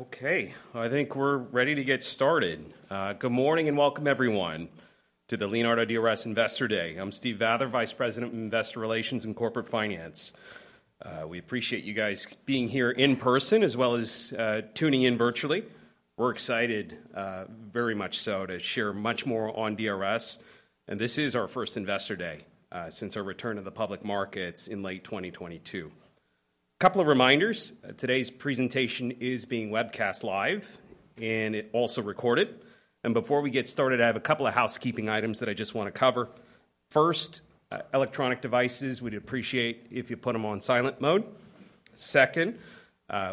Okay, I think we're ready to get started. Good morning, and welcome everyone, to the Leonardo DRS Investor Day. I'm Steve Vather, Vice President of Investor Relations and Corporate Finance. We appreciate you guys being here in person, as well as tuning in virtually. We're excited, very much so, to share much more on DRS, and this is our first Investor Day since our return to the public markets in late 2022. Couple of reminders, today's presentation is being webcast live and it also recorded. Before we get started, I have a couple of housekeeping items that I just wanna cover. First, electronic devices, we'd appreciate if you put them on silent mode. Second,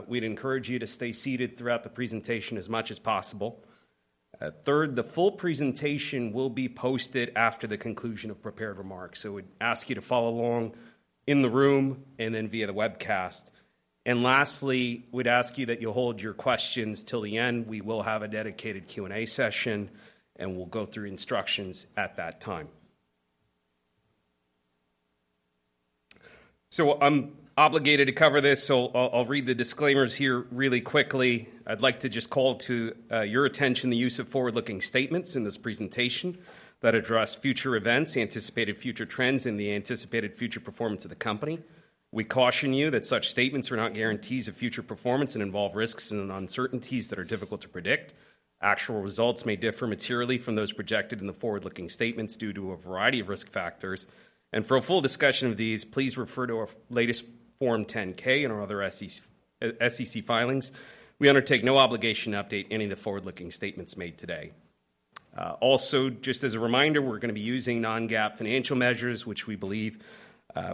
we'd encourage you to stay seated throughout the presentation as much as possible. Third, the full presentation will be posted after the conclusion of prepared remarks, so we'd ask you to follow along in the room and then via the webcast. Lastly, we'd ask you that you hold your questions till the end. We will have a dedicated Q&A session, and we'll go through instructions at that time. I'm obligated to cover this, so I'll read the disclaimers here really quickly. I'd like to just call to your attention the use of forward-looking statements in this presentation that address future events, the anticipated future trends, and the anticipated future performance of the company. We caution you that such statements are not guarantees of future performance and involve risks and uncertainties that are difficult to predict. Actual results may differ materially from those projected in the forward-looking statements due to a variety of risk factors. For a full discussion of these, please refer to our latest Form 10-K and our other SEC filings. We undertake no obligation to update any of the forward-looking statements made today. Also, just as a reminder, we're gonna be using non-GAAP financial measures, which we believe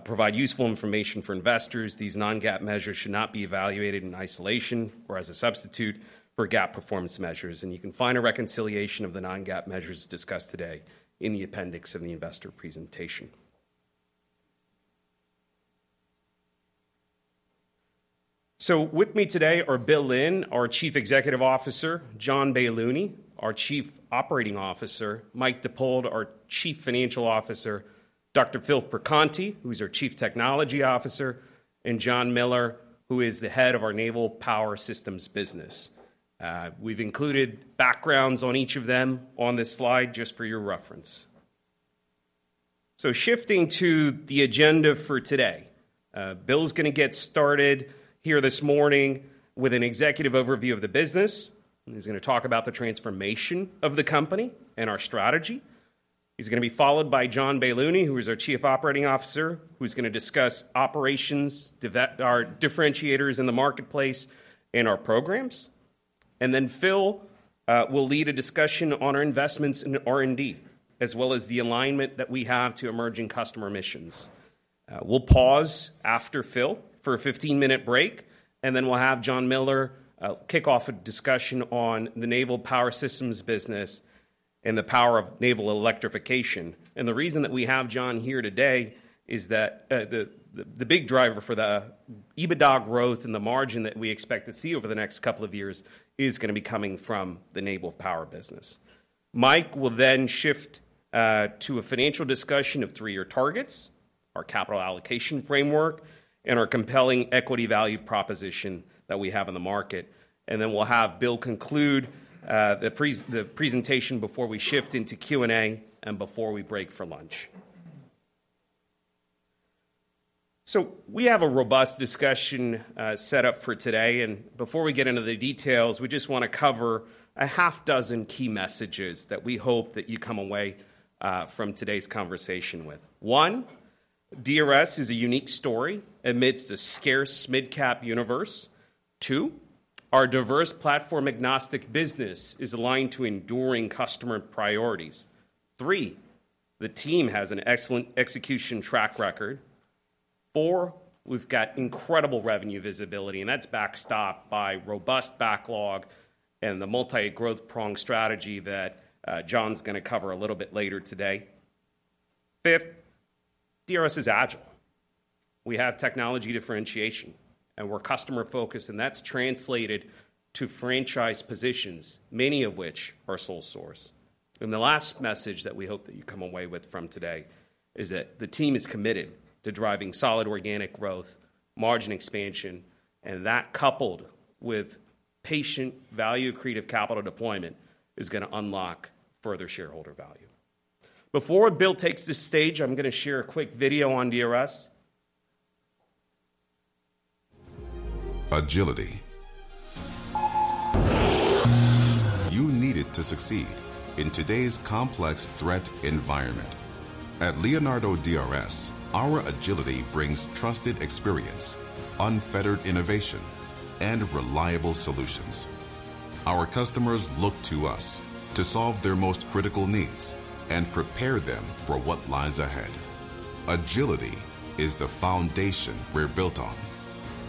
provide useful information for investors. These non-GAAP measures should not be evaluated in isolation or as a substitute for GAAP performance measures, and you can find a reconciliation of the non-GAAP measures discussed today in the appendix of the investor presentation. With me today are Bill Lynn, our Chief Executive Officer, John Baylouny, our Chief Operating Officer, Mike Dippold, our Chief Financial Officer, Dr. Phil Perconti, who's our Chief Technology Officer, and Jon Miller, who is the head of our Naval Power Systems business. We've included backgrounds on each of them on this slide, just for your reference. So shifting to the agenda for today, Bill is gonna get started here this morning with an executive overview of the business. He's gonna talk about the transformation of the company and our strategy. He's gonna be followed by John Baylouny, who is our Chief Operating Officer, who's gonna discuss operations, our differentiators in the marketplace, and our programs. And then Phil will lead a discussion on our investments in R&D, as well as the alignment that we have to emerging customer missions. We'll pause after Phil for a 15-minute break, and then we'll have Jon Miller kick off a discussion on the Naval Power Systems business and the power of naval electrification. The reason that we have Jon here today is that the big driver for the EBITDA growth and the margin that we expect to see over the next couple of years is gonna be coming from the naval power business. Mike will then shift to a financial discussion of three-year targets, our capital allocation framework, and our compelling equity value proposition that we have in the market. And then we'll have Bill conclude the presentation before we shift into Q&A and before we break for lunch. So we have a robust discussion set up for today, and before we get into the details, we just wanna cover a half dozen key messages that we hope that you come away from today's conversation with. One, DRS is a unique story amidst a scarce mid-cap universe. Two, our diverse platform-agnostic business is aligned to enduring customer priorities. Three, the team has an excellent execution track record. Four, we've got incredible revenue visibility, and that's backstopped by robust backlog and the multi-growth prong strategy that, John's gonna cover a little bit later today. Fifth, DRS is agile. We have technology differentiation, and we're customer-focused, and that's translated to franchise positions, many of which are sole source. And the last message that we hope that you come away with from today is that the team is committed to driving solid organic growth, margin expansion, and that, coupled with patient, value-accretive capital deployment, is gonna unlock further shareholder value. Before Bill takes the stage, I'm gonna share a quick video on DRS. Agility. You need it to succeed in today's complex threat environment. At Leonardo DRS, our agility brings trusted experience, unfettered innovation, and reliable solutions. Our customers look to us to solve their most critical needs and prepare them for what lies ahead. Agility is the foundation we're built on,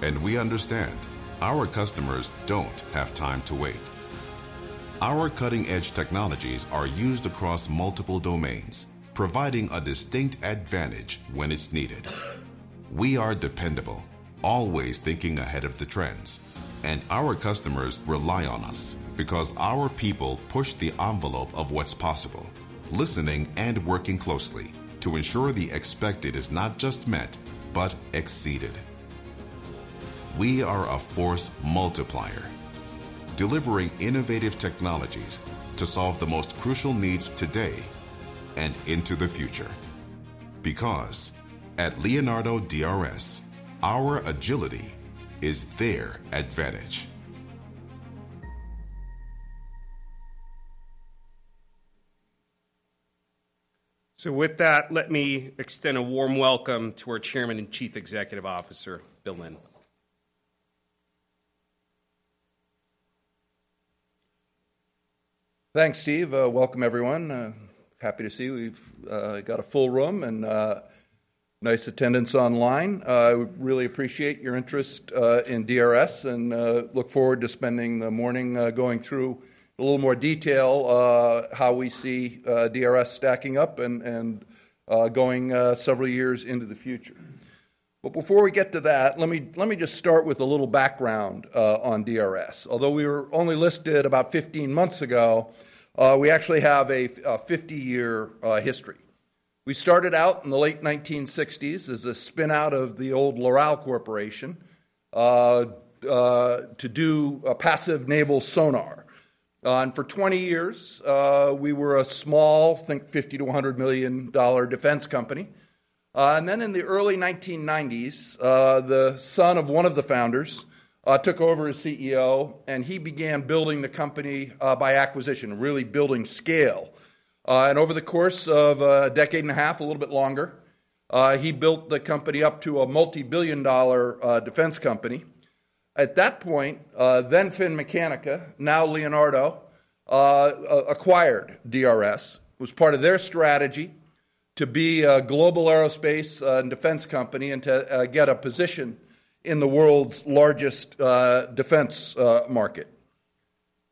and we understand our customers don't have time to wait. Our cutting-edge technologies are used across multiple domains, providing a distinct advantage when it's needed. We are dependable, always thinking ahead of the trends, and our customers rely on us because our people push the envelope of what's possible.... listening and working closely to ensure the expected is not just met, but exceeded. We are a force multiplier, delivering innovative technologies to solve the most crucial needs today and into the future. Because at Leonardo DRS, our agility is their advantage. With that, let me extend a warm welcome to our Chairman and Chief Executive Officer, Bill Lynn. Thanks, Steve. Welcome everyone. Happy to see you. We've got a full room and nice attendance online. I really appreciate your interest in DRS, and look forward to spending the morning going through a little more detail how we see DRS stacking up and going several years into the future. But before we get to that, let me just start with a little background on DRS. Although we were only listed about 15 months ago, we actually have a 50-year history. We started out in the late 1960s as a spin-out of the old Loral Corporation to do a passive naval sonar. And for 20 years, we were a small, think $50 million-$100 million defense company. And then in the early 1990s, the son of one of the founders took over as CEO, and he began building the company by acquisition, really building scale. And over the course of a decade and a half, a little bit longer, he built the company up to a multi-billion dollar defense company. At that point, then Finmeccanica, now Leonardo, acquired DRS. It was part of their strategy to be a global aerospace and defense company, and to get a position in the world's largest defense market.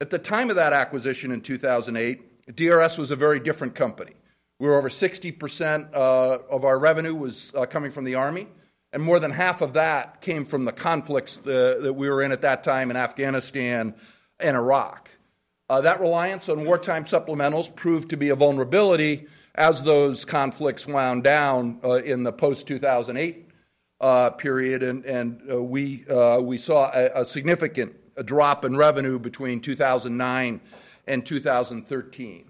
At the time of that acquisition in 2008, DRS was a very different company, where over 60% of our revenue was coming from the Army, and more than half of that came from the conflicts that we were in at that time in Afghanistan and Iraq. That reliance on wartime supplementals proved to be a vulnerability as those conflicts wound down in the post-2008 period, and we saw a significant drop in revenue between 2009 and 2013.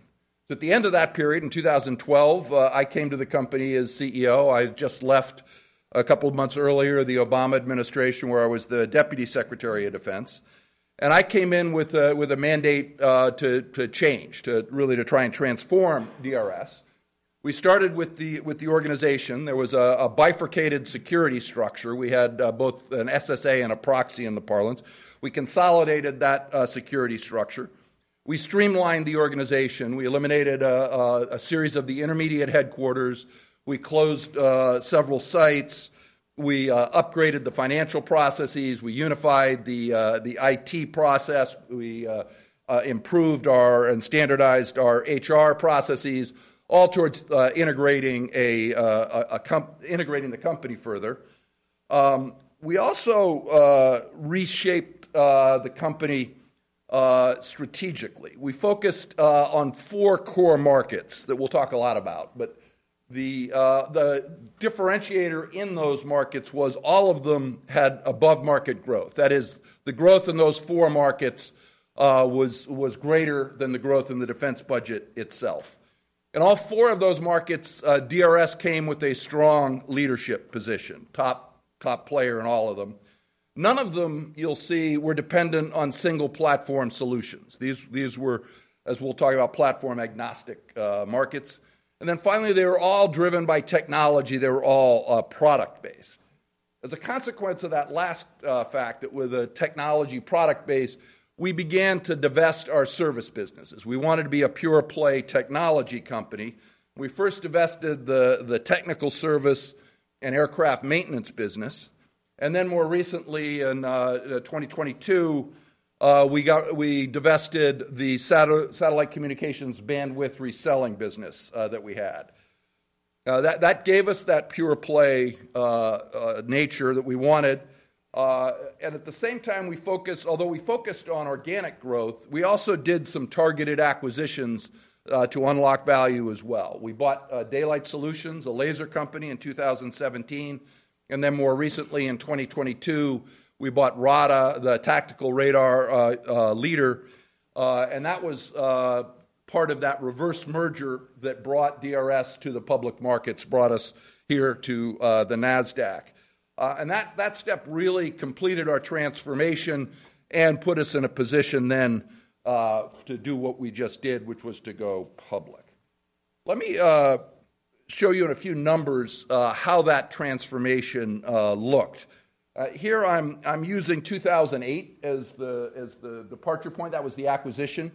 At the end of that period, in 2012, I came to the company as CEO. I just left a couple of months earlier, the Obama administration, where I was the Deputy Secretary of Defense, and I came in with a mandate to change, to really try and transform DRS. We started with the organization. There was a bifurcated security structure. We had both an SSA and a proxy in the parlance. We consolidated that security structure. We streamlined the organization. We eliminated a series of the intermediate headquarters. We closed several sites. We upgraded the financial processes. We unified the IT process. We improved our and standardized our HR processes, all towards integrating the company further. We also reshaped the company strategically. We focused on four core markets that we'll talk a lot about, but the differentiator in those markets was all of them had above-market growth. That is, the growth in those four markets was greater than the growth in the defense budget itself. In all four of those markets, DRS came with a strong leadership position, top player in all of them. None of them, you'll see, were dependent on single-platform solutions. These were, as we'll talk about, platform-agnostic markets. And then finally, they were all driven by technology. They were all product-based. As a consequence of that last fact, that with a technology product base, we began to divest our service businesses. We wanted to be a pure-play technology company. We first divested the technical service and aircraft maintenance business, and then more recently in 2022, we divested the satellite communications bandwidth reselling business that we had. That gave us that pure-play nature that we wanted. And at the same time, although we focused on organic growth, we also did some targeted acquisitions to unlock value as well. We bought Daylight Solutions, a laser company, in 2017, and then more recently in 2022, we bought RADA, the tactical radar leader. That was part of that reverse merger that brought DRS to the public markets, brought us here to the Nasdaq. That step really completed our transformation and put us in a position then to do what we just did, which was to go public. Let me show you in a few numbers how that transformation looked. Here I'm using 2008 as the departure point. That was the acquisition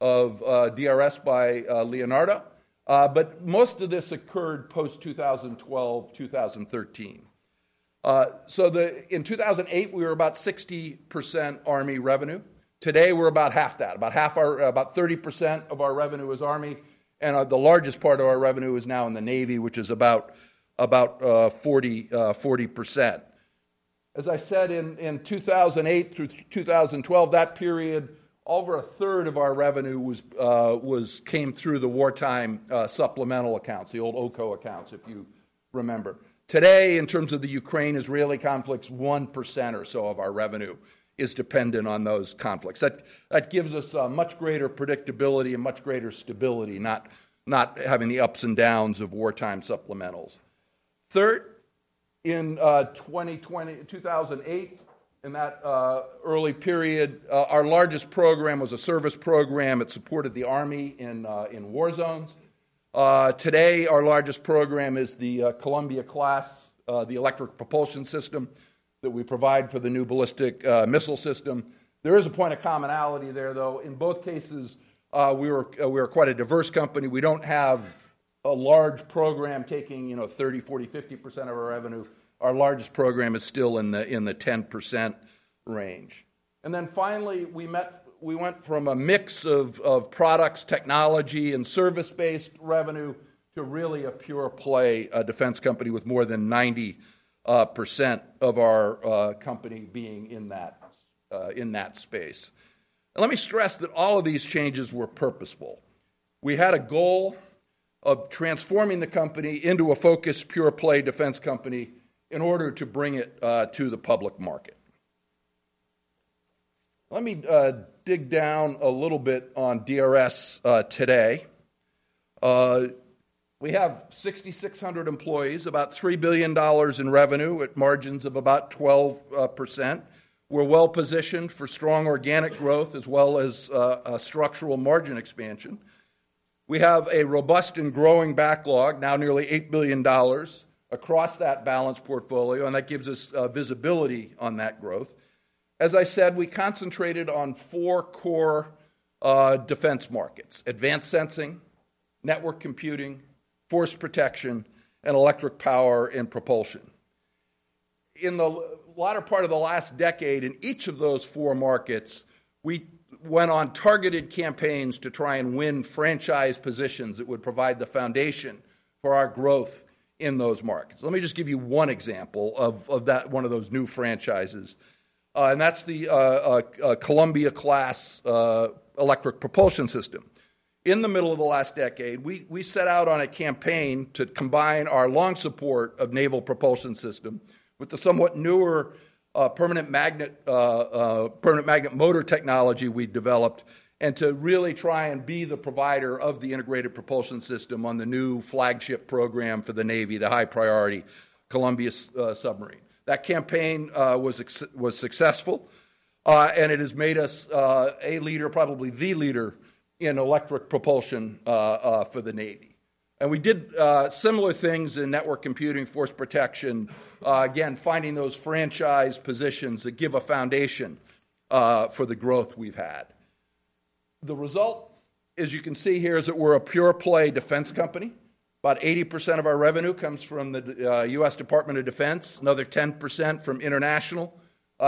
of DRS by Leonardo. But most of this occurred post-2012, 2013. So in 2008, we were about 60% Army revenue. Today, we're about half that. About half our about 30% of our revenue is Army, and the largest part of our revenue is now in the Navy, which is about 40%. As I said, in 2008 through 2012, that period, over a third of our revenue came through the wartime supplemental accounts, the old OCO accounts, if you remember. Today, in terms of the Ukraine-Israeli conflicts, 1% or so of our revenue is dependent on those conflicts. That gives us a much greater predictability and much greater stability, not having the ups and downs of wartime supplementals. Third, in 2008, in that early period, our largest program was a service program that supported the army in war zones. Today, our largest program is the Columbia-class electric propulsion system that we provide for the new ballistic missile system. There is a point of commonality there, though. In both cases, we are quite a diverse company. We don't have a large program taking, you know, 30%, 40%, 50% of our revenue. Our largest program is still in the 10% range. And then finally, we went from a mix of products, technology, and service-based revenue to really a pure-play defense company with more than 90% of our company being in that space. And let me stress that all of these changes were purposeful. We had a goal of transforming the company into a focused, pure-play defense company in order to bring it to the public market. Let me dig down a little bit on DRS today. We have 6,600 employees, about $3 billion in revenue, with margins of about 12%. We're well-positioned for strong organic growth as well as a structural margin expansion. We have a robust and growing backlog, now nearly $8 billion, across that balanced portfolio, and that gives us visibility on that growth. As I said, we concentrated on four core defense markets: Advanced Sensing, Network Computing, Force Protection, and Electric power and propulsion. In the latter part of the last decade, in each of those four markets, we went on targeted campaigns to try and win franchise positions that would provide the foundation for our growth in those markets. Let me just give you one example of that, one of those new franchises, and that's the Columbia-class electric propulsion system. In the middle of the last decade, we set out on a campaign to combine our long support of naval propulsion system with the somewhat newer permanent magnet motor technology we developed, and to really try and be the provider of the integrated propulsion system on the new flagship program for the Navy, the high-priority Columbia-class submarine. That campaign was successful, and it has made us a leader, probably the leader, in electric propulsion for the Navy. And we did similar things in network computing, force protection, again, finding those franchise positions that give a foundation for the growth we've had. The result, as you can see here, is that we're a pure-play defense company. About 80% of our revenue comes from the DoD, U.S. Department of Defense, another 10% from international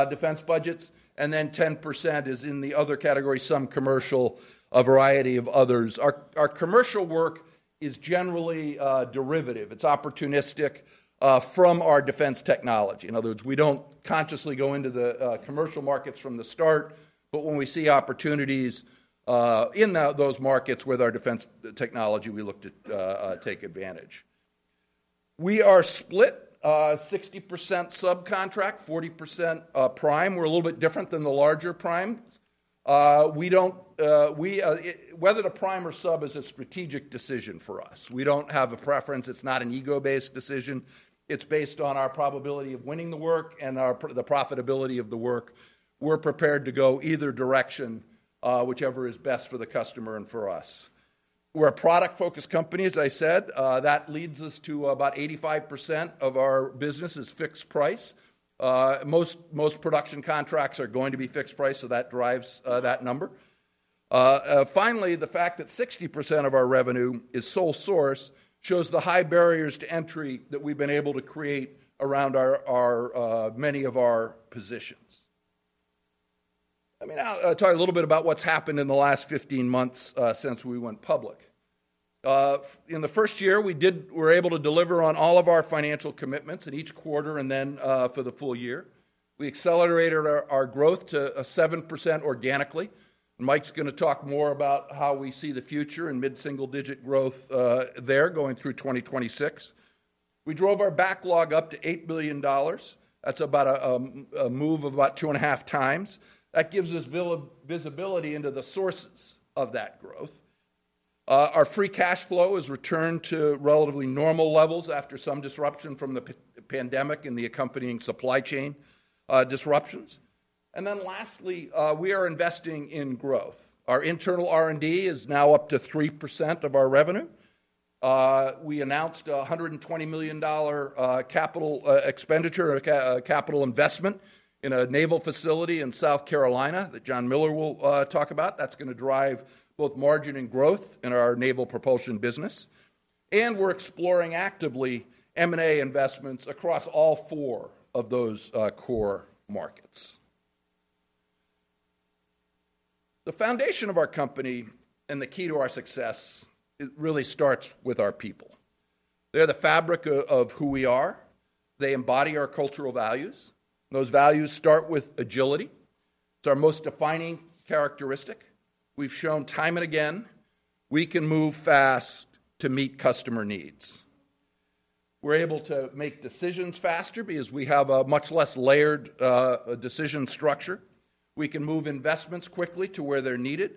defense budgets, and then 10% is in the other category, some commercial, a variety of others. Our commercial work is generally derivative. It's opportunistic from our defense technology. In other words, we don't consciously go into the commercial markets from the start, but when we see opportunities in those markets with our defense technology, we look to take advantage. We are split 60% subcontract, 40% prime. We're a little bit different than the larger prime. We don't, it's whether to prime or sub is a strategic decision for us. We don't have a preference. It's not an ego-based decision. It's based on our probability of winning the work and our profitability of the work. We're prepared to go either direction, whichever is best for the customer and for us. We're a product-focused company, as I said. That leads us to about 85% of our business is fixed price. Most production contracts are going to be fixed price, so that drives that number. Finally, the fact that 60% of our revenue is sole source shows the high barriers to entry that we've been able to create around our many of our positions. Let me talk a little bit about what's happened in the last 15 months since we went public. In the first year, we were able to deliver on all of our financial commitments in each quarter and then for the full-year. We accelerated our growth to 7% organically. Mike's gonna talk more about how we see the future in mid-single-digit growth there, going through 2026. We drove our backlog up to $8 billion. That's about a move of about 2.5 times. That gives us visibility into the sources of that growth. Our free cash flow has returned to relatively normal levels after some disruption from the pandemic and the accompanying supply chain disruptions. And then lastly, we are investing in growth. Our internal R&D is now up to 3% of our revenue. We announced $120 million capital expenditure, a capital investment in a naval facility in South Carolina that Jon Miller will talk about. That's gonna drive both margin and growth in our naval propulsion business. And we're exploring actively M&A investments across all four of those core markets.... The foundation of our company and the key to our success, it really starts with our people. They're the fabric of who we are. They embody our cultural values. Those values start with agility. It's our most defining characteristic. We've shown time and again, we can move fast to meet customer needs. We're able to make decisions faster because we have a much less layered decision structure. We can move investments quickly to where they're needed,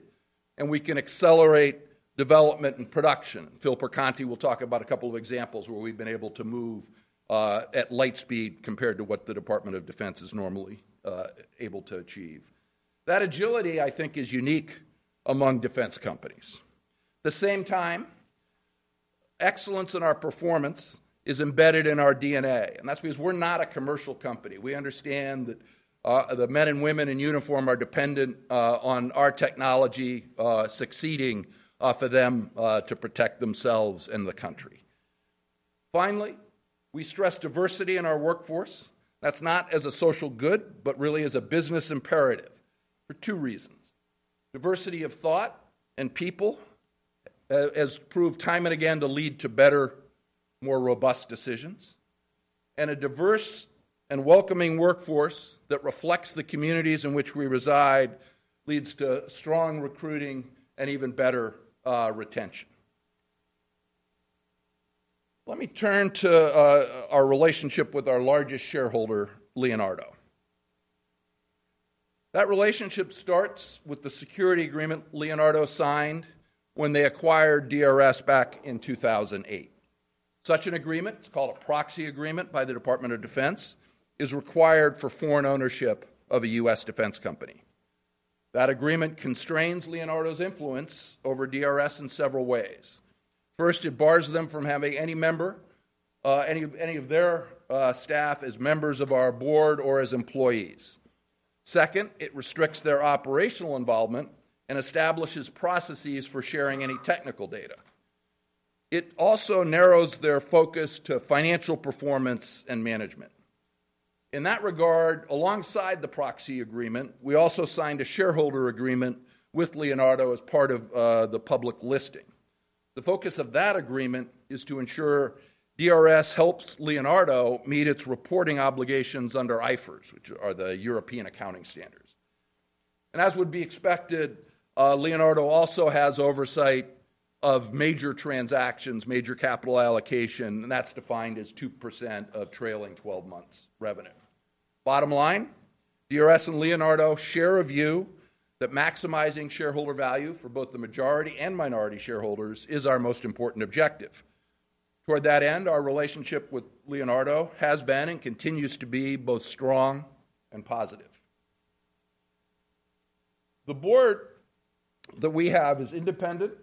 and we can accelerate development and production. Phil Perconti will talk about a couple of examples where we've been able to move at light speed compared to what the Department of Defense is normally able to achieve. That agility, I think, is unique among defense companies. The same time, excellence in our performance is embedded in our DNA, and that's because we're not a commercial company. We understand that the men and women in uniform are dependent on our technology succeeding for them to protect themselves and the country. Finally, we stress diversity in our workforce. That's not as a social good, but really as a business imperative for two reasons: diversity of thought and people has proved time and again to lead to better, more robust decisions, and a diverse and welcoming workforce that reflects the communities in which we reside leads to strong recruiting and even better retention. Let me turn to our relationship with our largest shareholder, Leonardo. That relationship starts with the security agreement Leonardo signed when they acquired DRS back in 2008. Such an agreement, it's called a proxy agreement by the Department of Defense, is required for foreign ownership of a U.S. defense company. That agreement constrains Leonardo's influence over DRS in several ways. First, it bars them from having any member, any, any of their staff as members of our board or as employees. Second, it restricts their operational involvement and establishes processes for sharing any technical data. It also narrows their focus to financial performance and management. In that regard, alongside the proxy agreement, we also signed a shareholder agreement with Leonardo as part of the public listing. The focus of that agreement is to ensure DRS helps Leonardo meet its reporting obligations under IFRS, which are the European accounting standards. As would be expected, Leonardo also has oversight of major transactions, major capital allocation, and that's defined as 2% of trailing twelve months revenue. Bottom line, DRS and Leonardo share a view that maximizing shareholder value for both the majority and minority shareholders is our most important objective. Toward that end, our relationship with Leonardo has been and continues to be both strong and positive. The board that we have is independent,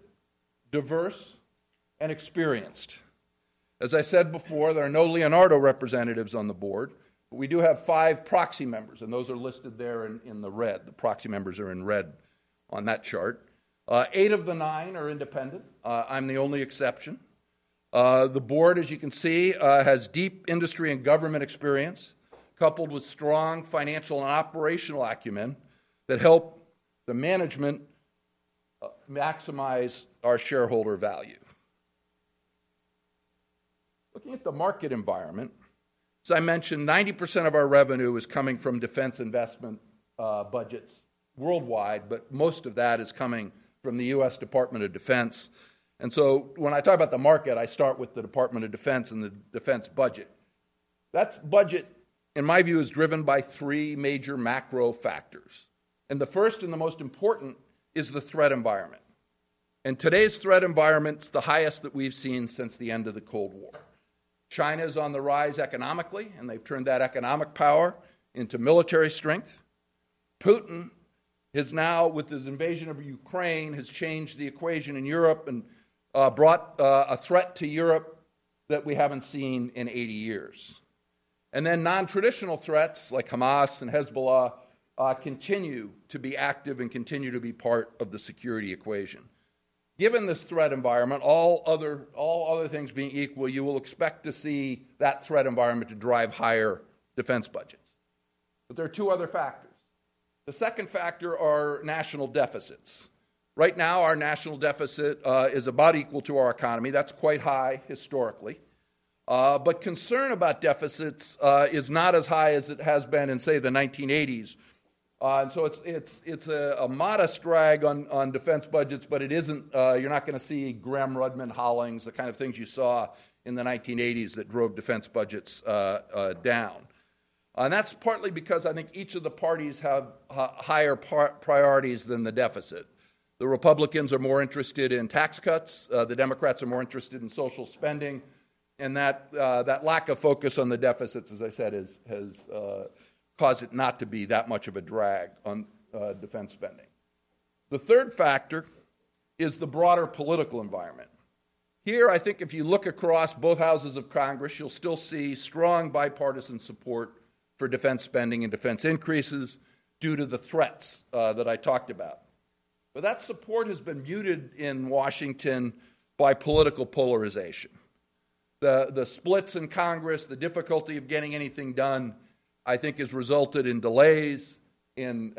diverse, and experienced. As I said before, there are no Leonardo representatives on the board, but we do have five proxy members, and those are listed there in the red. The proxy members are in red on that chart. Eight of the nine are independent. I'm the only exception. The board, as you can see, has deep industry and government experience, coupled with strong financial and operational acumen that help the management maximize our shareholder value. Looking at the market environment, as I mentioned, 90% of our revenue is coming from defense investment budgets worldwide, but most of that is coming from the U.S. Department of Defense. So when I talk about the market, I start with the Department of Defense and the defense budget. That budget, in my view, is driven by three major macro factors, and the first and the most important is the threat environment. Today's threat environment's the highest that we've seen since the end of the Cold War. China is on the rise economically, and they've turned that economic power into military strength. Putin is now, with his invasion of Ukraine, has changed the equation in Europe and brought a threat to Europe that we haven't seen in 80 years. Then non-traditional threats like Hamas and Hezbollah continue to be active and continue to be part of the security equation. Given this threat environment, all other, all other things being equal, you will expect to see that threat environment to drive higher defense budgets. But there are two other factors. The second factor are national deficits. Right now, our national deficit is about equal to our economy. That's quite high historically. But concern about deficits is not as high as it has been in, say, the 1980s. And so it's a modest drag on defense budgets, but it isn't, you're not gonna see Gramm-Rudman-Hollings, the kind of things you saw in the 1980s that drove defense budgets down. And that's partly because I think each of the parties have higher priorities than the deficit. The Republicans are more interested in tax cuts, the Democrats are more interested in social spending, and that lack of focus on the deficits, as I said, has caused it not to be that much of a drag on defense spending. The third factor is the broader political environment. Here, I think if you look across both houses of Congress, you'll still see strong bipartisan support for defense spending and defense increases due to the threats that I talked about. But that support has been muted in Washington by political polarization. The splits in Congress, the difficulty of getting anything done, I think has resulted in delays in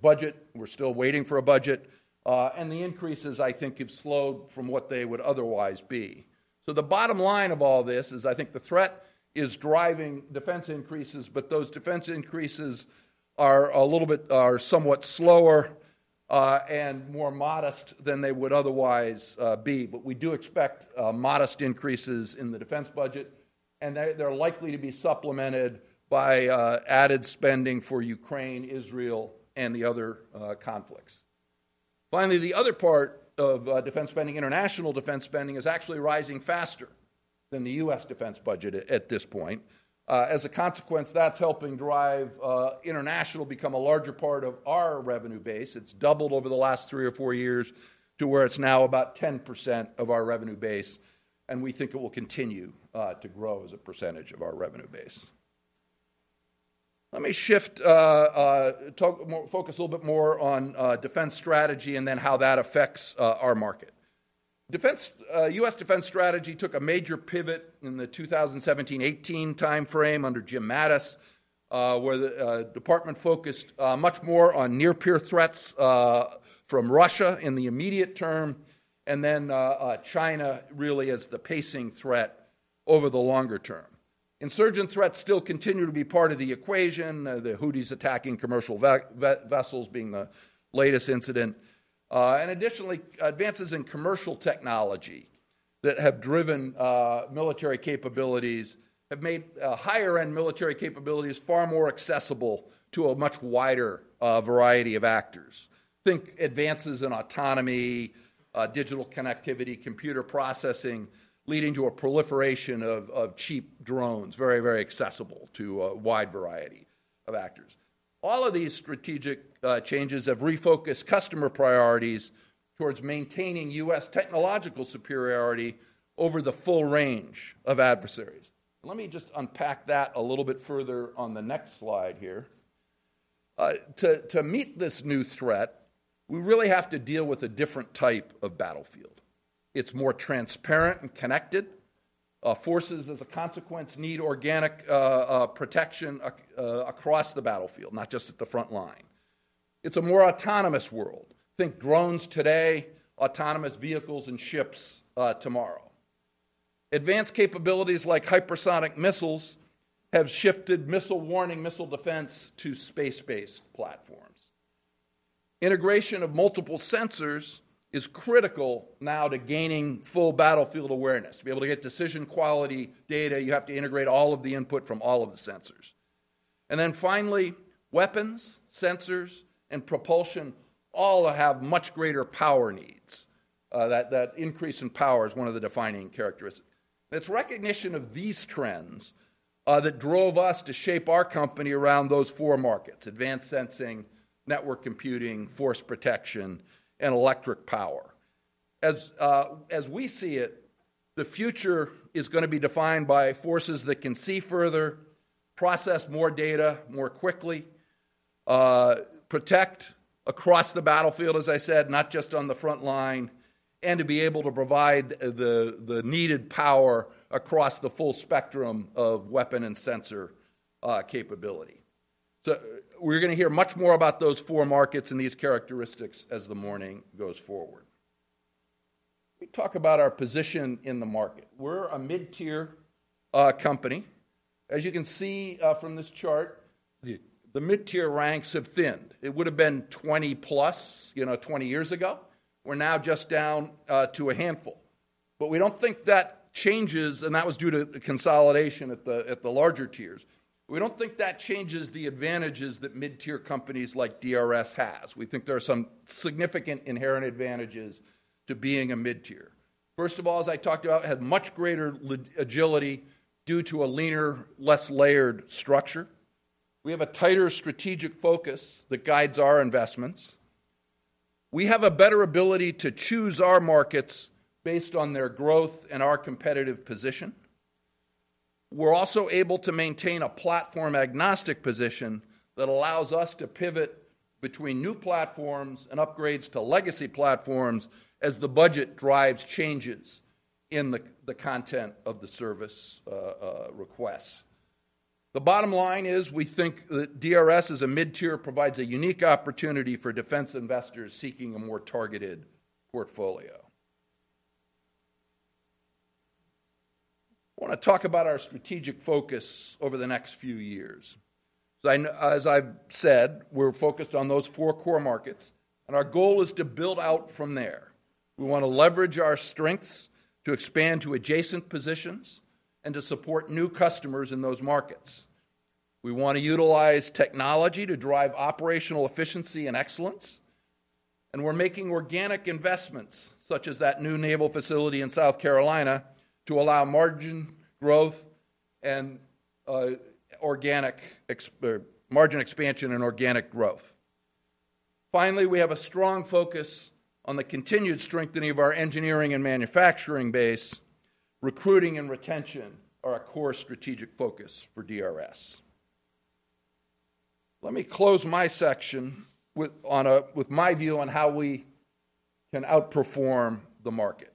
budget. We're still waiting for a budget. And the increases, I think, have slowed from what they would otherwise be. So the bottom line of all this is I think the threat is driving defense increases, but those defense increases are a little bit, are somewhat slower and more modest than they would otherwise be. But we do expect modest increases in the defense budget, and they, they're likely to be supplemented by added spending for Ukraine, Israel, and the other conflicts. Finally, the other part of defense spending, international defense spending, is actually rising faster than the U.S. defense budget at this point. As a consequence, that's helping drive international become a larger part of our revenue base. It's doubled over the last three or four years to where it's now about 10% of our revenue base, and we think it will continue to grow as a percentage of our revenue base. Let me shift focus a little bit more on defense strategy and then how that affects our market. U.S. defense strategy took a major pivot in the 2017-2018 timeframe under Jim Mattis, where the department focused much more on near-peer threats from Russia in the immediate term and then China really as the pacing threat over the longer term. Insurgent threats still continue to be part of the equation, the Houthis attacking commercial vessels being the latest incident. And additionally, advances in commercial technology that have driven military capabilities have made higher-end military capabilities far more accessible to a much wider variety of actors. Think advances in autonomy, digital connectivity, computer processing, leading to a proliferation of cheap drones, very, very accessible to a wide variety of actors. All of these strategic changes have refocused customer priorities towards maintaining U.S. technological superiority over the full range of adversaries. Let me just unpack that a little bit further on the next slide here. To meet this new threat, we really have to deal with a different type of battlefield. It's more transparent and connected. Forces, as a consequence, need organic protection across the battlefield, not just at the front line. It's a more autonomous world. Think drones today, autonomous vehicles and ships tomorrow. Advanced capabilities like hypersonic missiles have shifted missile warning, missile defense to space-based platforms. Integration of multiple sensors is critical now to gaining full battlefield awareness. To be able to get decision-quality data, you have to integrate all of the input from all of the sensors. And then finally, weapons, sensors, and propulsion all have much greater power needs. That increase in power is one of the defining characteristics. And it's recognition of these trends that drove us to shape our company around those four markets: Advanced Sensing, Network Computing, Force Protection, and Electric Power. As we see it, the future is gonna be defined by forces that can see further, process more data more quickly, protect across the battlefield, as I said, not just on the front line, and to be able to provide the needed power across the full spectrum of weapon and sensor capability. So we're gonna hear much more about those four markets and these characteristics as the morning goes forward. Let me talk about our position in the market. We're a mid-tier company. As you can see, from this chart, the mid-tier ranks have thinned. It would have been 20+, you know, 20 years ago. We're now just down to a handful. But we don't think that changes, and that was due to the consolidation at the larger tiers. We don't think that changes the advantages that mid-tier companies like DRS has. We think there are some significant inherent advantages to being a mid-tier. First of all, as I talked about, have much greater agility due to a leaner, less layered structure. We have a tighter strategic focus that guides our investments. We have a better ability to choose our markets based on their growth and our competitive position. We're also able to maintain a platform-agnostic position that allows us to pivot between new platforms and upgrades to legacy platforms as the budget drives changes in the content of the service requests. The bottom line is, we think that DRS as a mid-tier provides a unique opportunity for defense investors seeking a more targeted portfolio. I want to talk about our strategic focus over the next few years. So, as I've said, we're focused on those four core markets, and our goal is to build out from there. We want to leverage our strengths to expand to adjacent positions and to support new customers in those markets. We want to utilize technology to drive operational efficiency and excellence, and we're making organic investments, such as that new naval facility in South Carolina, to allow margin growth and organic margin expansion and organic growth. Finally, we have a strong focus on the continued strengthening of our engineering and manufacturing base. Recruiting and retention are a core strategic focus for DRS. Let me close my section with my view on how we can outperform the market.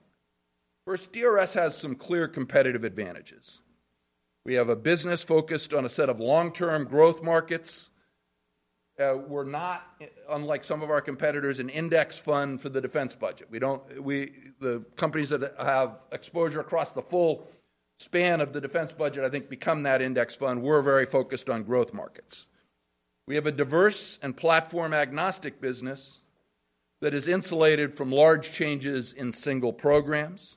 First, DRS has some clear competitive advantages. We have a business focused on a set of long-term growth markets. We're not, unlike some of our competitors, an index fund for the defense budget. We don't. The companies that have exposure across the full span of the defense budget, I think, become that index fund. We're very focused on growth markets. We have a diverse and platform-agnostic business that is insulated from large changes in single programs.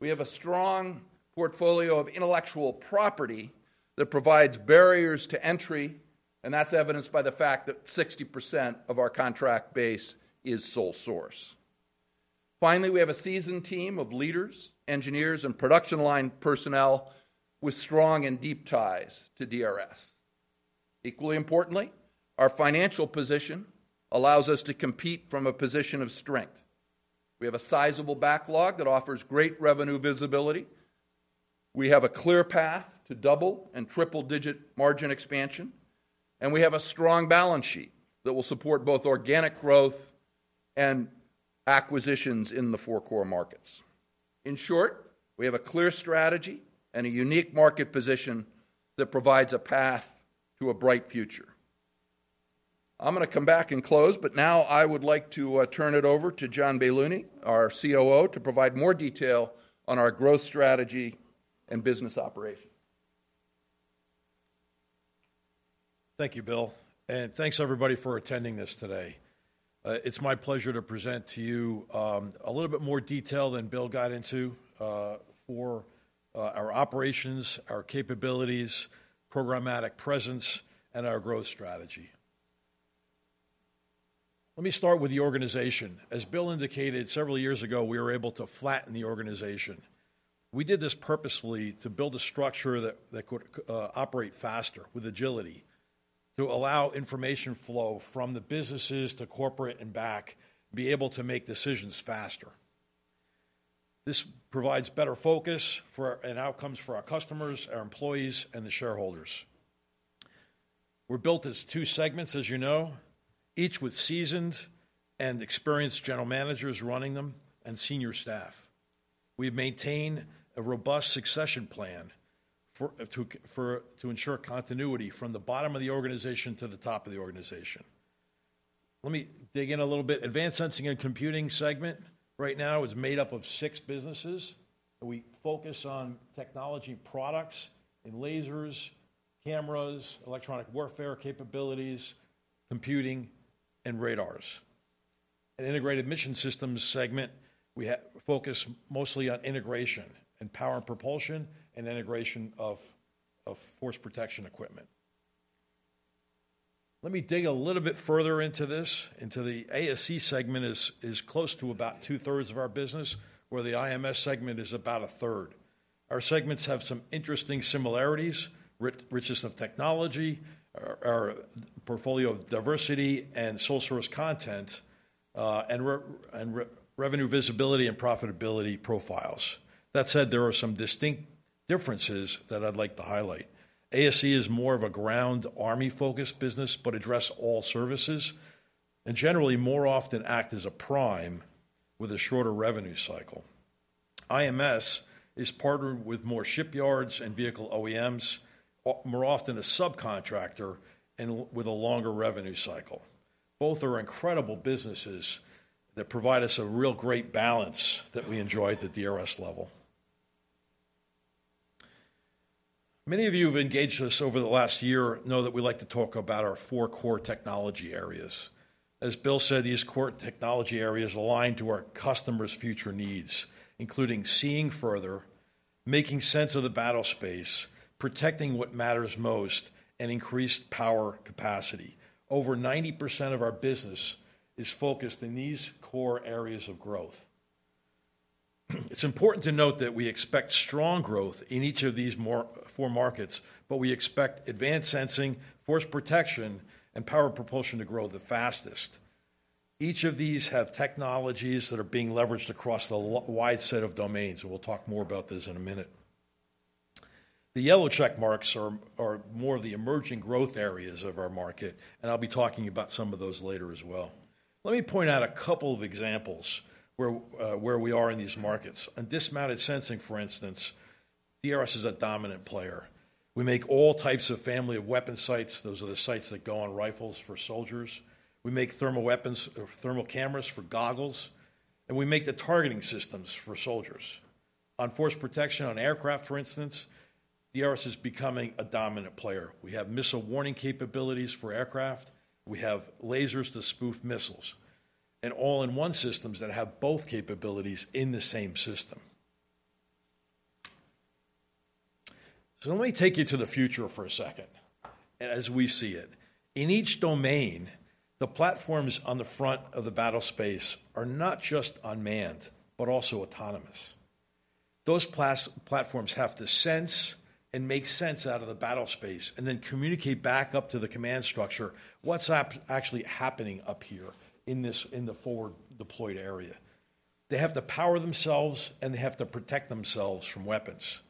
We have a strong portfolio of intellectual property that provides barriers to entry, and that's evidenced by the fact that 60% of our contract base is sole source. Finally, we have a seasoned team of leaders, engineers, and production line personnel with strong and deep ties to DRS. Equally importantly, our financial position allows us to compete from a position of strength. We have a sizable backlog that offers great revenue visibility, we have a clear path to double- and triple-digit margin expansion, and we have a strong balance sheet that will support both organic growth and acquisitions in the four core markets. In short, we have a clear strategy and a unique market position that provides a path to a bright future. I'm gonna come back and close, but now I would like to turn it over to John Baylouny, our COO, to provide more detail on our growth strategy and business operation. Thank you, Bill. Thanks, everybody, for attending this today. It's my pleasure to present to you a little bit more detail than Bill got into for our operations, our capabilities, programmatic presence, and our growth strategy. Let me start with the organization. As Bill indicated, several years ago, we were able to flatten the organization. We did this purposefully to build a structure that could operate faster, with agility, to allow information flow from the businesses to corporate and back, be able to make decisions faster. This provides better focus and outcomes for our customers, our employees, and the shareholders. We're built as two segments, as you know, each with seasoned and experienced general managers running them and senior staff. We've maintained a robust succession plan to ensure continuity from the bottom of the organization to the top of the organization. Let me dig in a little bit. Advanced Sensing and Computing segment right now is made up of six businesses, and we focus on technology products in lasers, cameras, electronic warfare capabilities, computing, and radars. In Integrated Mission Systems segment, we focus mostly on integration and power and propulsion and integration of force protection equipment. Let me dig a little bit further into this. The ASC segment is close to about two-thirds of our business, where the IMS segment is about a third. Our segments have some interesting similarities, richness of technology, our portfolio of diversity and sole-source content, and revenue visibility and profitability profiles. That said, there are some distinct differences that I'd like to highlight. ASC is more of a ground, Army-focused business, but address all services, and generally, more often act as a prime with a shorter revenue cycle. IMS is partnered with more shipyards and vehicle OEMs, more often a subcontractor and with a longer revenue cycle. Both are incredible businesses that provide us a real great balance that we enjoy at the DRS level. Many of you who've engaged with us over the last year know that we like to talk about our four core technology areas. As Bill said, these core technology areas align to our customers' future needs, including seeing further, making sense of the battlespace, protecting what matters most, and increased power capacity. Over 90% of our business is focused in these core areas of growth. It's important to note that we expect strong growth in each of these four markets, but we expect Advanced Sensing, Force Protection, and Power Propulsion to grow the fastest. Each of these have technologies that are being leveraged across a wide set of domains, and we'll talk more about this in a minute. The yellow check marks are more of the emerging growth areas of our market, and I'll be talking about some of those later as well. Let me point out a couple of examples where we are in these markets. In dismounted sensing, for instance, DRS is a dominant player. We make all types of family of weapon sights. Those are the sights that go on rifles for soldiers. We make thermal weapons, or thermal cameras for goggles, and we make the targeting systems for soldiers. On force protection on aircraft, for instance, DRS is becoming a dominant player. We have missile warning capabilities for aircraft, we have lasers to spoof missiles, and all-in-one systems that have both capabilities in the same system. So let me take you to the future for a second as we see it. In each domain, the platforms on the front of the battlespace are not just unmanned, but also autonomous. Those platforms have to sense and make sense out of the battlespace and then communicate back up to the command structure what's actually happening up here in this, in the forward deployed area. They have to power themselves, and they have to protect themselves from weapons.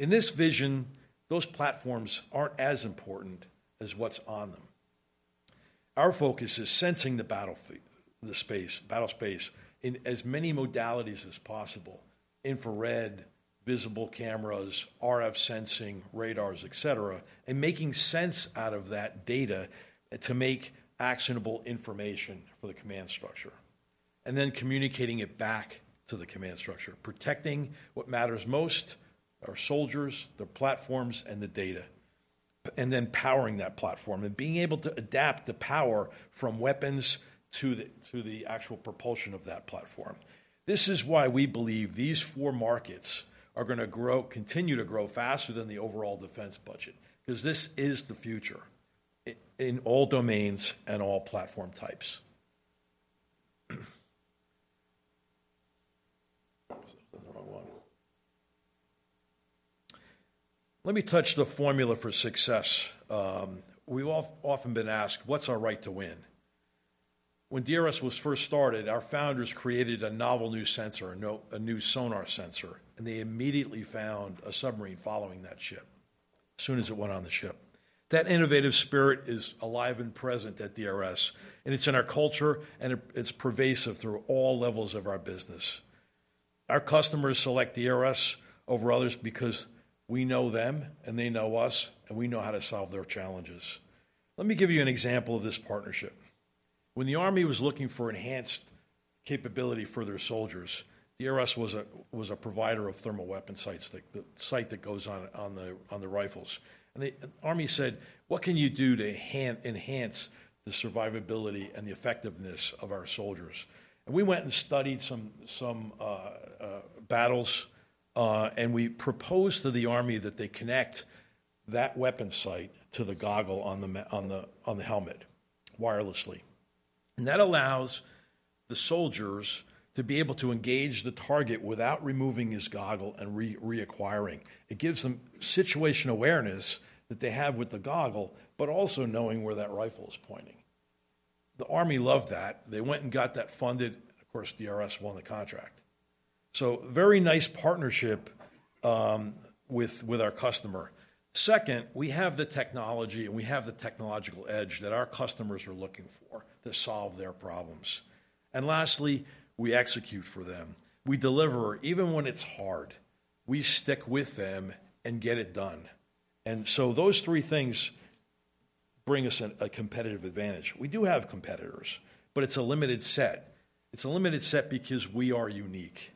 In this vision, those platforms aren't as important as what's on them. Our focus is sensing the battlespace in as many modalities as possible: infrared, visible cameras, RF sensing, radars, et cetera, and making sense out of that data to make actionable information for the command structure, and then communicating it back to the command structure, protecting what matters most, our soldiers, their platforms, and the data. And then powering that platform and being able to adapt the power from weapons to the actual propulsion of that platform. This is why we believe these four markets are gonna grow, continue to grow faster than the overall defense budget, 'cause this is the future in all domains and all platform types. This is the wrong one. Let me touch the formula for success. We've often been asked, "What's our right to win?" When DRS was first started, our founders created a novel new sensor, a new sonar sensor, and they immediately found a submarine following that ship, as soon as it went on the ship. That innovative spirit is alive and present at DRS, and it's in our culture, and it's pervasive through all levels of our business. Our customers select DRS over others because we know them, and they know us, and we know how to solve their challenges. Let me give you an example of this partnership. When the Army was looking for enhanced capability for their soldiers, DRS was a provider of thermal weapon sights, the sight that goes on the rifles. The Army said, "What can you do to enhance the survivability and the effectiveness of our soldiers?" We went and studied some battles, and we proposed to the Army that they connect that weapon sight to the goggle on the helmet wirelessly. That allows the soldiers to be able to engage the target without removing his goggle and reacquiring. It gives them situation awareness that they have with the goggle, but also knowing where that rifle is pointing. The Army loved that. They went and got that funded. Of course, DRS won the contract. So very nice partnership with our customer. Second, we have the technology, and we have the technological edge that our customers are looking for to solve their problems. Lastly, we execute for them. We deliver, even when it's hard. We stick with them and get it done. And so those three things bring us a competitive advantage. We do have competitors, but it's a limited set. It's a limited set because we are unique.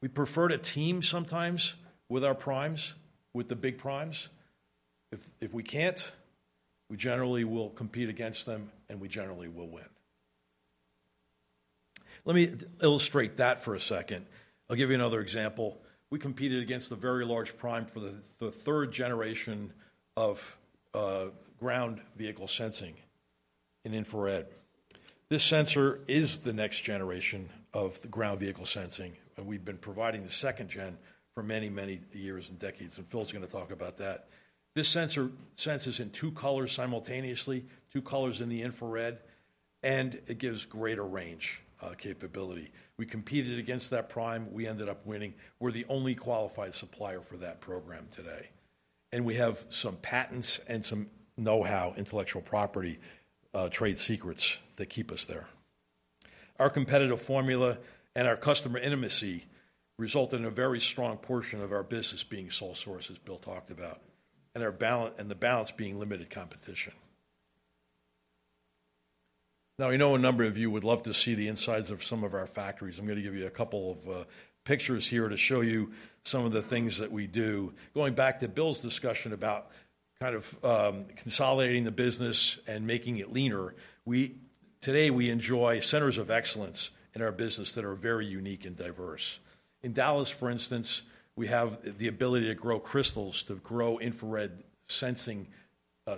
We prefer to team sometimes with our primes, with the big primes. If we can't, we generally will compete against them, and we generally will win. Let me illustrate that for a second. I'll give you another example. We competed against a very large prime for the third generation of ground vehicle sensing in infrared. This sensor is the next generation of ground vehicle sensing, and we've been providing the second gen for many, many years and decades, and Phil's gonna talk about that. This sensor senses in two colors simultaneously, two colors in the infrared, and it gives greater range capability. We competed against that prime. We ended up winning. We're the only qualified supplier for that program today, and we have some patents and some know-how, intellectual property, trade secrets that keep us there. Our competitive formula and our customer intimacy result in a very strong portion of our business being sole source, as Bill talked about, and the balance being limited competition. Now, I know a number of you would love to see the insides of some of our factories. I'm gonna give you a couple of pictures here to show you some of the things that we do. Going back to Bill's discussion about consolidating the business and making it leaner, we today, we enjoy centers of excellence in our business that are very unique and diverse. In Dallas, for instance, we have the ability to grow crystals, to grow infrared sensing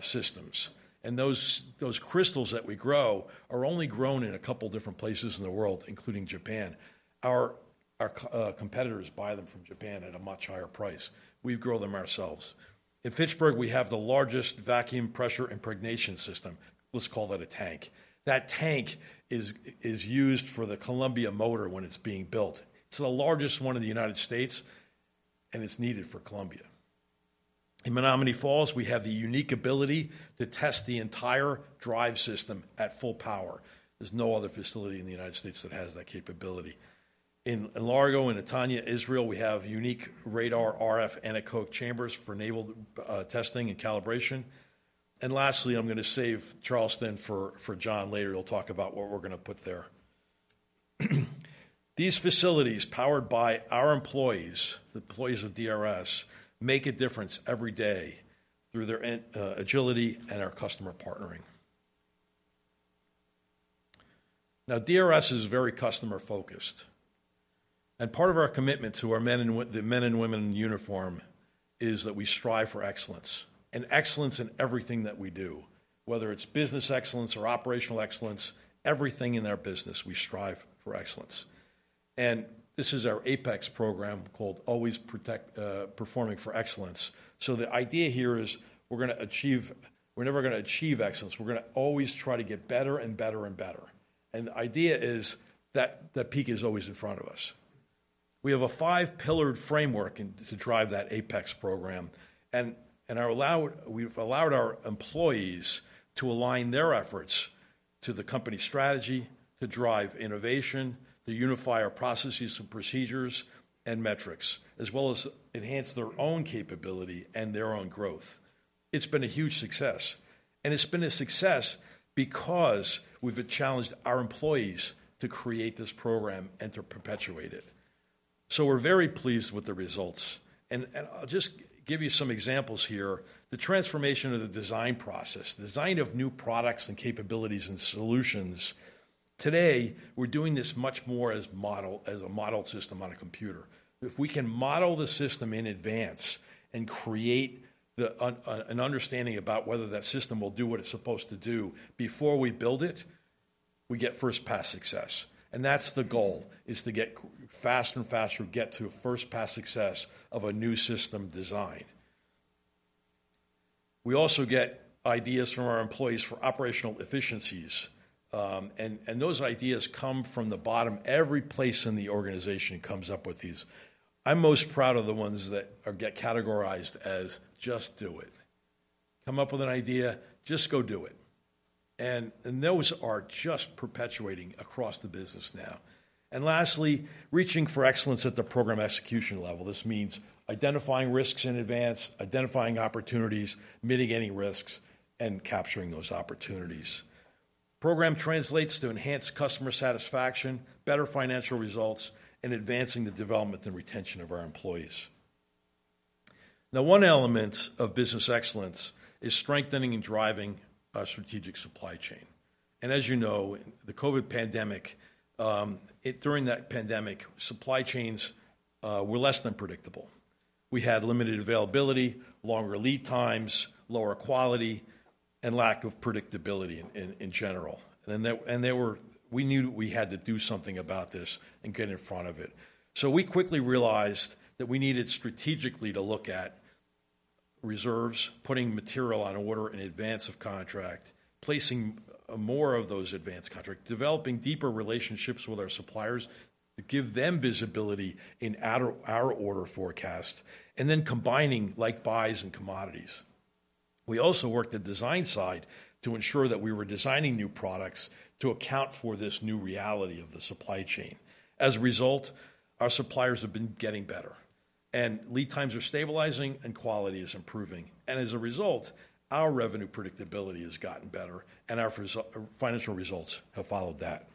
systems, and those, those crystals that we grow are only grown in a couple different places in the world, including Japan. Our competitors buy them from Japan at a much higher price. We grow them ourselves. In Fitchburg, we have the largest vacuum pressure impregnation system. Let's call that a tank. That tank is used for the Columbia motor when it's being built. It's the largest one in the United States, and it's needed for Columbia. In Menomonee Falls, we have the unique ability to test the entire drive system at full power. There's no other facility in the United States that has that capability. In Largo and Netanya, Israel, we have unique radar RF anechoic chambers for naval testing and calibration. And lastly, I'm gonna save Charleston for Jon later. He'll talk about what we're gonna put there. These facilities, powered by our employees, the employees of DRS, make a difference every day through their agility and our customer partnering. Now, DRS is very customer-focused, and part of our commitment to our men and women in uniform is that we strive for excellence, and excellence in everything that we do, whether it's business excellence or operational excellence, everything in our business, we strive for excellence. And this is our APEX program, called Always Performing for Excellence. So the idea here is, we're gonna achieve... We're never gonna achieve excellence. We're gonna always try to get better and better and better.... and the idea is that the peak is always in front of us. We have a five-pillared framework to drive that APEX program, and we've allowed our employees to align their efforts to the company strategy, to drive innovation, to unify our processes and procedures and metrics, as well as enhance their own capability and their own growth. It's been a huge success, and it's been a success because we've challenged our employees to create this program and to perpetuate it. So we're very pleased with the results, and I'll just give you some examples here. The transformation of the design process, the design of new products and capabilities and solutions. Today, we're doing this much more as a model system on a computer. If we can model the system in advance and create an understanding about whether that system will do what it's supposed to do before we build it, we get first-pass success, and that's the goal, is to get faster and faster, get to a first-pass success of a new system design. We also get ideas from our employees for operational efficiencies, and those ideas come from the bottom. Every place in the organization comes up with these. I'm most proud of the ones that are get categorized as "just do it." Come up with an idea, just go do it, and those are just perpetuating across the business now. And lastly, reaching for excellence at the program execution level. This means identifying risks in advance, identifying opportunities, mitigating risks, and capturing those opportunities. Program translates to enhanced customer satisfaction, better financial results, and advancing the development and retention of our employees. Now, one element of business excellence is strengthening and driving our strategic supply chain, and as you know, the COVID pandemic, during that pandemic, supply chains were less than predictable. We had limited availability, longer lead times, lower quality, and lack of predictability in general. We knew we had to do something about this and get in front of it. So we quickly realized that we needed strategically to look at reserves, putting material on order in advance of contract, placing more of those advanced contract, developing deeper relationships with our suppliers to give them visibility in our order forecast, and then combining like buys and commodities. We also worked the design side to ensure that we were designing new products to account for this new reality of the supply chain. As a result, our suppliers have been getting better, and lead times are stabilizing, and quality is improving, and as a result, our revenue predictability has gotten better, and our financial results have followed that.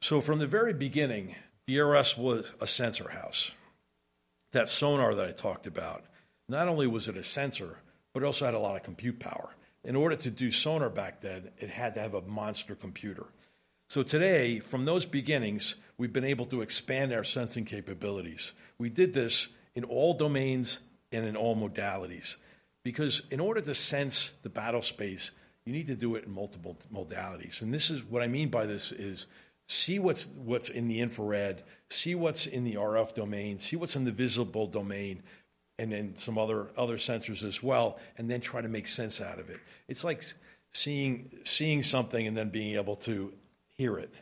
So from the very beginning, DRS was a sensor house. That sonar that I talked about, not only was it a sensor, but it also had a lot of compute power. In order to do sonar back then, it had to have a monster computer. So today, from those beginnings, we've been able to expand our sensing capabilities. We did this in all domains and in all modalities because in order to sense the battlespace, you need to do it in multiple modalities, and this is... What I mean by this is, see what's in the infrared, see what's in the RF domain, see what's in the visible domain, and then some other sensors as well, and then try to make sense out of it. It's like seeing something and then being able to hear it.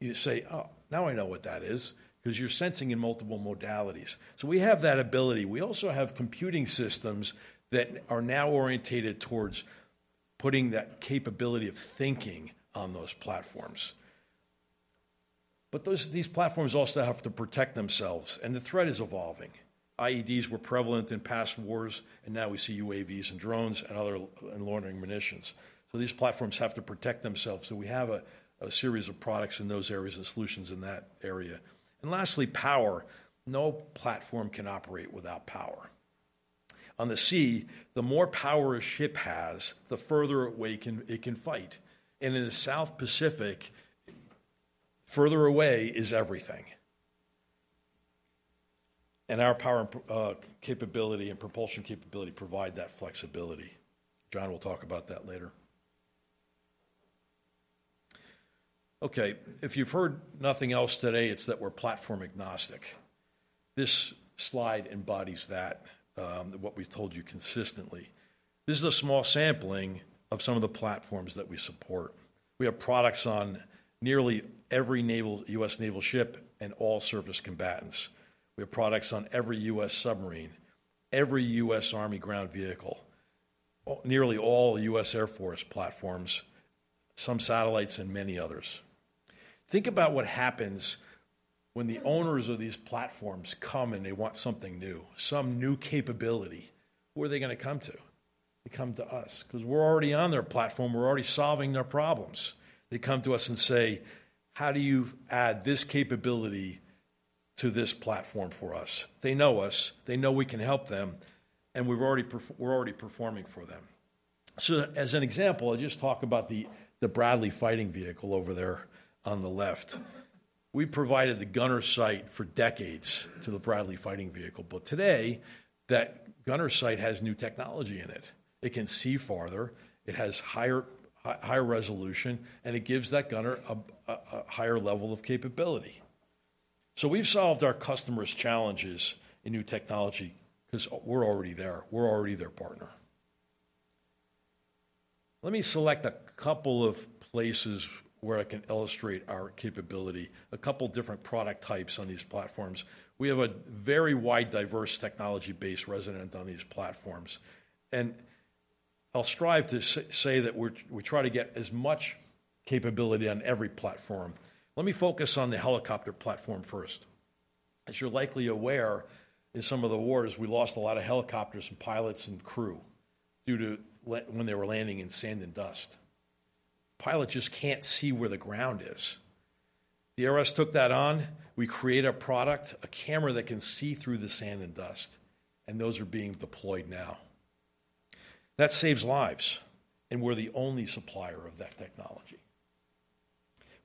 You say, "Oh, now I know what that is," 'cause you're sensing in multiple modalities. So we have that ability. We also have computing systems that are now orientated towards putting that capability of thinking on those platforms. But those, these platforms also have to protect themselves, and the threat is evolving. IEDs were prevalent in past wars, and now we see UAVs and drones and other loitering munitions, so these platforms have to protect themselves, so we have a series of products in those areas and solutions in that area. And lastly, power. No platform can operate without power. On the sea, the more power a ship has, the further away it can fight, and in the South Pacific, further away is everything. Our power and capability and propulsion capability provide that flexibility. Jon will talk about that later. Okay, if you've heard nothing else today, it's that we're platform-agnostic. This slide embodies that, what we've told you consistently. This is a small sampling of some of the platforms that we support. We have products on nearly every U.S. naval ship and all service combatants. We have products on every U.S. submarine, every U.S. Army ground vehicle, nearly all U.S. Air Force platforms, some satellites, and many others. Think about what happens when the owners of these platforms come and they want something new, some new capability. Who are they gonna come to? They come to us 'cause we're already on their platform. We're already solving their problems. They come to us and say: "How do you add this capability to this platform for us?" They know us, they know we can help them, and we've already - we're already performing for them. So as an example, I'll just talk about the Bradley Fighting Vehicle over there on the left. We provided the gunner sight for decades to the Bradley Fighting Vehicle, but today, that gunner sight has new technology in it. It can see farther, it has higher resolution, and it gives that gunner a higher level of capability. So we've solved our customers' challenges in new technology 'cause we're already there. We're already their partner. Let me select a couple of places where I can illustrate our capability, a couple different product types on these platforms. We have a very wide, diverse technology base resident on these platforms, and I'll strive to say that we try to get as much capability on every platform. Let me focus on the helicopter platform first. As you're likely aware, in some of the wars, we lost a lot of helicopters and pilots and crew due to when they were landing in sand and dust. Pilots just can't see where the ground is. DRS took that on. We created a product, a camera that can see through the sand and dust, and those are being deployed now. That saves lives, and we're the only supplier of that technology.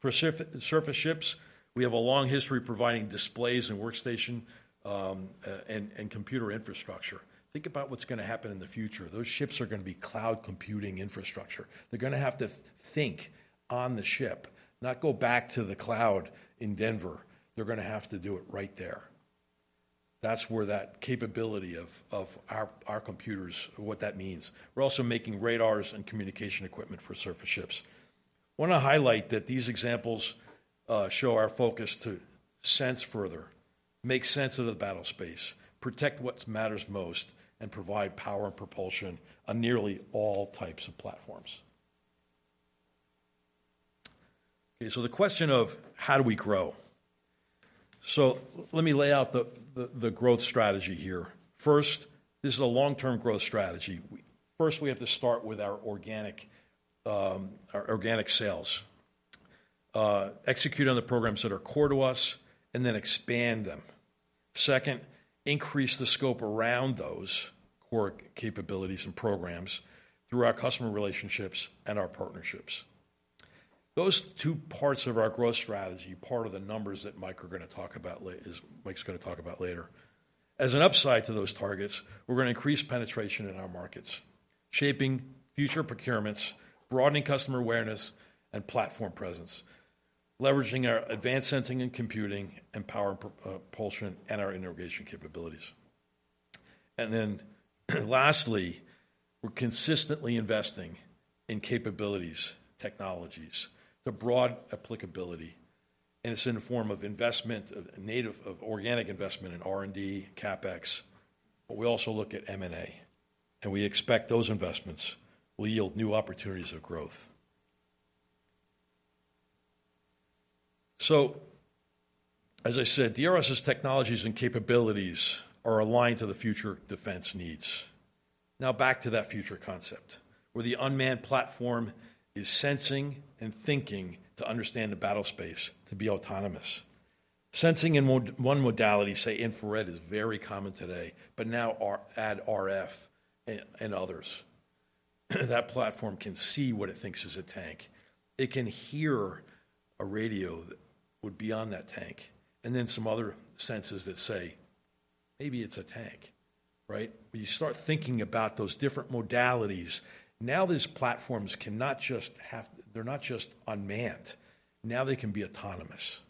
For surface ships, we have a long history of providing displays and workstation and computer infrastructure. Think about what's gonna happen in the future. Those ships are gonna be cloud computing infrastructure. They're gonna have to think on the ship, not go back to the cloud in Denver. They're gonna have to do it right there. That's where that capability of our computers what that means. We're also making radars and communication equipment for surface ships. Wanna highlight that these examples show our focus to sense further, make sense of the battlespace, protect what matters most, and provide power and propulsion on nearly all types of platforms. Okay, so the question of: How do we grow? So let me lay out the growth strategy here. First, this is a long-term growth strategy. First, we have to start with our organic sales. Execute on the programs that are core to us, and then expand them. Second, increase the scope around those core capabilities and programs through our customer relationships and our partnerships. Those two parts of our growth strategy, part of the numbers that Mike is gonna talk about later. As an upside to those targets, we're gonna increase penetration in our markets, shaping future procurements, broadening customer awareness and platform presence, leveraging our Advanced Sensing and Computing and power and propulsion and our integration capabilities. And then, lastly, we're consistently investing in capabilities, technologies, the broad applicability, and it's in the form of investment, of organic investment in R&D, CapEx, but we also look at M&A, and we expect those investments will yield new opportunities of growth. As I said, DRS's technologies and capabilities are aligned to the future defense needs. Now, back to that future concept where the unmanned platform is sensing and thinking to understand the battlespace, to be autonomous. Sensing in one modality, say, infrared, is very common today, but now or add RF and others. That platform can see what it thinks is a tank. It can hear a radio that would be on that tank, and then some other senses that say, "Maybe it's a tank," right? When you start thinking about those different modalities, now these platforms cannot just. They're not just unmanned. Now they can be autonomous.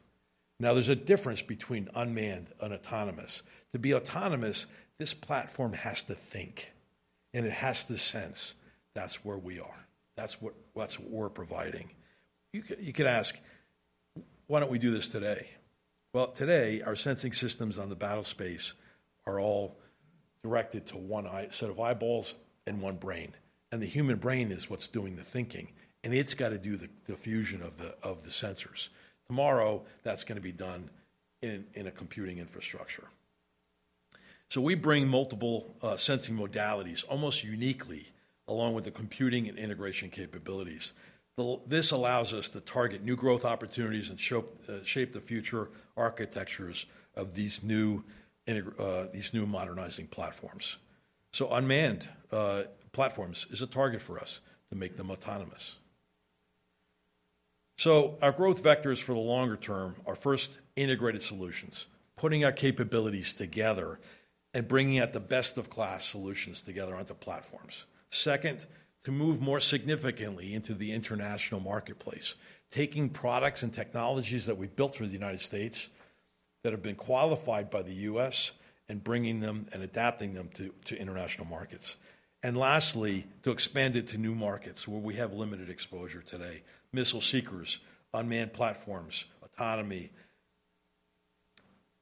Now, there's a difference between unmanned and autonomous. To be autonomous, this platform has to think, and it has to sense. That's where we are. That's what we're providing. You could ask, "Why don't we do this today?" Well, today, our sensing systems on the battlespace are all directed to one eye, set of eyeballs and one brain, and the human brain is what's doing the thinking, and it's gotta do the fusion of the sensors. Tomorrow, that's gonna be done in a computing infrastructure. So we bring multiple sensing modalities, almost uniquely, along with the computing and integration capabilities. This allows us to target new growth opportunities and shape the future architectures of these new modernizing platforms. So unmanned platforms is a target for us to make them autonomous. So our growth vectors for the longer term are, first, integrated solutions, putting our capabilities together and bringing out the best-of-class solutions together onto platforms. Second, to move more significantly into the international marketplace, taking products and technologies that we've built for the United States, that have been qualified by the U.S., and bringing them and adapting them to international markets. And lastly, to expand into new markets where we have limited exposure today: missile seekers, unmanned platforms, autonomy,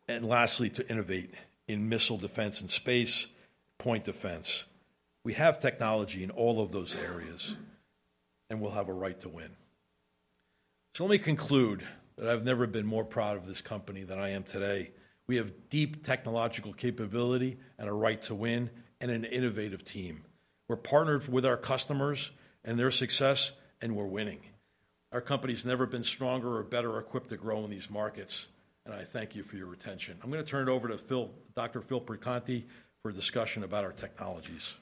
and lastly, to innovate in missile defense and space, point defense. We have technology in all of those areas, and we'll have a right to win. So let me conclude that I've never been more proud of this company than I am today. We have deep technological capability and a right to win and an innovative team. We're partnered with our customers and their success, and we're winning. Our company's never been stronger or better equipped to grow in these markets, and I thank you for your attention. I'm gonna turn it over to Phil, Dr. Phil Perconti, for a discussion about our technologies.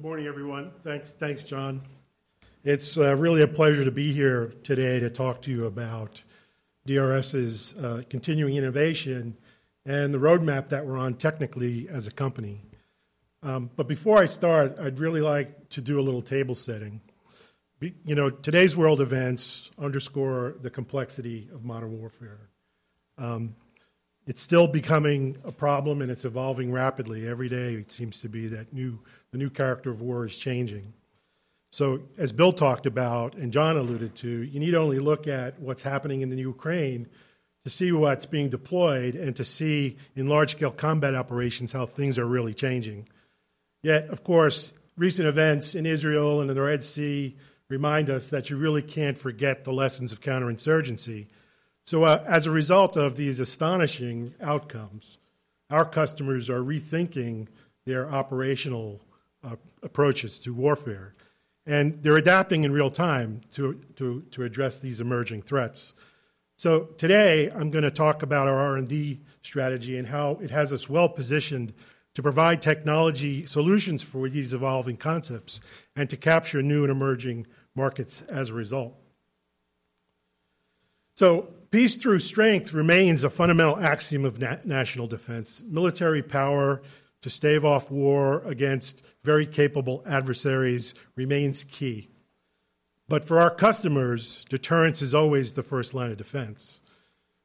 Good morning, everyone. Thanks, thanks, John. It's really a pleasure to be here today to talk to you about DRS's continuing innovation and the roadmap that we're on technically as a company. But before I start, I'd really like to do a little table setting. You know, today's world events underscore the complexity of modern warfare. It's still becoming a problem, and it's evolving rapidly. Every day, it seems to be that new, the new character of war is changing. So as Bill talked about, and John alluded to, you need only look at what's happening in the Ukraine to see what's being deployed and to see, in large-scale combat operations, how things are really changing. Yet, of course, recent events in Israel and in the Red Sea remind us that you really can't forget the lessons of counterinsurgency. So, as a result of these astonishing outcomes, our customers are rethinking their operational approaches to warfare, and they're adapting in real time to address these emerging threats. So today, I'm gonna talk about our R&D strategy and how it has us well-positioned to provide technology solutions for these evolving concepts and to capture new and emerging markets as a result. So peace through strength remains a fundamental axiom of national defense. Military power to stave off war against very capable adversaries remains key. But for our customers, deterrence is always the first line of defense.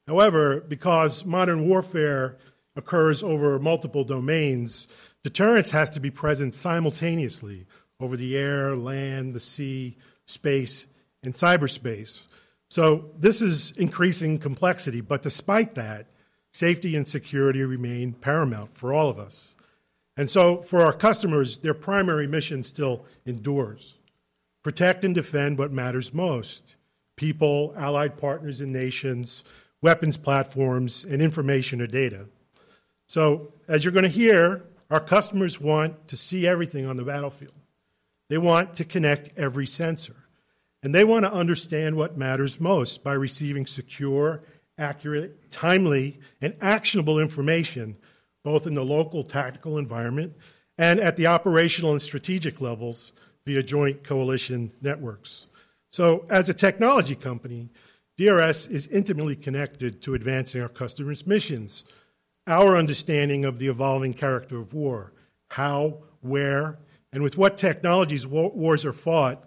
However, because modern warfare occurs over multiple domains, deterrence has to be present simultaneously over the air, land, the sea, space, and cyberspace. So this is increasing complexity, but despite that, safety and security remain paramount for all of us. And so for our customers, their primary mission still endures: protect and defend what matters most, people, allied partners and nations, weapons platforms, and information or data. So as you're gonna hear, our customers want to see everything on the battlefield. They want to connect every sensor, and they want to understand what matters most by receiving secure, accurate, timely, and actionable information, both in the local tactical environment and at the operational and strategic levels via joint coalition networks. So as a technology company, DRS is intimately connected to advancing our customers' missions. Our understanding of the evolving character of war, how, where, and with what technologies wars are fought,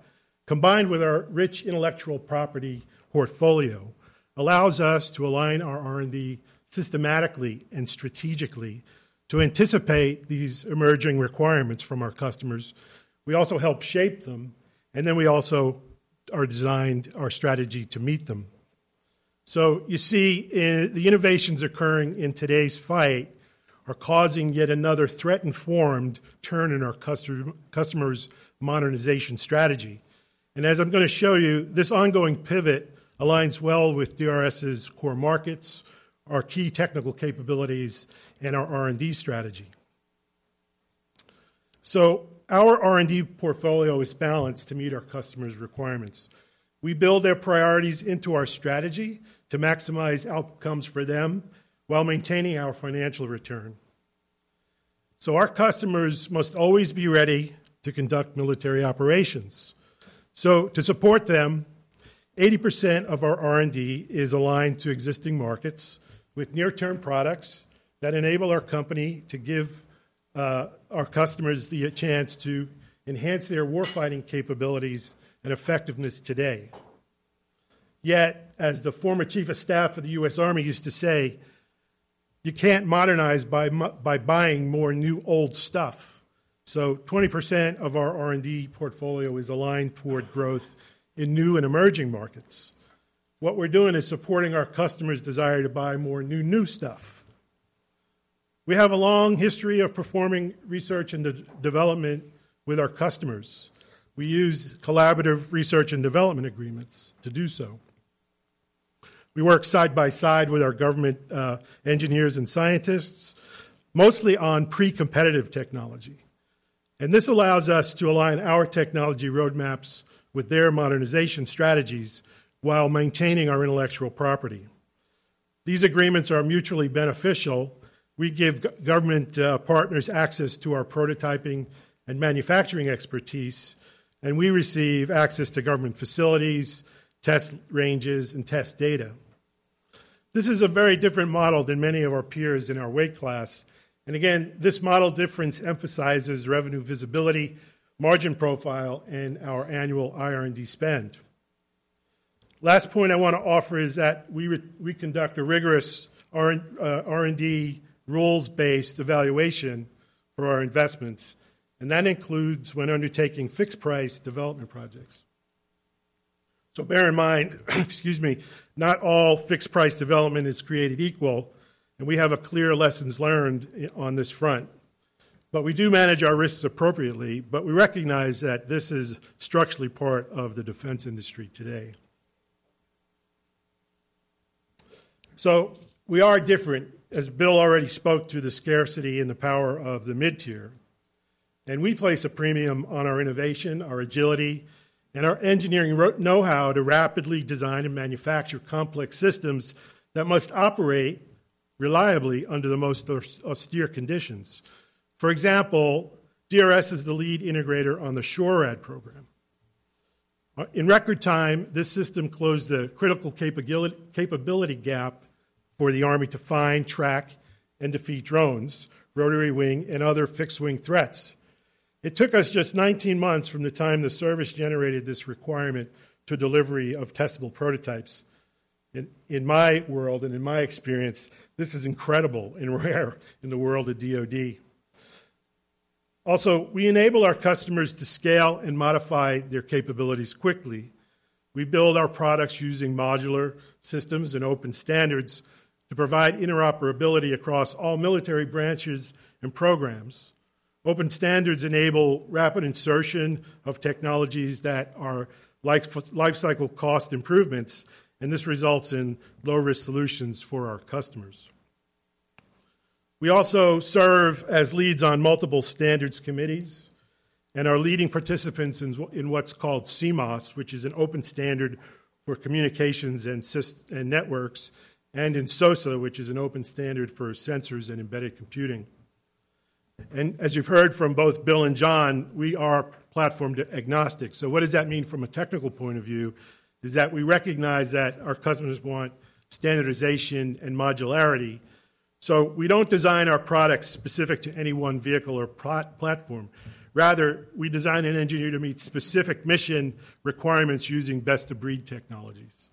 combined with our rich intellectual property portfolio, allows us to align our R&D systematically and strategically to anticipate these emerging requirements from our customers. We also help shape them, and then we also designed our strategy to meet them. So you see, the innovations occurring in today's fight are causing yet another threat-informed turn in our customer, customer's modernization strategy. And as I'm gonna show you, this ongoing pivot aligns well with DRS's core markets, our key technical capabilities, and our R&D strategy. So our R&D portfolio is balanced to meet our customers' requirements. We build their priorities into our strategy to maximize outcomes for them while maintaining our financial return. So our customers must always be ready to conduct military operations. So to support them, 80% of our R&D is aligned to existing markets, with near-term products that enable our company to give our customers the chance to enhance their war-fighting capabilities and effectiveness today. Yet, as the former Chief of Staff of the U.S. Army used to say, "You can't modernize by buying more new, old stuff." So 20% of our R&D portfolio is aligned toward growth in new and emerging markets. What we're doing is supporting our customers' desire to buy more new, new stuff. We have a long history of performing research and development with our customers. We use collaborative research and development agreements to do so. We work side by side with our government engineers and scientists, mostly on pre-competitive technology, and this allows us to align our technology roadmaps with their modernization strategies while maintaining our intellectual property. These agreements are mutually beneficial. We give government partners access to our prototyping and manufacturing expertise, and we receive access to government facilities, test ranges, and test data. This is a very different model than many of our peers in our weight class, and again, this model difference emphasizes revenue visibility, margin profile, and our annual IR&D spend. Last point I want to offer is that we conduct a rigorous R&D rules-based evaluation for our investments, and that includes when undertaking fixed-price development projects. So bear in mind, excuse me, not all fixed-price development is created equal, and we have a clear lessons learned on this front. But we do manage our risks appropriately, but we recognize that this is structurally part of the defense industry today. So we are different, as Bill already spoke to the scarcity and the power of the mid-tier, and we place a premium on our innovation, our agility, and our engineering know-how to rapidly design and manufacture complex systems that must operate reliably under the most austere conditions. For example, DRS is the lead integrator on the SHORAD program. In record time, this system closed a critical capability gap for the Army to find, track, and defeat drones, rotary wing, and other fixed-wing threats. It took us just 19 months from the time the service generated this requirement to delivery of testable prototypes. In my world and in my experience, this is incredible and rare in the world of DoD. Also, we enable our customers to scale and modify their capabilities quickly. We build our products using modular systems and open standards to provide interoperability across all military branches and programs. Open standards enable rapid insertion of technologies that are like full life cycle cost improvements, and this results in low-risk solutions for our customers. We also serve as leads on multiple standards committees and are leading participants in what's called CMOSS, which is an open standard for communications and systems and networks, and in SOSA, which is an open standard for sensors and embedded computing. As you've heard from both Bill and John, we are platform agnostic. So what does that mean from a technical point of view, is that we recognize that our customers want standardization and modularity, so we don't design our products specific to any one vehicle or platform. Rather, we design and engineer to meet specific mission requirements using best-of-breed technologies.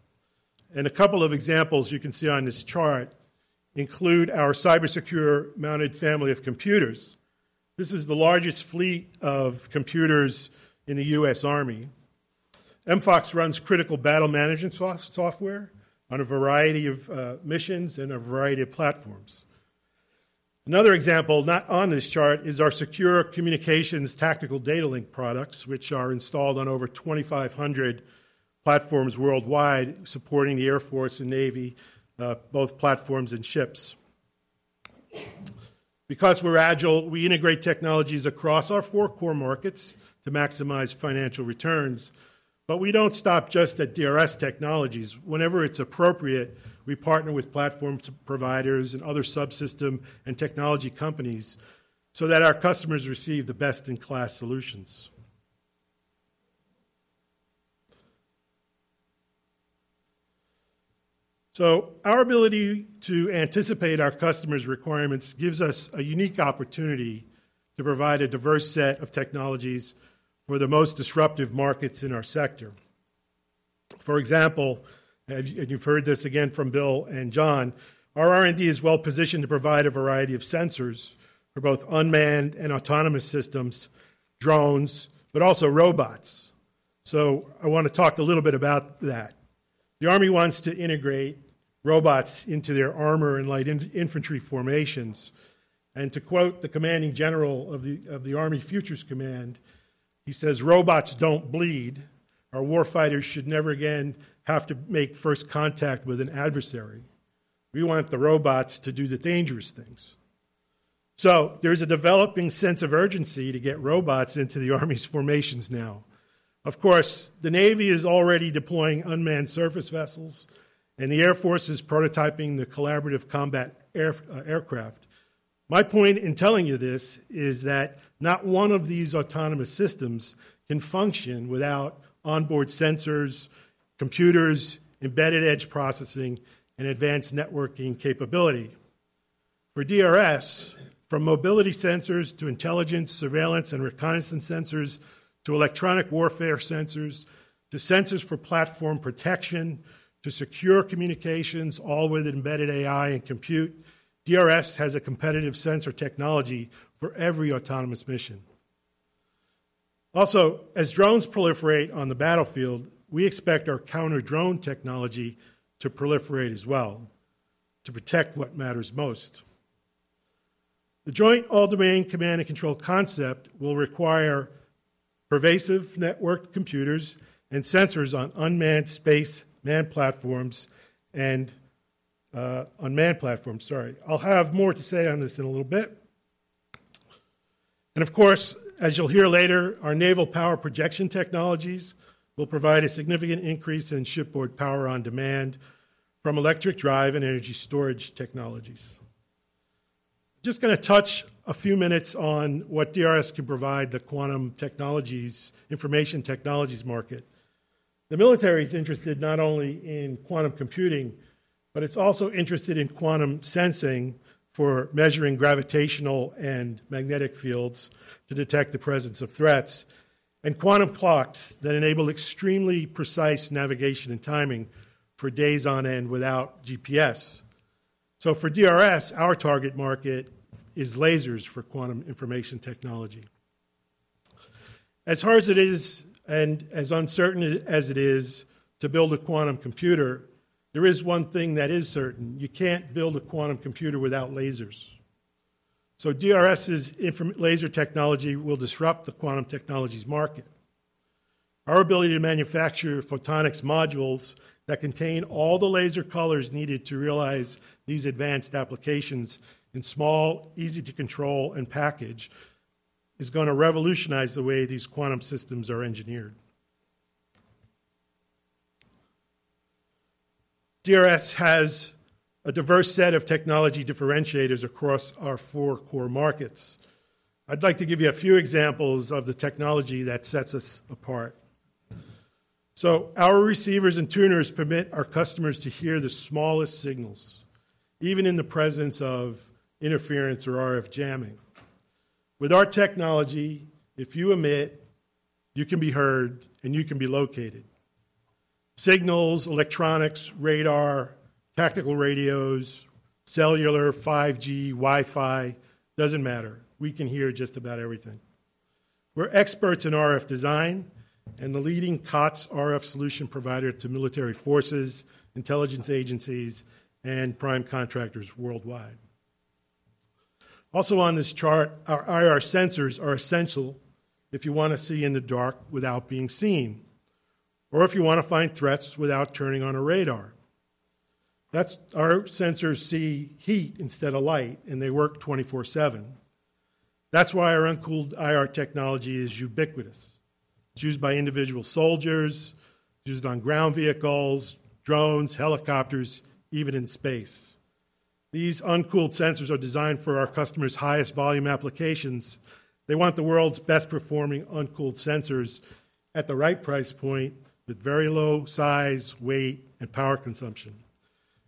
A couple of examples you can see on this chart include our cyber-secure mounted family of computers. This is the largest fleet of computers in the U.S. Army. MFoCS runs critical battle management software on a variety of missions and a variety of platforms. Another example not on this chart is our secure communications tactical data link products, which are installed on over 2,500 platforms worldwide, supporting the Air Force and Navy, both platforms and ships. Because we're agile, we integrate technologies across our four core markets to maximize financial returns, but we don't stop just at DRS technologies. Whenever it's appropriate, we partner with platform providers and other subsystem and technology companies so that our customers receive the best-in-class solutions. Our ability to anticipate our customers' requirements gives us a unique opportunity to provide a diverse set of technologies for the most disruptive markets in our sector. For example, and you've heard this again from Bill and John, our R&D is well positioned to provide a variety of sensors for both unmanned and autonomous systems, drones, but also robots. I wanna talk a little bit about that. The Army wants to integrate robots into their armor and light infantry formations. To quote the commanding general of the Army Futures Command, he says: "Robots don't bleed. Our warfighters should never again have to make first contact with an adversary. We want the robots to do the dangerous things." There's a developing sense of urgency to get robots into the Army's formations now. Of course, the Navy is already deploying unmanned surface vessels, and the Air Force is prototyping the Collaborative Combat Aircraft. My point in telling you this is that not one of these autonomous systems can function without onboard sensors, computers, embedded edge processing, and advanced networking capability. For DRS, from mobility sensors to intelligence, surveillance, and reconnaissance sensors, to electronic warfare sensors, to sensors for platform protection, to secure communications, all with embedded AI and compute, DRS has a competitive sensor technology for every autonomous mission. Also, as drones proliferate on the battlefield, we expect our counter-drone technology to proliferate as well to protect what matters most. The Joint All-Domain Command and Control concept will require pervasive network computers and sensors on unmanned space, manned platforms, and unmanned platforms, sorry. I'll have more to say on this in a little bit. Of course, as you'll hear later, our naval power projection technologies will provide a significant increase in shipboard power on demand from electric drive and energy storage technologies. Just gonna touch a few minutes on what DRS can provide the quantum technologies, information technologies market. The military is interested not only in quantum computing, but it's also interested in quantum sensing for measuring gravitational and magnetic fields to detect the presence of threats, and quantum clocks that enable extremely precise navigation and timing for days on end without GPS. So for DRS, our target market is lasers for quantum information technology. As hard as it is, and as uncertain as it is to build a quantum computer, there is one thing that is certain: You can't build a quantum computer without lasers. So DRS's infrared laser technology will disrupt the quantum technologies market. Our ability to manufacture photonics modules that contain all the laser colors needed to realize these advanced applications in small, easy to control and package, is gonna revolutionize the way these quantum systems are engineered... DRS has a diverse set of technology differentiators across our four core markets. I'd like to give you a few examples of the technology that sets us apart. So our receivers and tuners permit our customers to hear the smallest signals, even in the presence of interference or RF jamming. With our technology, if you emit, you can be heard, and you can be located. Signals, electronics, radar, tactical radios, cellular, 5G, Wi-Fi, doesn't matter. We can hear just about everything. We're experts in RF design and the leading COTS RF solution provider to military forces, intelligence agencies, and prime contractors worldwide. Also on this chart, our IR sensors are essential if you wanna see in the dark without being seen, or if you wanna find threats without turning on a radar. That's our sensors see heat instead of light, and they work 24/7. That's why our uncooled IR technology is ubiquitous. It's used by individual soldiers, used on ground vehicles, drones, helicopters, even in space. These uncooled sensors are designed for our customers' highest volume applications. They want the world's best-performing uncooled sensors at the right price point, with very low size, weight, and power consumption.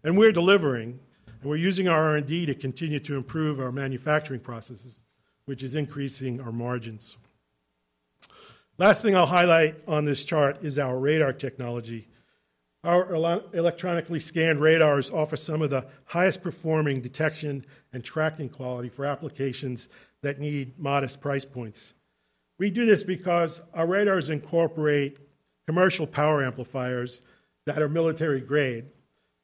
And we're delivering, and we're using our R&D to continue to improve our manufacturing processes, which is increasing our margins. Last thing I'll highlight on this chart is our radar technology. Our electronically scanned radars offer some of the highest performing detection and tracking quality for applications that need modest price points. We do this because our radars incorporate commercial power amplifiers that are military-grade,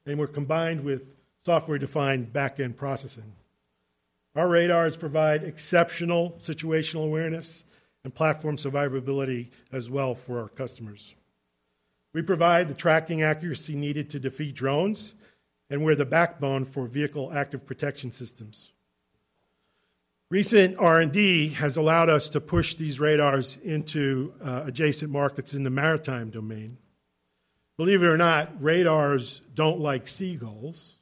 and were combined with software-defined back-end processing. Our radars provide exceptional situational awareness and platform survivability as well for our customers. We provide the tracking accuracy needed to defeat drones, and we're the backbone for vehicle active protection systems. Recent R&D has allowed us to push these radars into adjacent markets in the maritime domain. Believe it or not, radars don't like seagulls.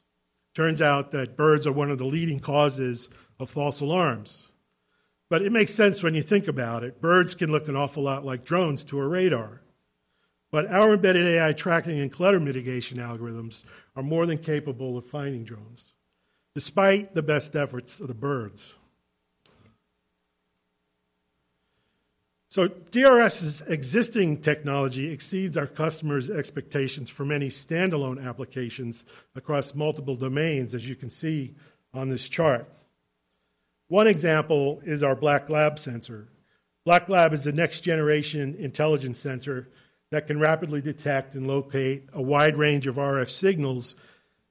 Turns out that birds are one of the leading causes of false alarms. But it makes sense when you think about it. Birds can look an awful lot like drones to a radar. But our embedded AI tracking and clutter mitigation algorithms are more than capable of finding drones, despite the best efforts of the birds. So DRS's existing technology exceeds our customers' expectations for many standalone applications across multiple domains, as you can see on this chart. One example is our BlackLab sensor. BlackLab is the next-generation intelligence sensor that can rapidly detect and locate a wide range of RF signals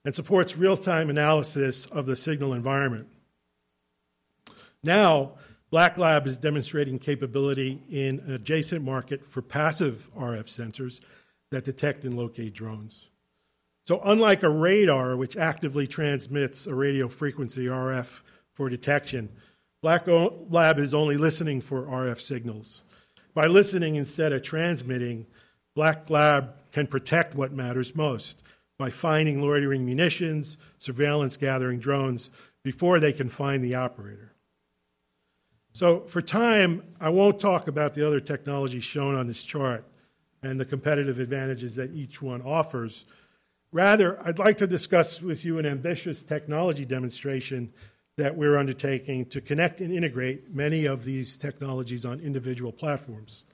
and supports real-time analysis of the signal environment. Now, BlackLab is demonstrating capability in an adjacent market for passive RF sensors that detect and locate drones. So unlike a radar, which actively transmits a radio frequency, RF, for detection, BlackLab is only listening for RF signals. By listening instead of transmitting, BlackLab can protect what matters most by finding loitering munitions, surveillance-gathering drones before they can find the operator. So for time, I won't talk about the other technologies shown on this chart and the competitive advantages that each one offers. Rather, I'd like to discuss with you an ambitious technology demonstration that we're undertaking to connect and integrate many of these technologies on individual platforms.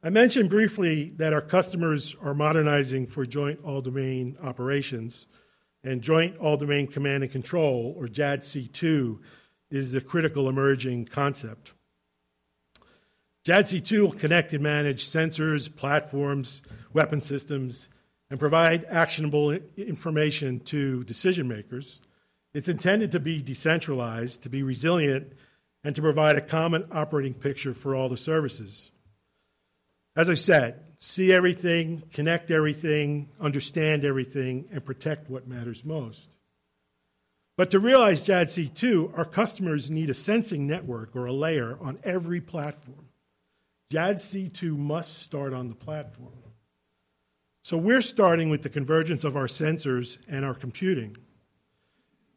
I mentioned briefly that our customers are modernizing for Joint All-Domain Operations, and Joint All-Domain Command and Control, or JADC2, is a critical emerging concept. JADC2 will connect and manage sensors, platforms, weapon systems, and provide actionable information to decision-makers. It's intended to be decentralized, to be resilient, and to provide a common operating picture for all the services. As I said, see everything, connect everything, understand everything, and protect what matters most. But to realize JADC2, our customers need a sensing network or a layer on every platform. JADC2 must start on the platform. So we're starting with the convergence of our sensors and our computing.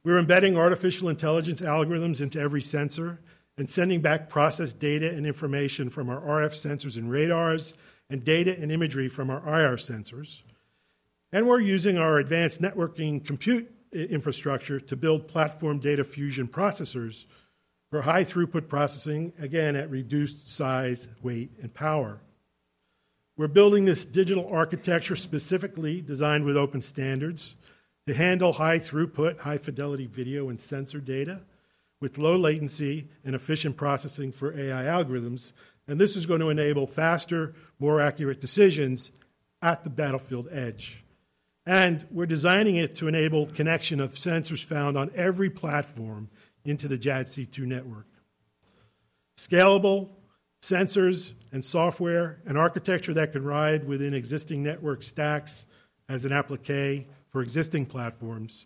We're embedding artificial intelligence algorithms into every sensor and sending back processed data and information from our RF sensors and radars, and data and imagery from our IR sensors. And we're using our advanced networking compute infrastructure to build platform data fusion processors for high-throughput processing, again, at reduced size, weight, and power. We're building this digital architecture specifically designed with open standards to handle high-throughput, high-fidelity video and sensor data with low latency and efficient processing for AI algorithms, and this is gonna enable faster, more accurate decisions at the battlefield edge. And we're designing it to enable connection of sensors found on every platform into the JADC2 network. Scalable sensors and software and architecture that can ride within existing network stacks as an applique for existing platforms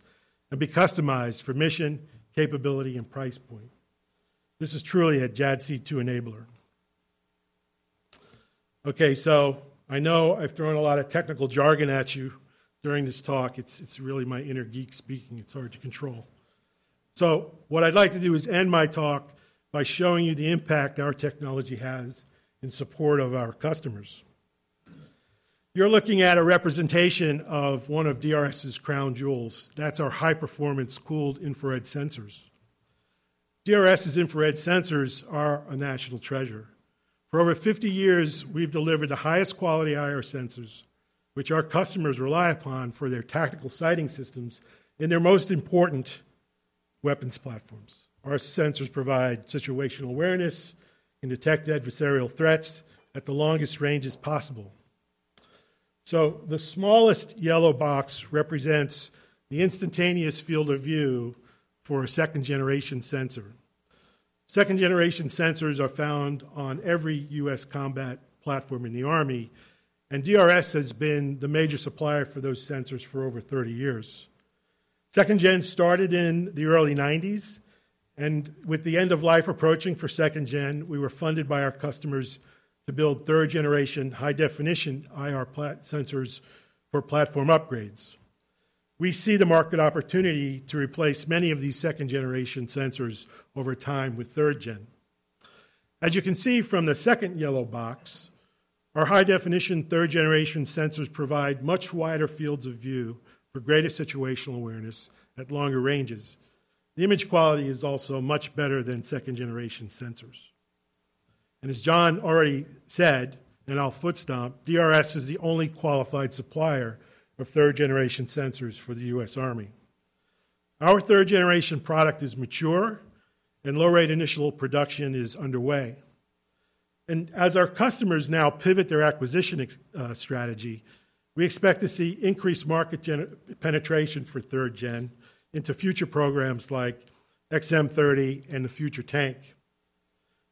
and be customized for mission, capability, and price point. This is truly a JADC2 enabler... Okay, so I know I've thrown a lot of technical jargon at you during this talk. It's, it's really my inner geek speaking, it's hard to control. So what I'd like to do is end my talk by showing you the impact our technology has in support of our customers. You're looking at a representation of one of DRS's crown jewels. That's our high-performance cooled infrared sensors. DRS's infrared sensors are a national treasure. For over 50 years, we've delivered the highest quality IR sensors, which our customers rely upon for their tactical sighting systems in their most important weapons platforms. Our sensors provide situational awareness and detect adversarial threats at the longest ranges possible. So the smallest yellow box represents the instantaneous field of view for a second-generation sensor. Second-generation sensors are found on every U.S. combat platform in the Army, and DRS has been the major supplier for those sensors for over 30 years. Second-gen started in the early 1990s, and with the end of life approaching for second gen, we were funded by our customers to build third-generation high-definition IR sensors for platform upgrades. We see the market opportunity to replace many of these second-generation sensors over time with third gen. As you can see from the second yellow box, our high-definition third-generation sensors provide much wider fields of view for greater situational awareness at longer ranges. The image quality is also much better than second-generation sensors. As John already said in our foot stomp, DRS is the only qualified supplier of third-generation sensors for the U.S. Army. Our third-generation product is mature, and low-rate initial production is underway. As our customers now pivot their acquisition strategy, we expect to see increased market penetration for third gen into future programs like XM30 and the Future Tank.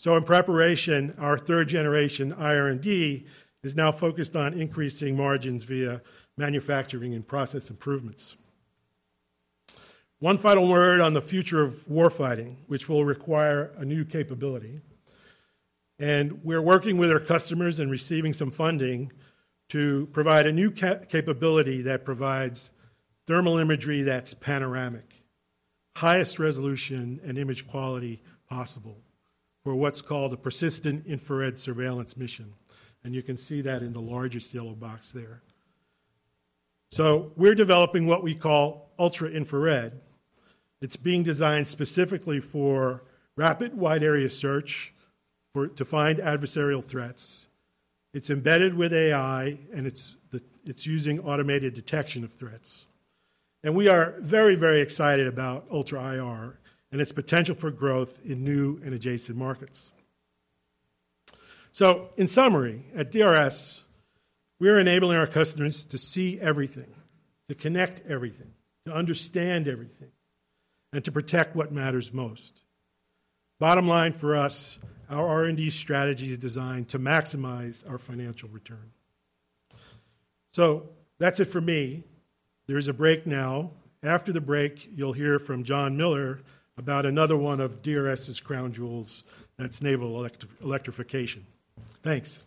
So in preparation, our third-generation IR&D is now focused on increasing margins via manufacturing and process improvements. One final word on the future of warfighting, which will require a new capability, and we're working with our customers and receiving some funding to provide a new capability that provides thermal imagery that's panoramic, highest resolution and image quality possible for what's called a persistent infrared surveillance mission, and you can see that in the largest yellow box there. So we're developing what we call Ultra-Infrared. It's being designed specifically for rapid wide-area search to find adversarial threats. It's embedded with AI, and it's the, it's using automated detection of threats. And we are very, very excited about Ultra IR and its potential for growth in new and adjacent markets. So in summary, at DRS, we are enabling our customers to see everything, to connect everything, to understand everything, and to protect what matters most. Bottom line for us, our R&D strategy is designed to maximize our financial return. So that's it for me. There's a break now. After the break, you'll hear from Jon Miller about another one of DRS's crown jewels, that's naval electrification. Thanks! ...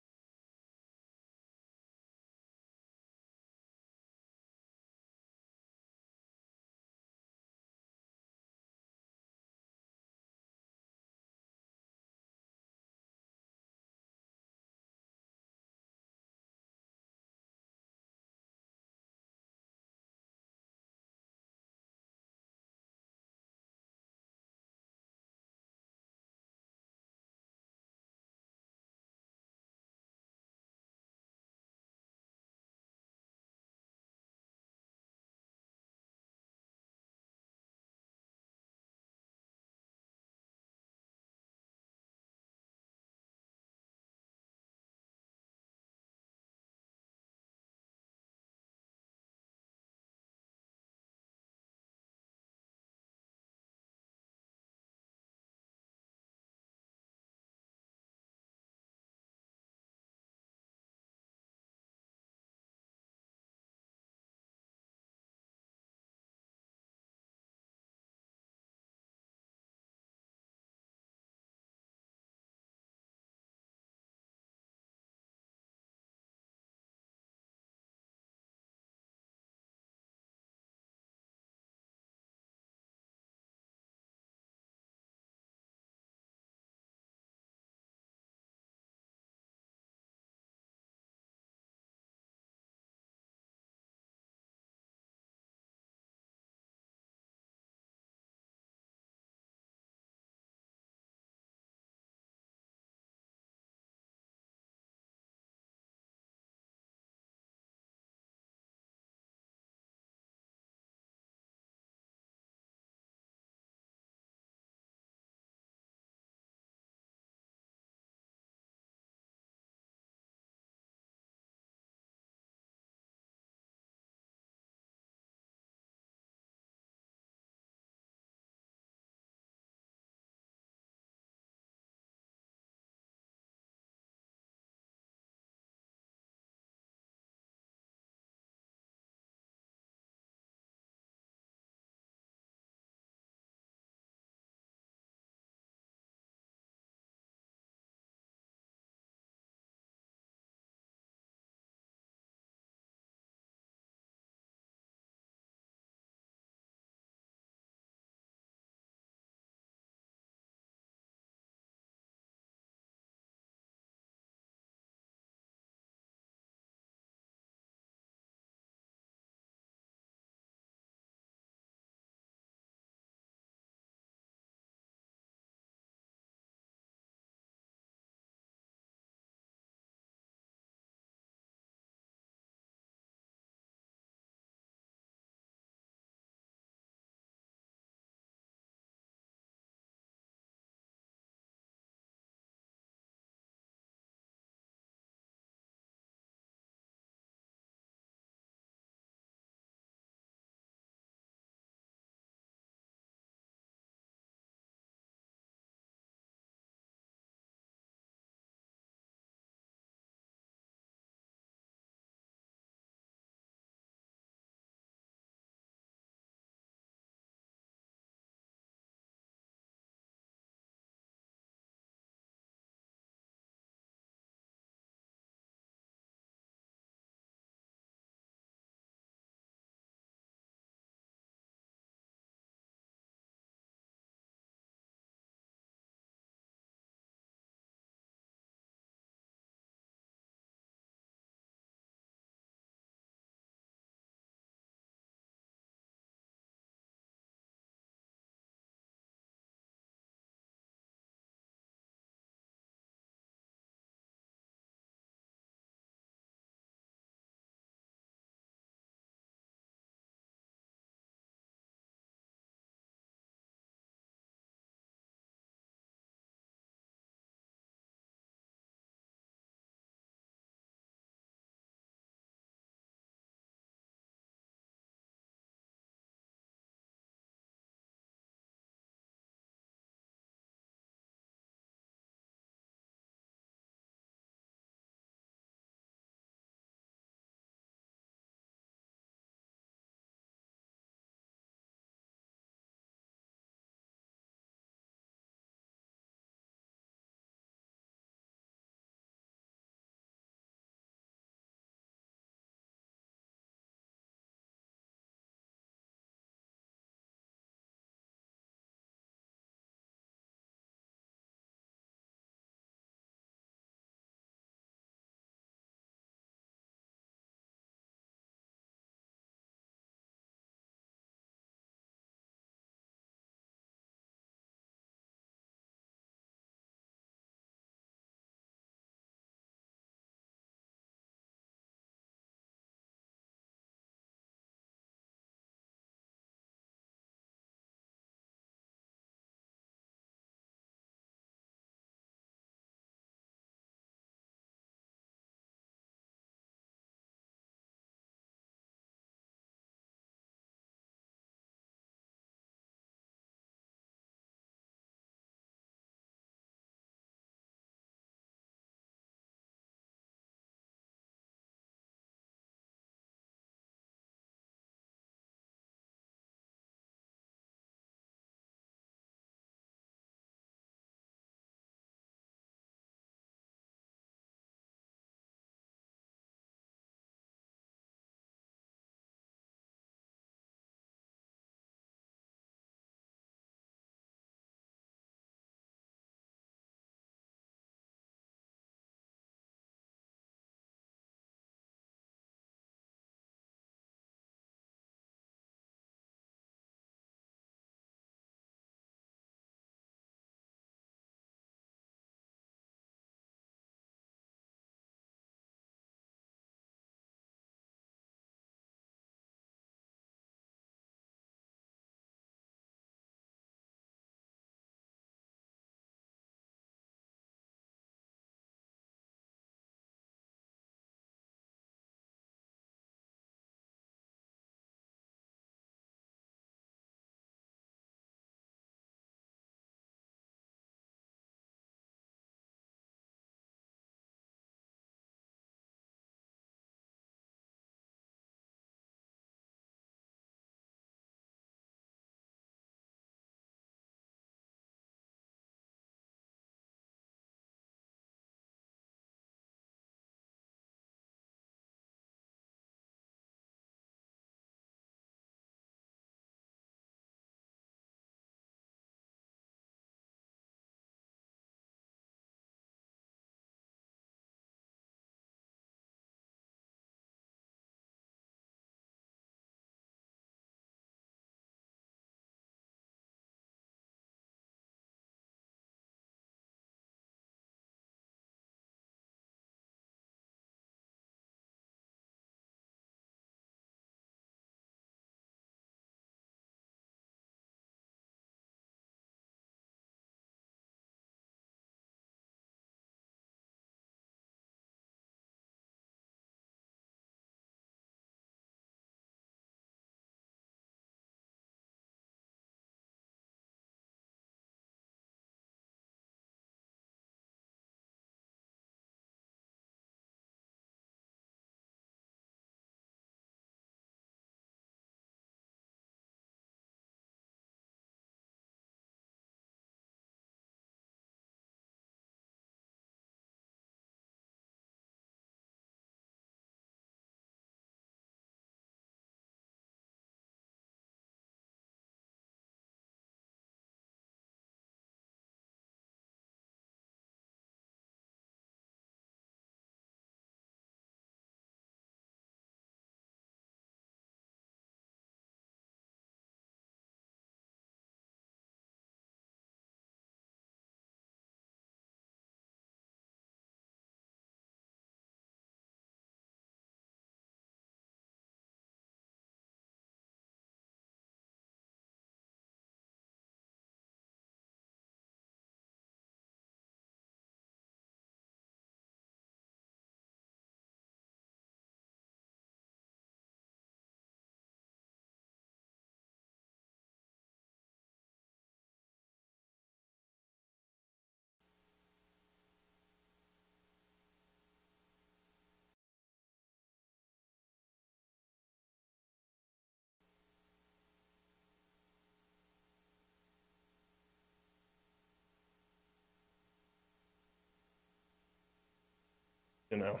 You know?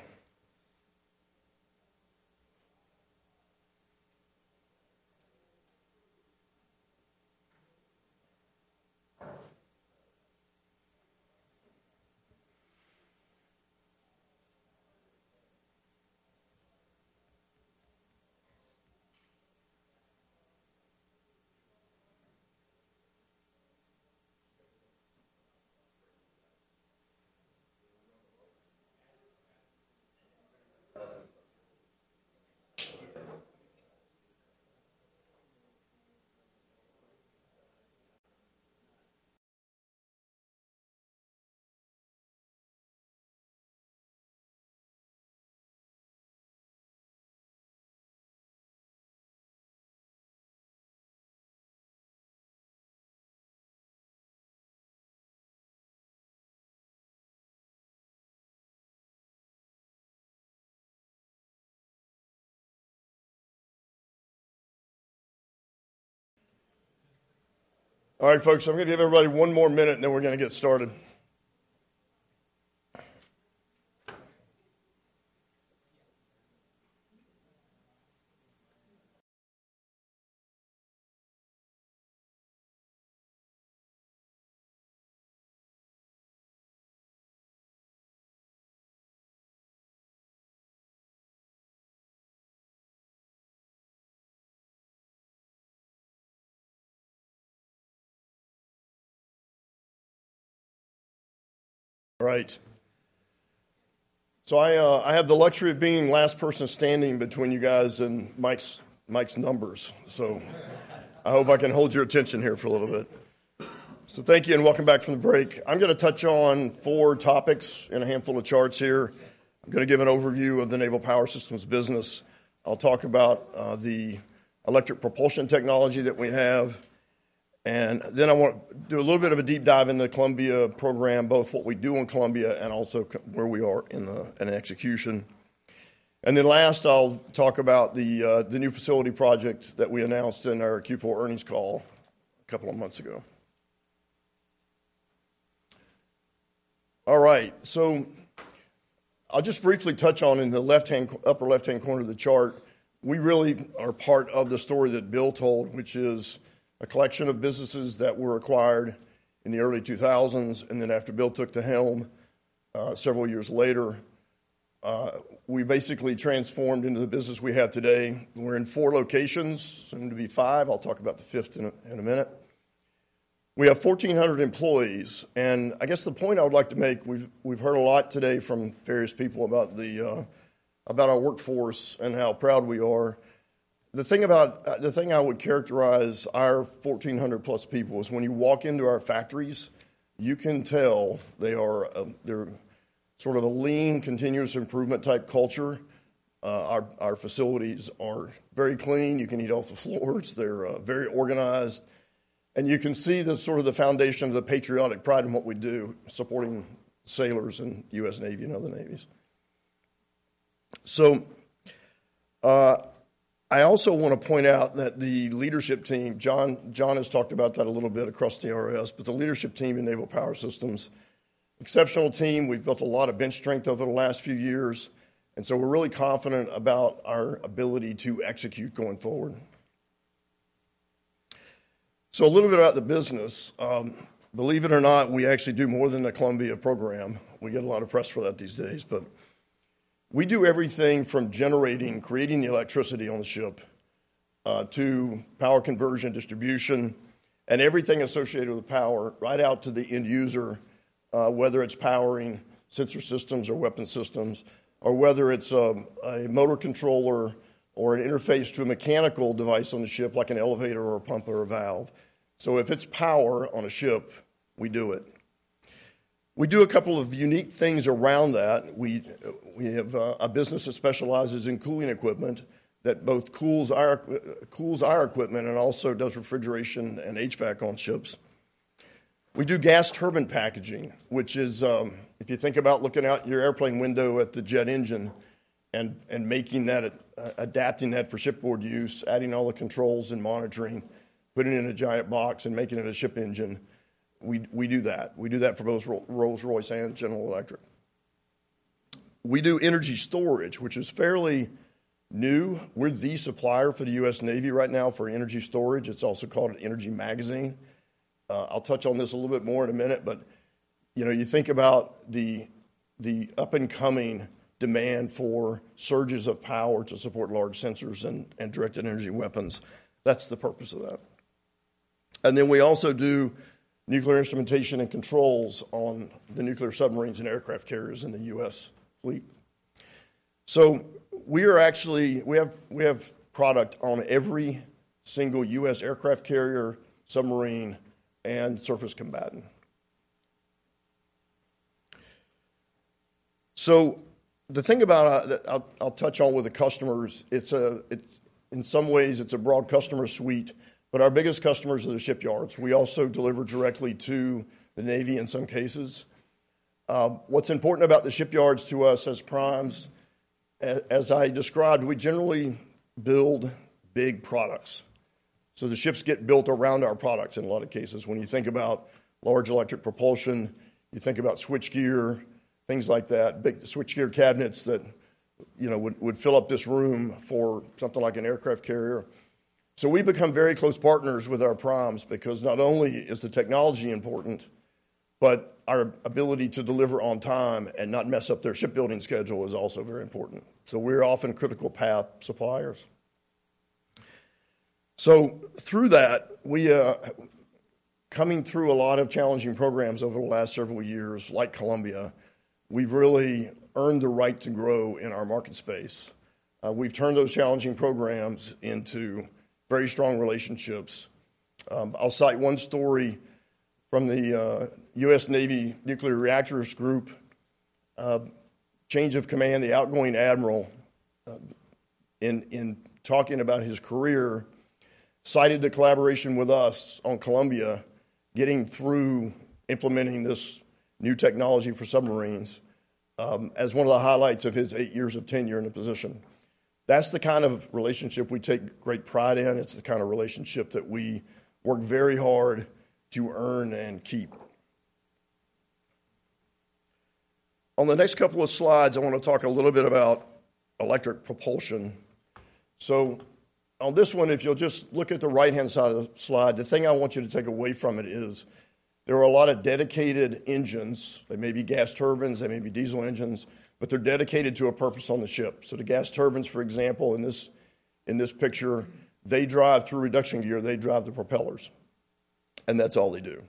All right, folks, I'm gonna give everybody one more minute, and then we're gonna get started. All right. So I, I have the luxury of being the last person standing between you guys and Mike's, Mike's numbers, so I hope I can hold your attention here for a little bit. So thank you, and welcome back from the break. I'm gonna touch on four topics and a handful of charts here. I'm gonna give an overview of the Naval Power Systems business. I'll talk about the electric propulsion technology that we have, and then I want do a little bit of a deep dive into the Columbia program, both what we do in Columbia and also where we are in the, in execution. Then last, I'll talk about the new facility project that we announced in our Q4 earnings call a couple of months ago. All right, so I'll just briefly touch on, in the upper left-hand corner of the chart, we really are part of the story that Bill told, which is a collection of businesses that were acquired in the early 2000s, and then after Bill took the helm, several years later, we basically transformed into the business we have today. We're in four locations, soon to be five. I'll talk about the fifth in a minute. We have 1,400 employees, and I guess the point I would like to make: we've heard a lot today from various people about our workforce and how proud we are. The thing about the thing I would characterize our 1,400+ people is, when you walk into our factories, you can tell they are, they're sort of a lean, continuous improvement-type culture. Our facilities are very clean. You can eat off the floors. They're very organized, and you can see the sort of the foundation of the patriotic pride in what we do, supporting sailors and U.S. Navy and other navies. So I also wanna point out that the leadership team, John has talked about that a little bit across DRS, but the leadership team in Naval Power Systems, exceptional team. We've built a lot of bench strength over the last few years, and so we're really confident about our ability to execute going forward. So a little bit about the business. Believe it or not, we actually do more than the Columbia program. We get a lot of press for that these days, but we do everything from generating, creating the electricity on the ship to power conversion, distribution, and everything associated with power, right out to the end user, whether it's powering sensor systems or weapon systems or whether it's a motor controller or an interface to a mechanical device on the ship, like an elevator or a pump or a valve. So if it's power on a ship, we do it. We do a couple of unique things around that. We have a business that specializes in cooling equipment that both cools our equipment and also does refrigeration and HVAC on ships. We do gas turbine packaging, which is, if you think about looking out your airplane window at the jet engine and making that, adapting that for shipboard use, adding all the controls and monitoring, putting it in a giant box and making it a ship engine, we do that. We do that for both Rolls-Royce and General Electric. We do energy storage, which is fairly new. We're the supplier for the U.S. Navy right now for energy storage. It's also called an energy magazine. I'll touch on this a little bit more in a minute, but you know, you think about the up-and-coming demand for surges of power to support large sensors and directed energy weapons. That's the purpose of that. And then we also do nuclear instrumentation and controls on the nuclear submarines and aircraft carriers in the U.S. fleet. So we are actually. We have product on every single U.S. aircraft carrier, submarine, and surface combatant. So the thing about that I'll touch on with the customers, it's in some ways a broad customer suite, but our biggest customers are the shipyards. We also deliver directly to the Navy in some cases. What's important about the shipyards to us as primes, as I described, we generally build big products. So the ships get built around our products in a lot of cases. When you think about large electric propulsion, you think about switchgear, things like that. Big switchgear cabinets that, you know, would fill up this room for something like an aircraft carrier. So we've become very close partners with our primes, because not only is the technology important, but our ability to deliver on time and not mess up their shipbuilding schedule is also very important. So we're often critical path suppliers. So through that, we, coming through a lot of challenging programs over the last several years, like Columbia, we've really earned the right to grow in our market space. We've turned those challenging programs into very strong relationships. I'll cite one story from the U.S. Navy Nuclear Reactors Group. Change of command, the outgoing admiral, in talking about his career, cited the collaboration with us on Columbia, getting through implementing this new technology for submarines, as one of the highlights of his eight years of tenure in the position. That's the kind of relationship we take great pride in. It's the kind of relationship that we work very hard to earn and keep. On the next couple of slides, I wanna talk a little bit about electric propulsion. So on this one, if you'll just look at the right-hand side of the slide, the thing I want you to take away from it is there are a lot of dedicated engines. They may be gas turbines, they may be diesel engines, but they're dedicated to a purpose on the ship. So the gas turbines, for example, in this, in this picture, they drive through reduction gear, they drive the propellers, and that's all they do.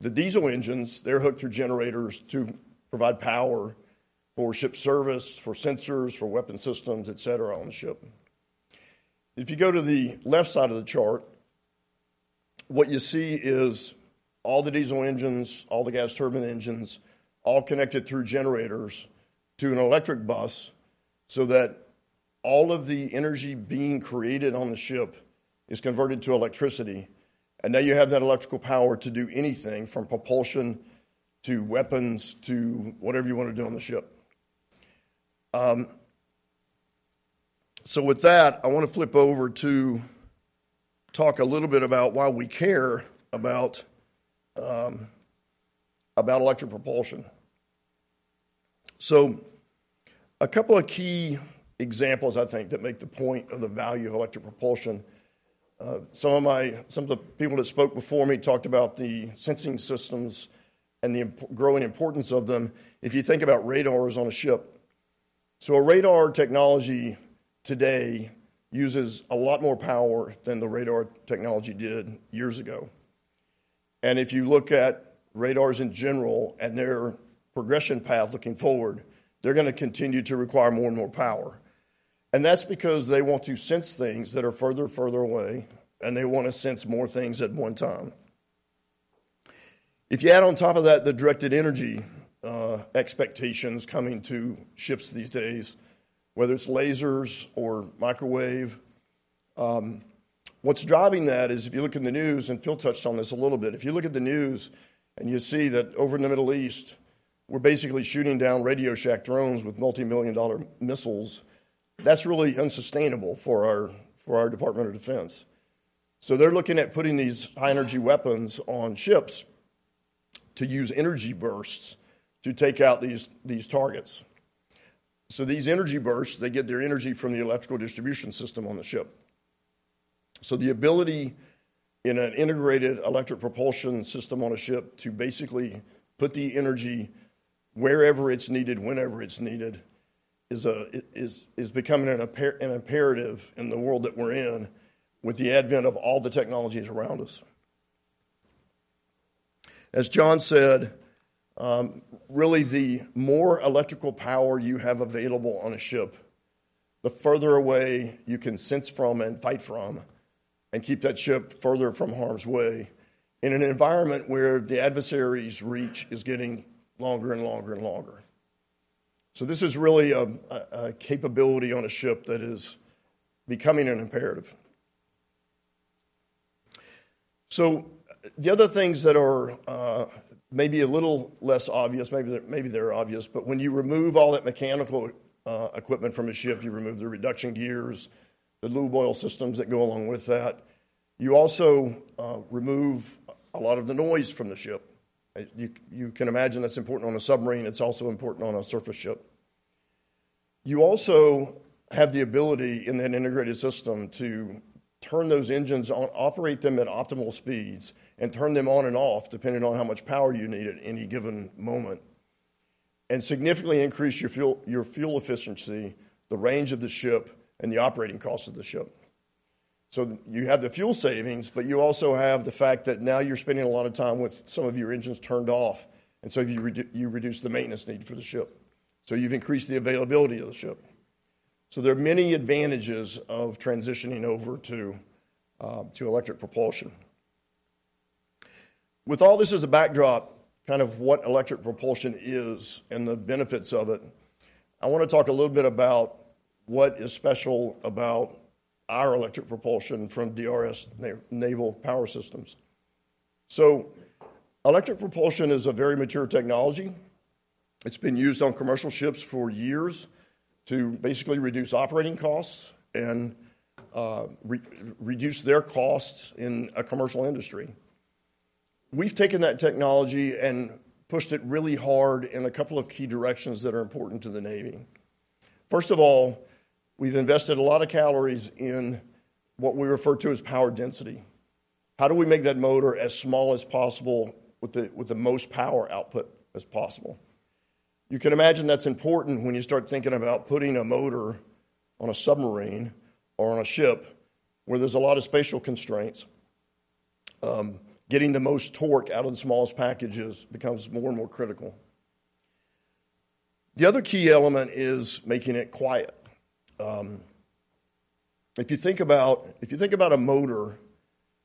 The diesel engines, they're hooked through generators to provide power for ship service, for sensors, for weapon systems, et cetera, on the ship. If you go to the left side of the chart, what you see is all the diesel engines, all the gas turbine engines, all connected through generators to an electric bus, so that all of the energy being created on the ship is converted to electricity. And now you have that electrical power to do anything, from propulsion to weapons, to whatever you wanna do on the ship. So with that, I wanna flip over to talk a little bit about why we care about about electric propulsion. So a couple of key examples I think that make the point of the value of electric propulsion. Some of the people that spoke before me talked about the sensing systems and the growing importance of them, if you think about radars on a ship. So a radar technology today uses a lot more power than the radar technology did years ago. And if you look at radars in general and their progression path looking forward, they're gonna continue to require more and more power. And that's because they want to sense things that are further and further away, and they wanna sense more things at one time. If you add on top of that the directed energy expectations coming to ships these days, whether it's lasers or microwave, what's driving that is if you look in the news, and Phil touched on this a little bit, if you look at the news and you see that over in the Middle East, we're basically shooting down RadioShack drones with multimillion-dollar missiles, that's really unsustainable for our, for our Department of Defense. So they're looking at putting these high-energy weapons on ships to use energy bursts to take out these, these targets. So these energy bursts, they get their energy from the electrical distribution system on the ship. So the ability in an integrated electric propulsion system on a ship to basically put the energy wherever it's needed, whenever it's needed, is becoming an imperative in the world that we're in, with the advent of all the technologies around us. As John said, really, the more electrical power you have available on a ship, the further away you can sense from and fight from, and keep that ship further from harm's way, in an environment where the adversary's reach is getting longer and longer and longer. So this is really a capability on a ship that is becoming an imperative. So the other things that are, maybe a little less obvious, maybe they're obvious, but when you remove all that mechanical equipment from a ship, you remove the reduction gears, the lube oil systems that go along with that. You also remove a lot of the noise from the ship. You can imagine that's important on a submarine, it's also important on a surface ship. You also have the ability in an integrated system to turn those engines on, operate them at optimal speeds, and turn them on and off, depending on how much power you need at any given moment. And significantly increase your fuel, your fuel efficiency, the range of the ship, and the operating cost of the ship. So you have the fuel savings, but you also have the fact that now you're spending a lot of time with some of your engines turned off, and so you reduce the maintenance need for the ship. So you've increased the availability of the ship. So there are many advantages of transitioning over to electric propulsion. With all this as a backdrop, kind of what electric propulsion is and the benefits of it, I wanna talk a little bit about what is special about our electric propulsion from DRS Naval Power Systems. So, electric propulsion is a very mature technology. It's been used on commercial ships for years to basically reduce operating costs and reduce their costs in a commercial industry. We've taken that technology and pushed it really hard in a couple of key directions that are important to the Navy. First of all, we've invested a lot of calories in what we refer to as power density. How do we make that motor as small as possible with the, with the most power output as possible? You can imagine that's important when you start thinking about putting a motor on a submarine or on a ship, where there's a lot of spatial constraints. Getting the most torque out of the smallest packages becomes more and more critical. The other key element is making it quiet. If you think about, if you think about a motor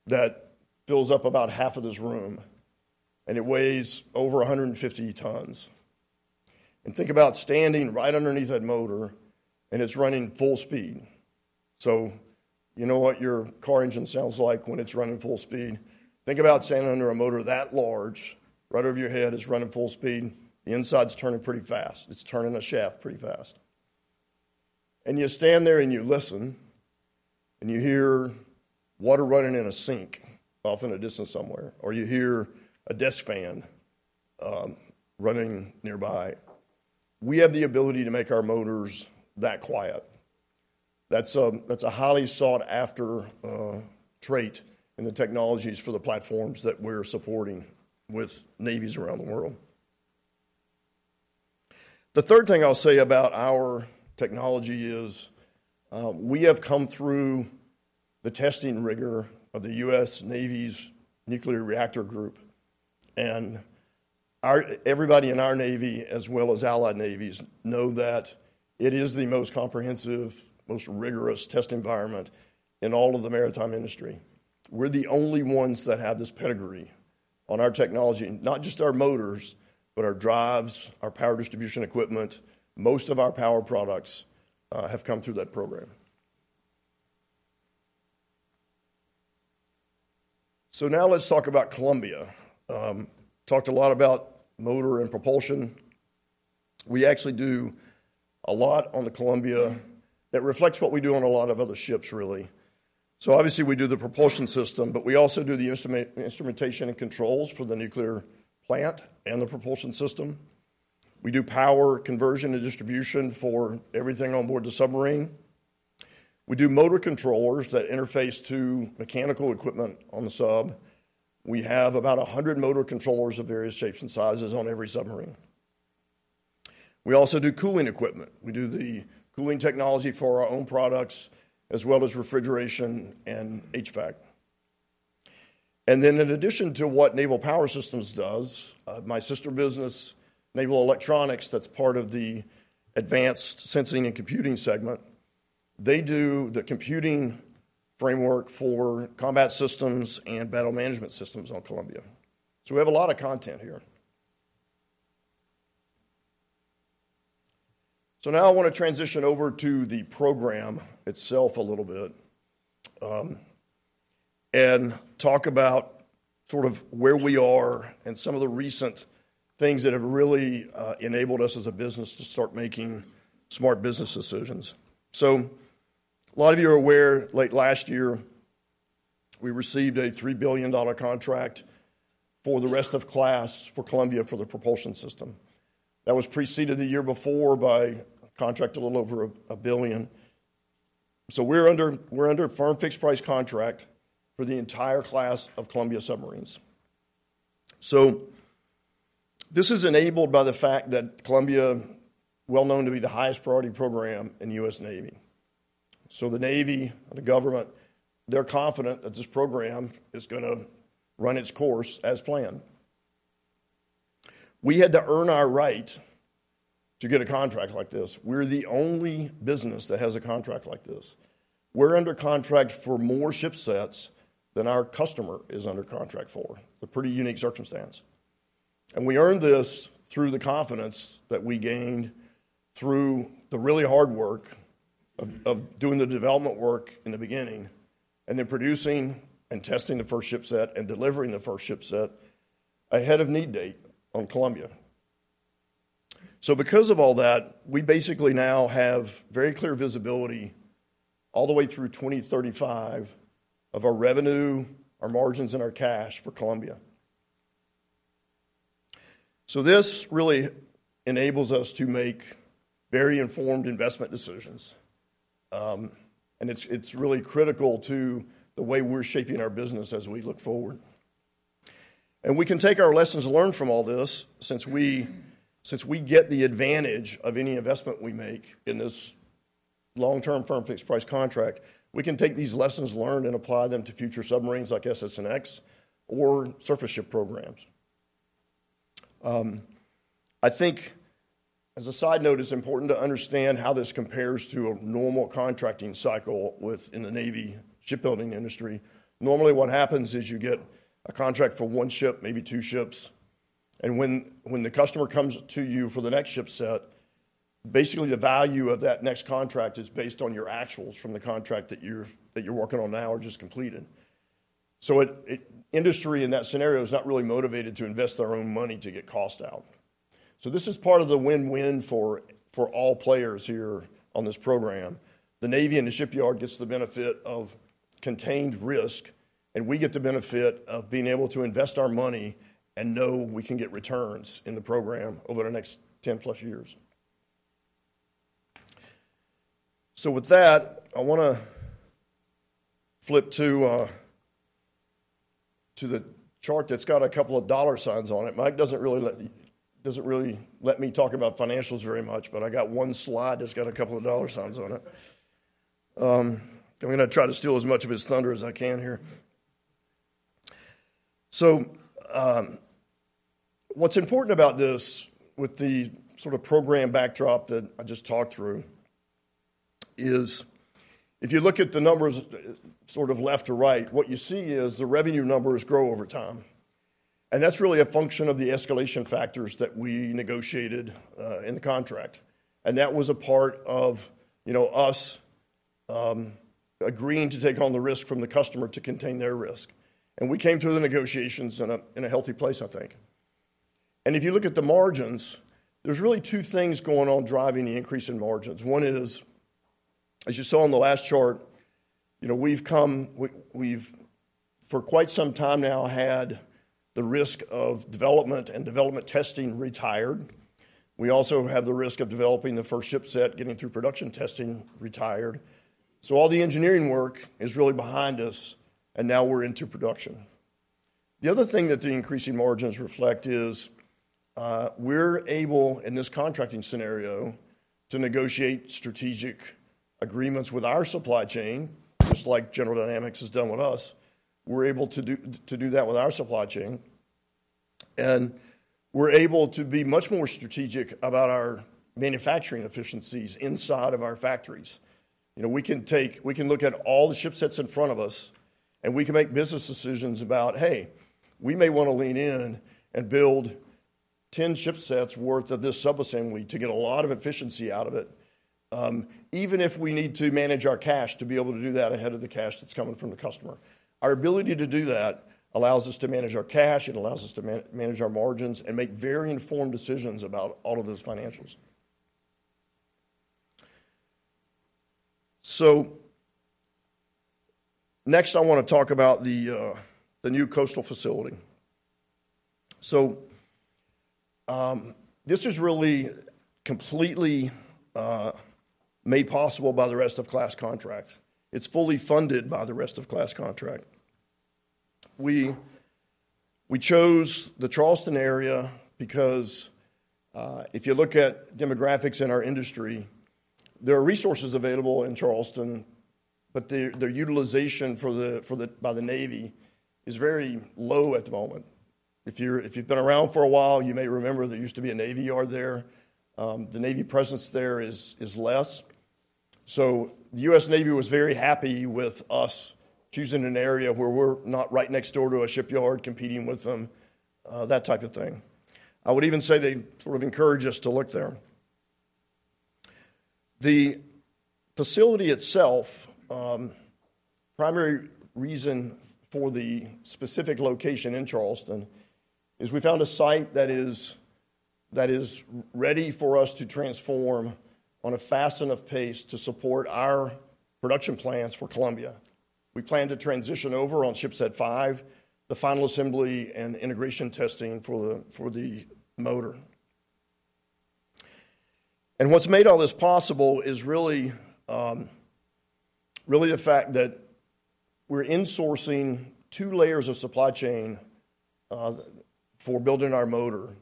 that fills up about half of this room, and it weighs over 150 tons, and think about standing right underneath that motor, and it's running full speed. So you know what your car engine sounds like when it's running full speed? Think about standing under a motor that large, right over your head, it's running full speed. The inside's turning pretty fast. It's turning a shaft pretty fast. And you stand there, and you listen, and you hear water running in a sink off in the distance somewhere, or you hear a desk fan running nearby. We have the ability to make our motors that quiet. That's a, that's a highly sought-after trait in the technologies for the platforms that we're supporting with navies around the world. The third thing I'll say about our technology is, we have come through the testing rigor of the U.S. Navy's nuclear reactor group, and everybody in our Navy, as well as allied navies, know that it is the most comprehensive, most rigorous test environment in all of the maritime industry. We're the only ones that have this pedigree on our technology, and not just our motors, but our drives, our power distribution equipment. Most of our power products have come through that program. So now let's talk about Columbia. Talked a lot about motor and propulsion. We actually do a lot on the Columbia that reflects what we do on a lot of other ships, really. So obviously, we do the propulsion system, but we also do the instrumentation and controls for the nuclear plant and the propulsion system. We do power conversion and distribution for everything on board the submarine. We do motor controllers that interface to mechanical equipment on the sub. We have about 100 motor controllers of various shapes and sizes on every submarine. We also do cooling equipment. We do the cooling technology for our own products, as well as refrigeration and HVAC. And then, in addition to what Naval Power Systems does, my sister business, Naval Electronics, that's part of the Advanced Sensing and Computing segment, they do the computing framework for combat systems and battle management systems on Columbia. So we have a lot of content here. So now I wanna transition over to the program itself a little bit, and talk about sort of where we are and some of the recent things that have really enabled us as a business to start making smart business decisions. So a lot of you are aware, late last year, we received a $3 billion contract for the rest of class for Columbia, for the propulsion system. That was preceded the year before by a contract a little over $1 billion. So we're under a firm fixed price contract for the entire class of Columbia submarines. So this is enabled by the fact that Columbia, well known to be the highest priority program in the U.S. Navy. So the Navy, the government, they're confident that this program is gonna run its course as planned. We had to earn our right to get a contract like this. We're the only business that has a contract like this. We're under contract for shipsets than our customer is under contract for. A pretty unique circumstance. And we earned this through the confidence that we gained through the really hard work of doing the development work in the beginning, and then producing and testing the shipset and delivering the shipset ahead of need date on Columbia. Because of all that, we basically now have very clear visibility all the way through 2035 of our revenue, our margins, and our cash for Columbia. This really enables us to make very informed investment decisions, and it's really critical to the way we're shaping our business as we look forward. We can take our lessons learned from all this, since we get the advantage of any investment we make in this long-term firm fixed price contract, we can take these lessons learned and apply them to future submarines like SSN or surface ship programs. I think as a side note, it's important to understand how this compares to a normal contracting cycle within the Navy shipbuilding industry. Normally, what happens is you get a contract for one ship, maybe two ships, and when the customer comes to you for the shipset, basically, the value of that next contract is based on your actuals from the contract that you're working on now or just completed. So the industry in that scenario is not really motivated to invest their own money to get cost out. So this is part of the win-win for all players here on this program. The Navy and the shipyard gets the benefit of contained risk, and we get the benefit of being able to invest our money and know we can get returns in the program over the next 10+ years. So with that, I wanna flip to the chart that's got a couple of dollar signs on it. Mike doesn't really let me talk about financials very much, but I got one slide that's got a couple of dollar signs on it. I'm gonna try to steal as much of his thunder as I can here. So, what's important about this, with the sort of program backdrop that I just talked through, is if you look at the numbers, sort of left to right, what you see is the revenue numbers grow over time, and that's really a function of the escalation factors that we negotiated in the contract. And that was a part of, you know, us agreeing to take on the risk from the customer to contain their risk. And we came through the negotiations in a healthy place, I think. If you look at the margins, there's really two things going on driving the increase in margins. One is, as you saw on the last chart, you know, we've come, we've for quite some time now had the risk of development and development testing retired. We also have the risk of developing the shipset, getting through production testing, retired. So all the engineering work is really behind us, and now we're into production. The other thing that the increasing margins reflect is, we're able, in this contracting scenario, to negotiate strategic agreements with our supply chain, just like General Dynamics has done with us. We're able to do that with our supply chain, and we're able to be much more strategic about our manufacturing efficiencies inside of our factories. You know, we can take -- we can look at all shipsets in front of us, and we can make business decisions about, "Hey, we may wanna lean in and build shipsets worth of this subassembly to get a lot of efficiency out of it," even if we need to manage our cash to be able to do that ahead of the cash that's coming from the customer. Our ability to do that allows us to manage our cash, it allows us to manage our margins and make very informed decisions about all of those financials. So next, I wanna talk about the new Charleston facility. This is really completely made possible by the Columbia-class contract. It's fully funded by the Columbia-class contract. We chose the Charleston area because if you look at demographics in our industry, there are resources available in Charleston, but their utilization by the Navy is very low at the moment. If you've been around for a while, you may remember there used to be a Navy yard there. The Navy presence there is less. So the U.S. Navy was very happy with us choosing an area where we're not right next door to a shipyard competing with them, that type of thing. I would even say they sort of encouraged us to look there. The facility itself, primary reason for the specific location in Charleston is we found a site that is ready for us to transform on a fast enough pace to support our production plans for Columbia. We plan to transition over shipset 5, the final assembly and integration testing for the motor. What's made all this possible is really, really the fact that we're insourcing two layers of supply chain for building our motor.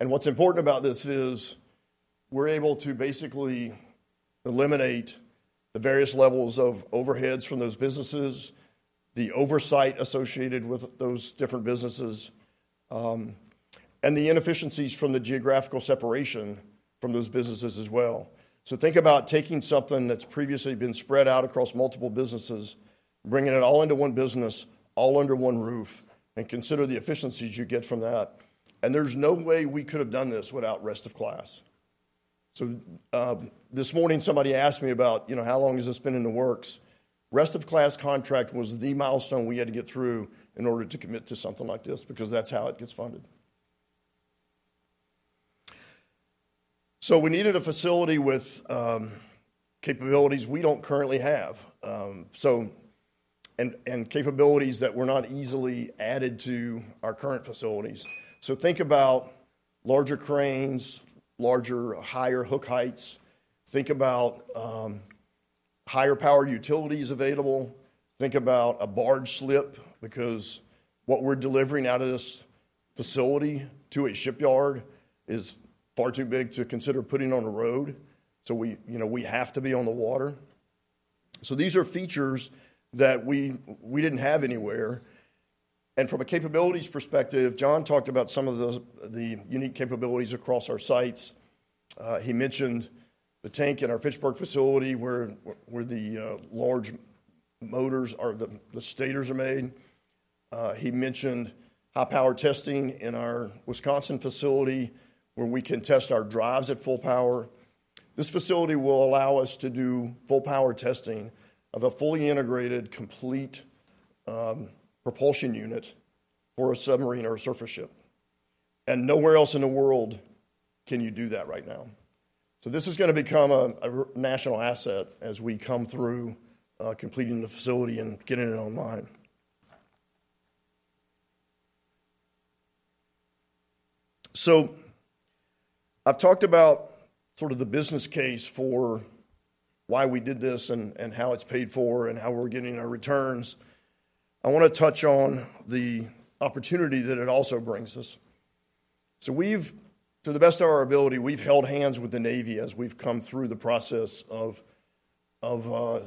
What's important about this is, we're able to basically eliminate the various levels of overheads from those businesses, the oversight associated with those different businesses, and the inefficiencies from the geographical separation from those businesses as well. So think about taking something that's previously been spread out across multiple businesses, bringing it all into one business, all under one roof, and consider the efficiencies you get from that. There's no way we could have done this without best in class. So, this morning, somebody asked me about, you know, "How long has this been in the works?" Rest-of-class contract was the milestone we had to get through in order to commit to something like this, because that's how it gets funded. So we needed a facility with capabilities we don't currently have, so, and capabilities that were not easily added to our current facilities. So think about larger cranes, larger, higher hook heights. Think about higher power utilities available. Think about a barge slip, because what we're delivering out of this facility to a shipyard is far too big to consider putting on a road, so we, you know, we have to be on the water. So these are features that we, we didn't have anywhere. And from a capabilities perspective, John talked about some of the unique capabilities across our sites. He mentioned the tank in our Fitchburg facility, where the large motors or the stators are made. He mentioned high power testing in our Wisconsin facility, where we can test our drives at full power. This facility will allow us to do full power testing of a fully integrated, complete propulsion unit for a submarine or a surface ship. And nowhere else in the world can you do that right now. So this is gonna become a national asset as we come through completing the facility and getting it online. So I've talked about sort of the business case for why we did this, and how it's paid for, and how we're getting our returns. I wanna touch on the opportunity that it also brings us. So we've, to the best of our ability, we've held hands with the Navy as we've come through the process of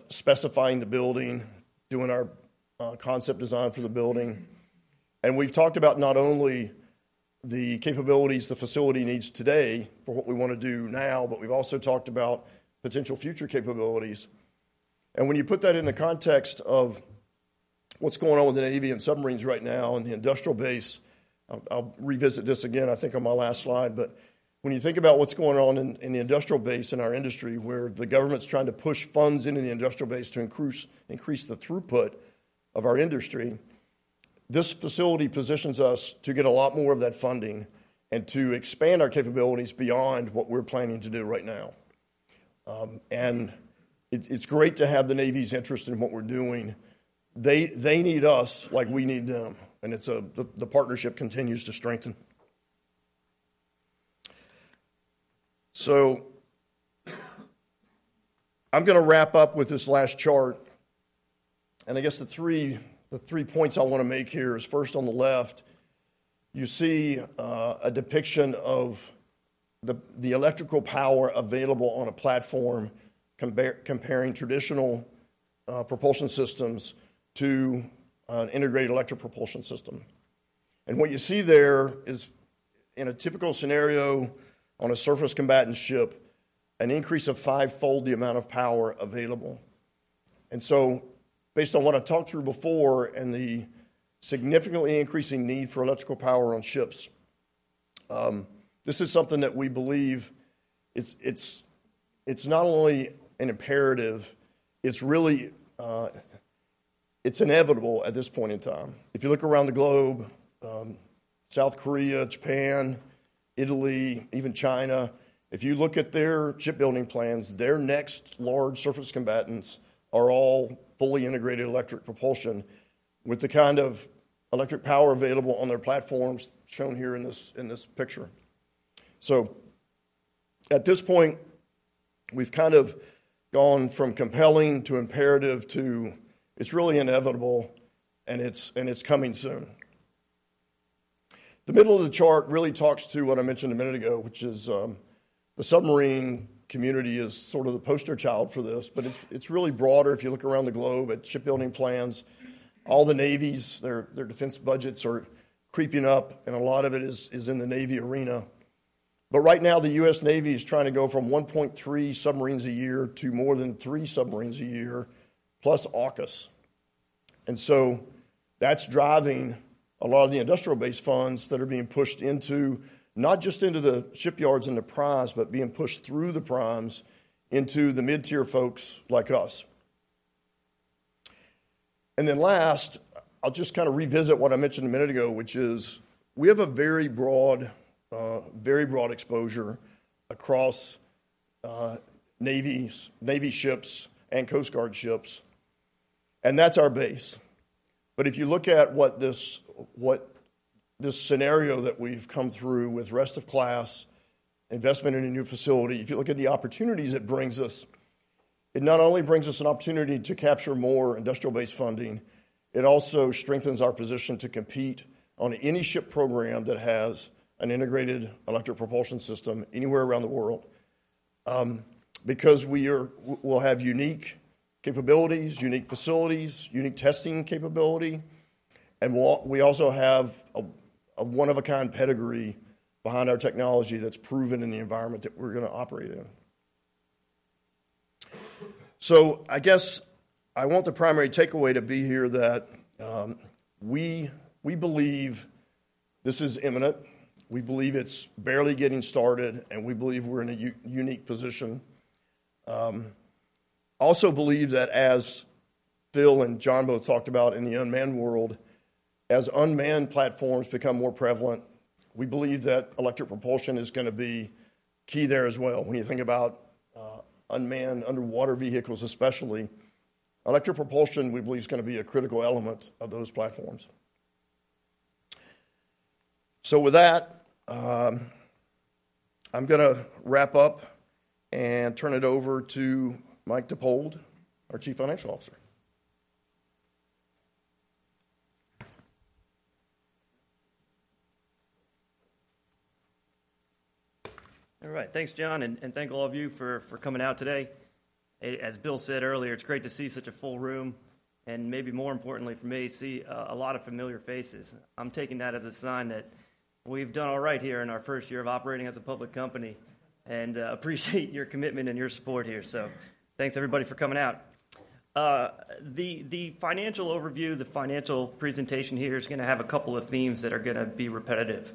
specifying the building, doing our concept design for the building. And we've talked about not only the capabilities the facility needs today for what we wanna do now, but we've also talked about potential future capabilities. And when you put that in the context of what's going on with the Navy and submarines right now and the industrial base, I'll revisit this again, I think, on my last slide. But when you think about what's going on in the industrial base in our industry, where the government's trying to push funds into the industrial base to increase the throughput of our industry, this facility positions us to get a lot more of that funding and to expand our capabilities beyond what we're planning to do right now. And it's great to have the Navy's interest in what we're doing. They need us like we need them, and the partnership continues to strengthen. So I'm gonna wrap up with this last chart, and I guess the three points I wanna make here is, first, on the left, you see a depiction of the electrical power available on a platform comparing traditional propulsion systems to an integrated electric propulsion system. What you see there is, in a typical scenario, on a surface combatant ship, an increase of fivefold the amount of power available. So based on what I talked through before and the significantly increasing need for electrical power on ships, this is something that we believe it's not only an imperative, it's really, it's inevitable at this point in time. If you look around the globe, South Korea, Japan, Italy, even China, if you look at their shipbuilding plans, their next large surface combatants are all fully integrated electric propulsion, with the kind of electric power available on their platforms, shown here in this, in this picture. So at this point, we've kind of gone from compelling to imperative to it's really inevitable, and it's coming soon. The middle of the chart really talks to what I mentioned a minute ago, which is, the submarine community is sort of the poster child for this, but it's, it's really broader. If you look around the globe at shipbuilding plans, all the navies, their, their defense budgets are creeping up, and a lot of it is, is in the Navy arena. But right now, the U.S. Navy is trying to go from 1.3 submarines a year to more than three submarines a year, plus AUKUS. And so that's driving a lot of the industrial base funds that are being pushed into... not just into the shipyards and the primes, but being pushed through the primes into the mid-tier folks like us. Last, I'll just kinda revisit what I mentioned a minute ago, which is, we have a very broad, very broad exposure across navies, Navy ships and Coast Guard ships, and that's our base. But if you look at what this scenario that we've come through with Columbia-class investment in a new facility, if you look at the opportunities it brings us, it not only brings us an opportunity to capture more industrial base funding, it also strengthens our position to compete on any ship program that has an integrated electric propulsion system anywhere around the world. Because we'll have unique capabilities, unique facilities, unique testing capability, and we also have a one-of-a-kind pedigree behind our technology that's proven in the environment that we're gonna operate in. So I guess I want the primary takeaway to be here that, we, we believe this is imminent, we believe it's barely getting started, and we believe we're in a unique position. I also believe that as Phil and John both talked about in the unmanned world, as unmanned platforms become more prevalent, we believe that electric propulsion is gonna be key there as well. When you think about, unmanned underwater vehicles especially, electric propulsion, we believe, is gonna be a critical element of those platforms. So with that, I'm gonna wrap up and turn it over to Mike Dippold, our Chief Financial Officer. All right. Thanks, Jon, and thank all of you for coming out today. As Bill said earlier, it's great to see such a full room, and maybe more importantly for me, see a lot of familiar faces. I'm taking that as a sign that we've done all right here in our first year of operating as a public company... and appreciate your commitment and your support here. So thanks, everybody, for coming out. The financial overview, the financial presentation here is gonna have a couple of themes that are gonna be repetitive,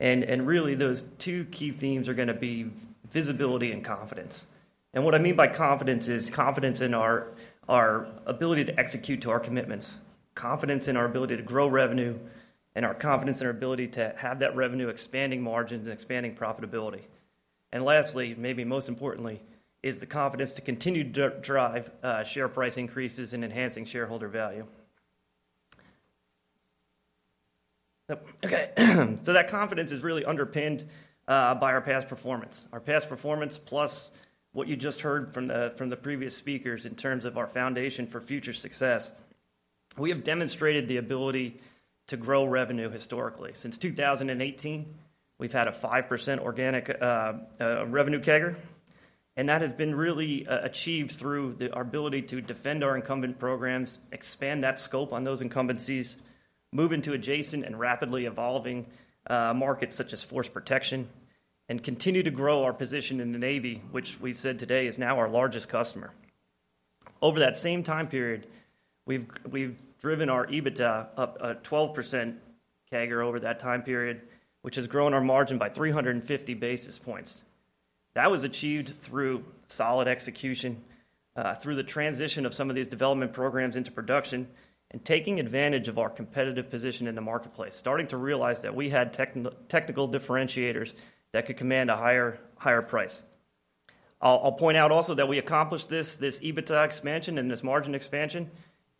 and really, those two key themes are gonna be visibility and confidence. And what I mean by confidence is confidence in our ability to execute to our commitments, confidence in our ability to grow revenue, and our confidence in our ability to have that revenue expanding margins and expanding profitability. And lastly, maybe most importantly, is the confidence to continue to drive share price increases and enhancing shareholder value. Okay, so that confidence is really underpinned by our past performance. Our past performance plus what you just heard from the previous speakers in terms of our foundation for future success. We have demonstrated the ability to grow revenue historically. Since 2018, we've had a 5% organic revenue CAGR, and that has been really achieved through our ability to defend our incumbent programs, expand that scope on those incumbencies, move into adjacent and rapidly evolving markets such as Force Protection, and continue to grow our position in the Navy, which we've said today is now our largest customer. Over that same time period, we've driven our EBITDA up 12% CAGR over that time period, which has grown our margin by 350 basis points. That was achieved through solid execution through the transition of some of these development programs into production, and taking advantage of our competitive position in the marketplace, starting to realize that we had technical differentiators that could command a higher price. I'll point out also that we accomplished this EBITDA expansion and this margin expansion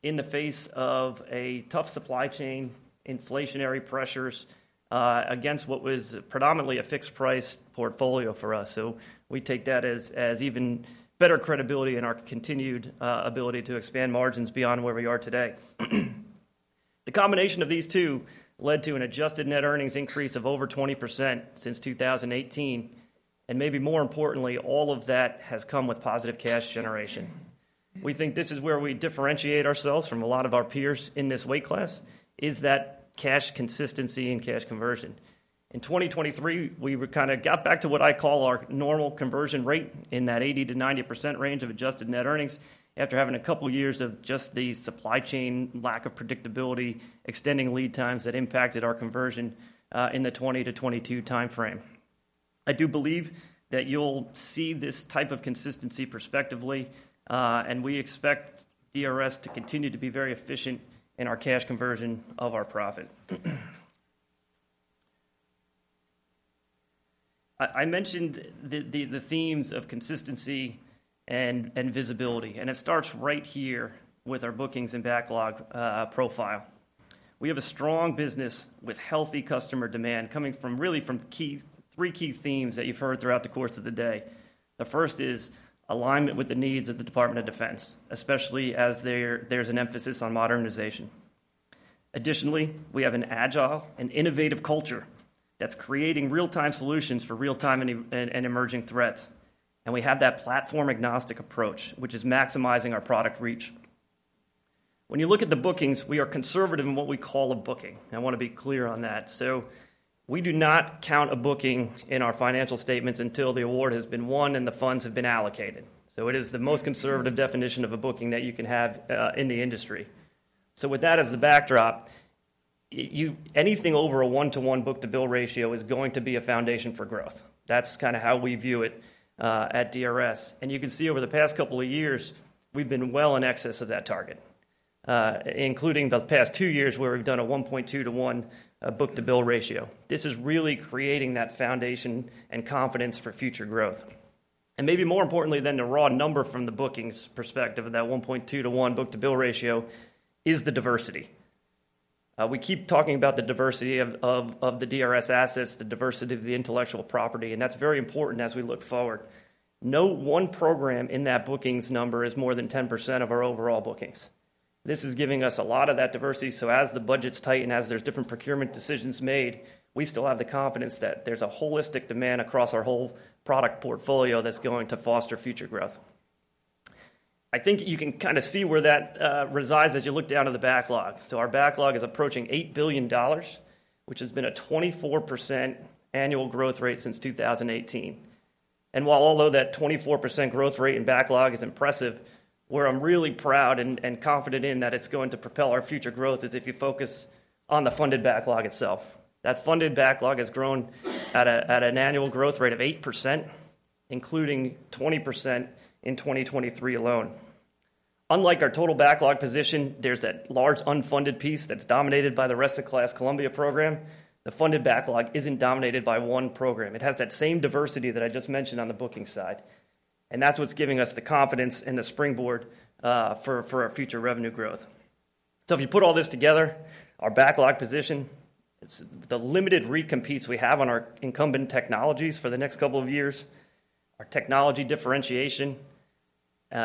in the face of a tough supply chain, inflationary pressures, against what was predominantly a fixed-price portfolio for us, so we take that as even better credibility in our continued ability to expand margins beyond where we are today. The combination of these two led to an adjusted net earnings increase of over 20% since 2018, and maybe more importantly, all of that has come with positive cash generation. We think this is where we differentiate ourselves from a lot of our peers in this weight class, is that cash consistency and cash conversion. In 2023, we kinda got back to what I call our normal conversion rate in that 80%-90% range of adjusted net earnings after having a couple years of just the supply chain, lack of predictability, extending lead times that impacted our conversion in the 2020-2022 timeframe. I do believe that you'll see this type of consistency prospectively, and we expect DRS to continue to be very efficient in our cash conversion of our profit. I mentioned the themes of consistency and visibility, and it starts right here with our bookings and backlog profile. We have a strong business with healthy customer demand coming from, really, from three key themes that you've heard throughout the course of the day. The first is alignment with the needs of the Department of Defense, especially as there's an emphasis on modernization. Additionally, we have an agile and innovative culture that's creating real-time solutions for real-time and emerging threats, and we have that platform-agnostic approach, which is maximizing our product reach. When you look at the bookings, we are conservative in what we call a booking. I wanna be clear on that. So we do not count a booking in our financial statements until the award has been won and the funds have been allocated, so it is the most conservative definition of a booking that you can have in the industry. So with that as the backdrop, anything over a one-to-one book-to-bill ratio is going to be a foundation for growth. That's kinda how we view it at DRS. You can see over the past couple of years, we've been well in excess of that target, including the past two years, where we've done a 1.2-to-1 book-to-bill ratio. This is really creating that foundation and confidence for future growth. Maybe more importantly than the raw number from the bookings perspective of that 1.2-to-1 book-to-bill ratio is the diversity. We keep talking about the diversity of the DRS assets, the diversity of the intellectual property, and that's very important as we look forward. No one program in that bookings number is more than 10% of our overall bookings. This is giving us a lot of that diversity, so as the budgets tighten, as there's different procurement decisions made, we still have the confidence that there's a holistic demand across our whole product portfolio that's going to foster future growth. I think you can kinda see where that resides as you look down to the backlog. So our backlog is approaching $8 billion, which has been a 24% annual growth rate since 2018. And although that 24% growth rate in backlog is impressive, where I'm really proud and confident in that it's going to propel our future growth is if you focus on the funded backlog itself. That funded backlog has grown at an annual growth rate of 8%, including 20% in 2023 alone. Unlike our total backlog position, there's that large unfunded piece that's dominated by the Columbia-class program. The funded backlog isn't dominated by one program. It has that same diversity that I just mentioned on the bookings side, and that's what's giving us the confidence and the springboard for our future revenue growth. So if you put all this together, our backlog position, it's the limited recompetes we have on our incumbent technologies for the next couple of years, our technology differentiation,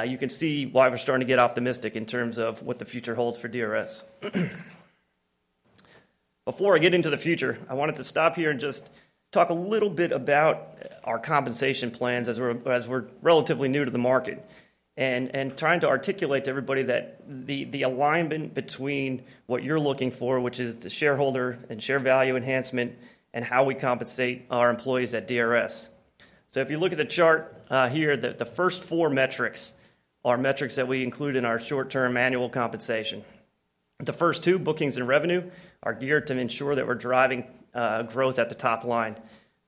you can see why we're starting to get optimistic in terms of what the future holds for DRS. Before I get into the future, I wanted to stop here and just talk a little bit about our compensation plans as we're relatively new to the market, and trying to articulate to everybody that the alignment between what you're looking for, which is the shareholder and share value enhancement, and how we compensate our employees at DRS. So if you look at the chart here, the first four metrics are metrics that we include in our short-term annual compensation. The first two, bookings and revenue, are geared to ensure that we're driving growth at the top line.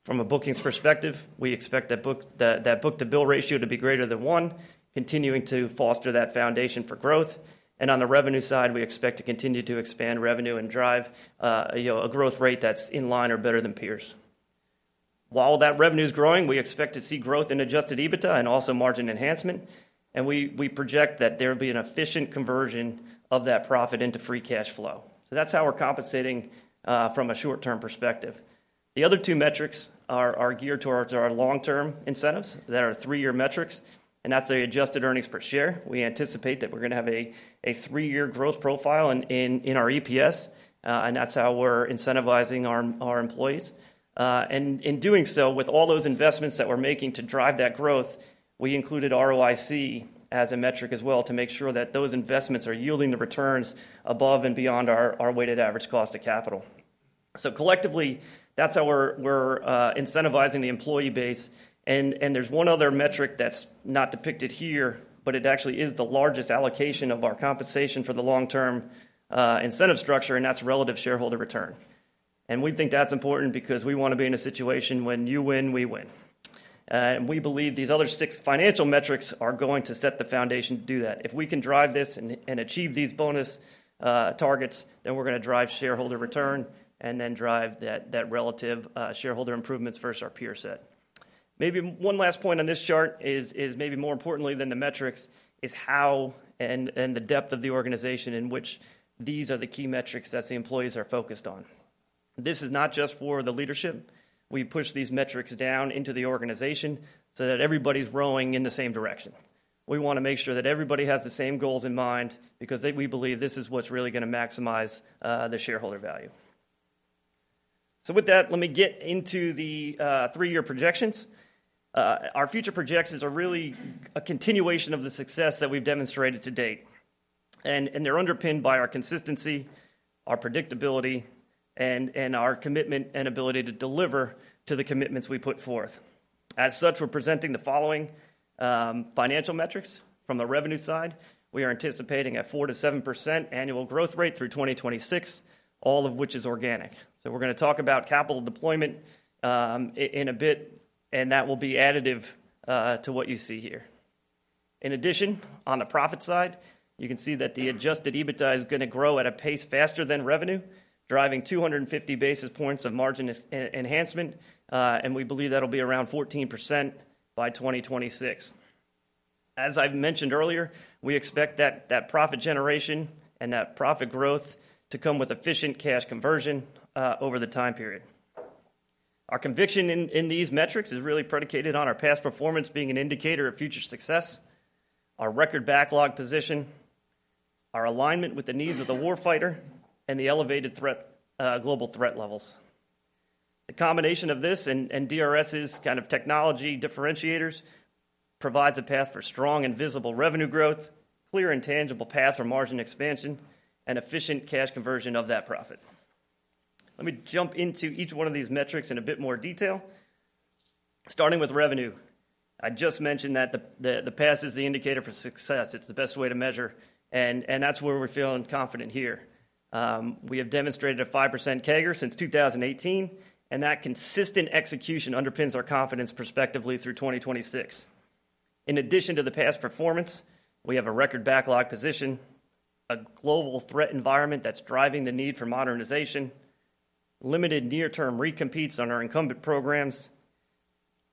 From a bookings perspective, we expect that book-to-bill ratio to be greater than one, continuing to foster that foundation for growth. On the revenue side, we expect to continue to expand revenue and drive you know, a growth rate that's in line or better than peers. While that revenue's growing, we expect to see growth in Adjusted EBITDA and also margin enhancement, and we project that there will be an efficient conversion of that profit into free cash flow. That's how we're compensating from a short-term perspective. The other two metrics are geared towards our long-term incentives, that are three-year metrics, and that's the adjusted earnings per share. We anticipate that we're gonna have a three-year growth profile in our EPS, and that's how we're incentivizing our employees. And in doing so, with all those investments that we're making to drive that growth, we included ROIC as a metric as well, to make sure that those investments are yielding the returns above and beyond our weighted average cost of capital. So collectively, that's how we're incentivizing the employee base. And there's one other metric that's not depicted here, but it actually is the largest allocation of our compensation for the long-term incentive structure, and that's relative shareholder return. And we think that's important because we wanna be in a situation when you win, we win. And we believe these other six financial metrics are going to set the foundation to do that. If we can drive this and achieve these bonus targets, then we're gonna drive shareholder return and then drive that relative shareholder improvements versus our peer set. Maybe one last point on this chart is maybe more importantly than the metrics is how and the depth of the organization in which these are the key metrics that the employees are focused on. This is not just for the leadership. We push these metrics down into the organization so that everybody's rowing in the same direction. We wanna make sure that everybody has the same goals in mind because we believe this is what's really gonna maximize the shareholder value. So with that, let me get into the three-year projections. Our future projections are really a continuation of the success that we've demonstrated to date, and, and they're underpinned by our consistency, our predictability, and, and our commitment and ability to deliver to the commitments we put forth. As such, we're presenting the following, financial metrics. From the revenue side, we are anticipating a 4%-7% annual growth rate through 2026, all of which is organic. So we're gonna talk about capital deployment, in a bit, and that will be additive, to what you see here. In addition, on the profit side, you can see that the Adjusted EBITDA is gonna grow at a pace faster than revenue, driving 250 basis points of margin enhancement, and we believe that'll be around 14% by 2026. As I've mentioned earlier, we expect that, that profit generation and that profit growth to come with efficient cash conversion over the time period. Our conviction in, in these metrics is really predicated on our past performance being an indicator of future success, our record backlog position, our alignment with the needs of the warfighter, and the elevated threat global threat levels. The combination of this and, and DRS's kind of technology differentiators provides a path for strong and visible revenue growth, clear and tangible path for margin expansion, and efficient cash conversion of that profit. Let me jump into each one of these metrics in a bit more detail, starting with revenue. I just mentioned that the, the, the past is the indicator for success. It's the best way to measure, and, and that's where we're feeling confident here. We have demonstrated a 5% CAGR since 2018, and that consistent execution underpins our confidence prospectively through 2026. In addition to the past performance, we have a record backlog position, a global threat environment that's driving the need for modernization, limited near-term recompetes on our incumbent programs,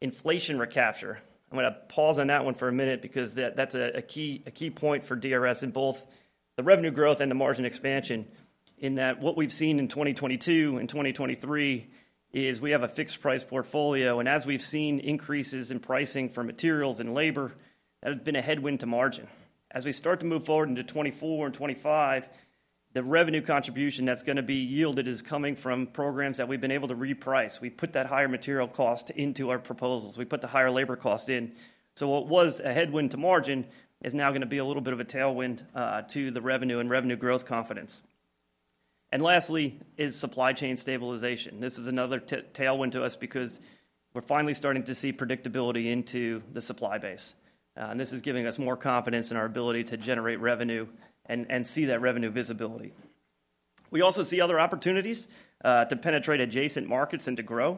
inflation recapture. I'm gonna pause on that one for a minute because that, that's a, a key, a key point for DRS in both the revenue growth and the margin expansion, in that what we've seen in 2022 and 2023 is we have a fixed price portfolio, and as we've seen increases in pricing for materials and labor, that has been a headwind to margin. As we start to move forward into 2024 and 2025, the revenue contribution that's gonna be yielded is coming from programs that we've been able to reprice. We put that higher material cost into our proposals. We put the higher labor cost in. So what was a headwind to margin is now gonna be a little bit of a tailwind to the revenue and revenue growth confidence. And lastly is supply chain stabilization. This is another tailwind to us because we're finally starting to see predictability into the supply base, and this is giving us more confidence in our ability to generate revenue and see that revenue visibility. We also see other opportunities to penetrate adjacent markets and to grow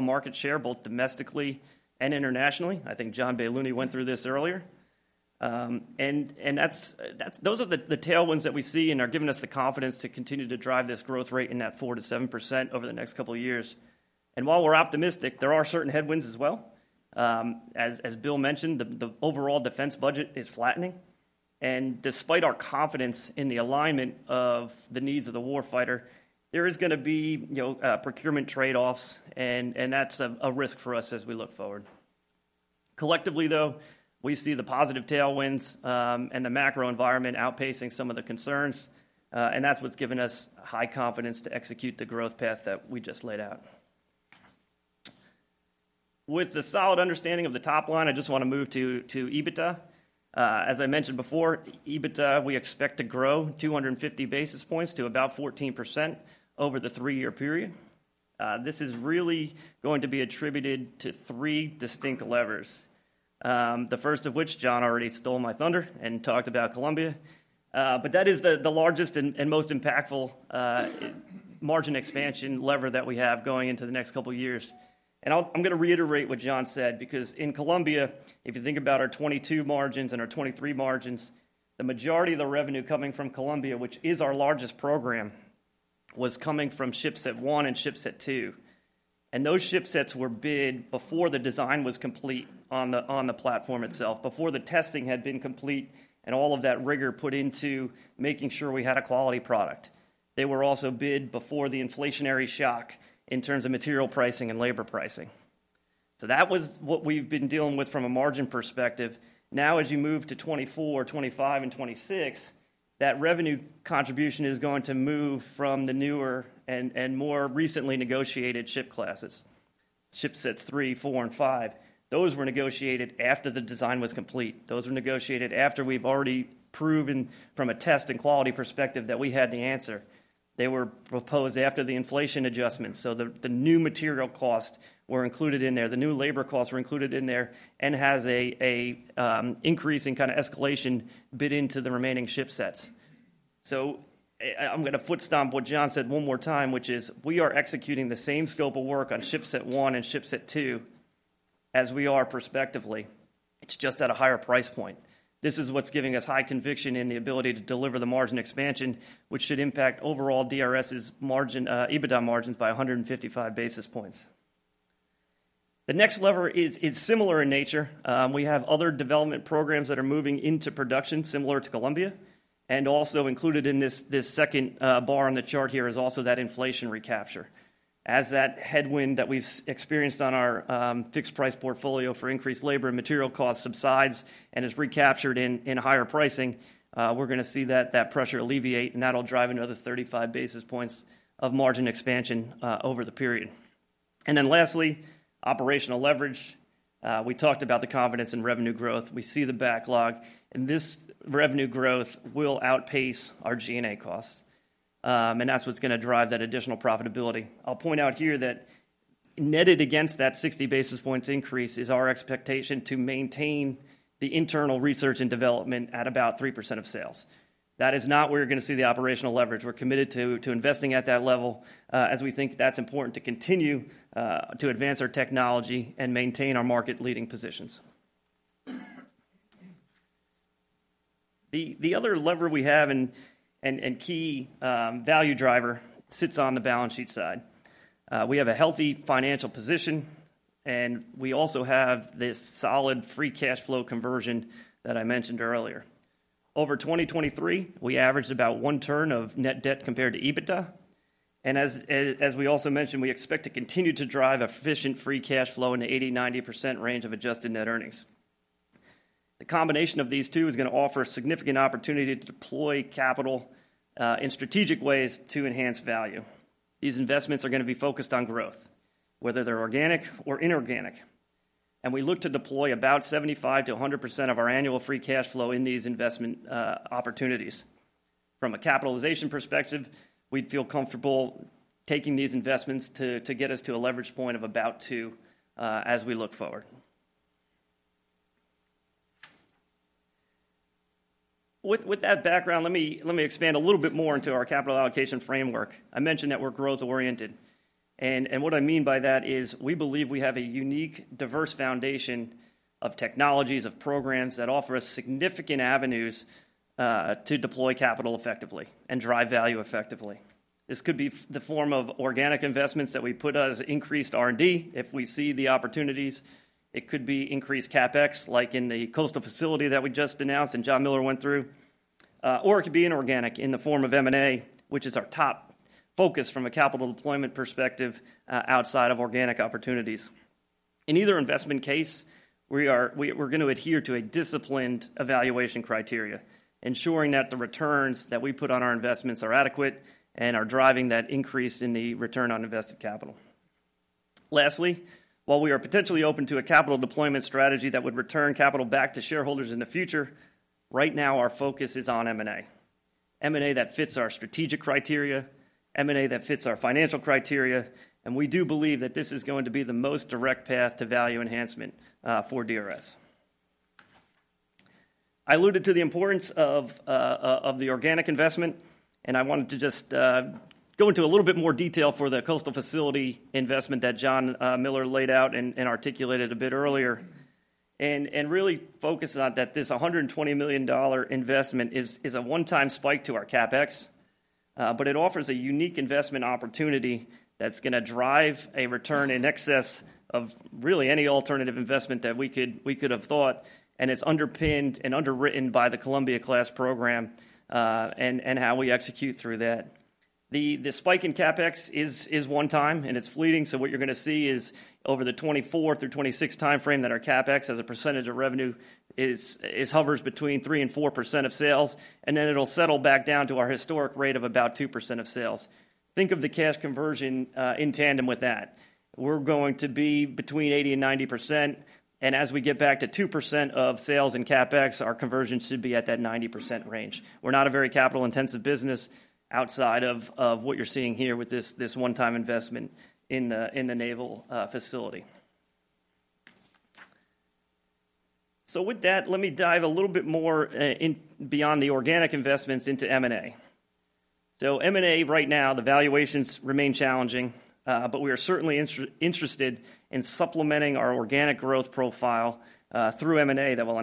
market share, both domestically and internationally. I think John Baylouny went through this earlier. And that's those are the tailwinds that we see and are giving us the confidence to continue to drive this growth rate in that 4%-7% over the next couple of years. While we're optimistic, there are certain headwinds as well. As Bill mentioned, the overall defense budget is flattening, and despite our confidence in the alignment of the needs of the warfighter, there is gonna be, you know, procurement trade-offs, and that's a risk for us as we look forward. Collectively, though, we see the positive tailwinds, and the macro environment outpacing some of the concerns, and that's what's given us high confidence to execute the growth path that we just laid out. With the solid understanding of the top line, I just wanna move to EBITDA. As I mentioned before, EBITDA, we expect to grow 250 basis points to about 14% over the three-year period. This is really going to be attributed to three distinct levers. The first of which, Jon already stole my thunder and talked about Columbia. But that is the largest and most impactful margin expansion lever that we have going into the next couple of years. And I'm gonna reiterate what Jon said, because in Columbia, if you think about our 2022 margins and our 2023 margins, the majority of the revenue coming from Columbia, which is our largest program, was coming shipset 1 shipset 2. And shipsets were bid before the design was complete on the platform itself, before the testing had been complete, and all of that rigor put into making sure we had a quality product. They were also bid before the inflationary shock in terms of material pricing and labor pricing. So that was what we've been dealing with from a margin perspective. Now, as you move to 2024, 2025, and 2026, that revenue contribution is going to move from the newer and more recently negotiated ship shipsets 3, 4, and 5. Those were negotiated after the design was complete. Those were negotiated after we've already proven from a test and quality perspective that we had the answer. They were proposed after the inflation adjustment, so the new material costs were included in there, the new labor costs were included in there, and has an increase in kind of escalation built into the shipsets. so, I'm gonna foot stomp what Jon said one more time, which is, we are executing the same scope of work shipset 1 shipset 2 as we are respectively. It's just at a higher price point. This is what's giving us high conviction in the ability to deliver the margin expansion, which should impact overall DRS's margin, EBITDA margins by 155 basis points. The next lever is similar in nature. We have other development programs that are moving into production, similar to Columbia, and also included in this second bar on the chart here is also that inflation recapture. As that headwind that we've experienced on our fixed price portfolio for increased labor and material costs subsides and is recaptured in higher pricing, we're gonna see that pressure alleviate, and that'll drive another 35 basis points of margin expansion over the period. And then lastly, operational leverage. We talked about the confidence in revenue growth. We see the backlog, and this revenue growth will outpace our G&A costs, and that's what's gonna drive that additional profitability. I'll point out here that netted against that 60 basis points increase is our expectation to maintain the internal research and development at about 3% of sales. That is not where you're gonna see the operational leverage. We're committed to investing at that level, as we think that's important to continue to advance our technology and maintain our market-leading positions. The other lever we have and key value driver sits on the balance sheet side. We have a healthy financial position, and we also have this solid free cash flow conversion that I mentioned earlier. Over 2023, we averaged about one turn of net debt compared to EBITDA, and we also mentioned, we expect to continue to drive efficient free cash flow in the 80%-90% range of adjusted net earnings. The combination of these two is gonna offer a significant opportunity to deploy capital in strategic ways to enhance value. These investments are gonna be focused on growth, whether they're organic or inorganic. And we look to deploy about 75%-100% of our annual free cash flow in these investment opportunities. From a capitalization perspective, we'd feel comfortable taking these investments to get us to a leverage point of about two as we look forward. With that background, let me expand a little bit more into our capital allocation framework. I mentioned that we're growth-oriented, and what I mean by that is, we believe we have a unique, diverse foundation of technologies, of programs that offer us significant avenues to deploy capital effectively and drive value effectively. This could be the form of organic investments that we put as increased R&D, if we see the opportunities. It could be increased CapEx, like in the coastal facility that we just announced and Jon Miller went through, or it could be inorganic in the form of M&A, which is our top focus from a capital deployment perspective, outside of organic opportunities. In either investment case, we're going to adhere to a disciplined evaluation criteria, ensuring that the returns that we put on our investments are adequate and are driving that increase in the return on invested capital. Lastly, while we are potentially open to a capital deployment strategy that would return capital back to shareholders in the future, right now our focus is on M&A. M&A that fits our strategic criteria, M&A that fits our financial criteria, and we do believe that this is going to be the most direct path to value enhancement for DRS. I alluded to the importance of the organic investment, and I wanted to just go into a little bit more detail for the coastal facility investment that Jon Miller laid out and articulated a bit earlier, and really focus on that this $120 million investment is a one-time spike to our CapEx, but it offers a unique investment opportunity that's gonna drive a return in excess of really any alternative investment that we could have thought, and it's underpinned and underwritten by the Columbia-class program, and how we execute through that. The spike in CapEx is one time, and it's fleeting, so what you're gonna see is over the 2024-2026 timeframe, that our CapEx, as a percentage of revenue, hovers between 3% and 4% of sales, and then it'll settle back down to our historic rate of about 2% of sales. Think of the cash conversion in tandem with that. We're going to be between 80% and 90%, and as we get back to 2% of sales and CapEx, our conversion should be at that 90% range. We're not a very capital-intensive business outside of what you're seeing here with this one-time investment in the naval facility. So with that, let me dive a little bit more beyond the organic investments into M&A. So M&A right now, the valuations remain challenging, but we are certainly interested in supplementing our organic growth profile through M&A that will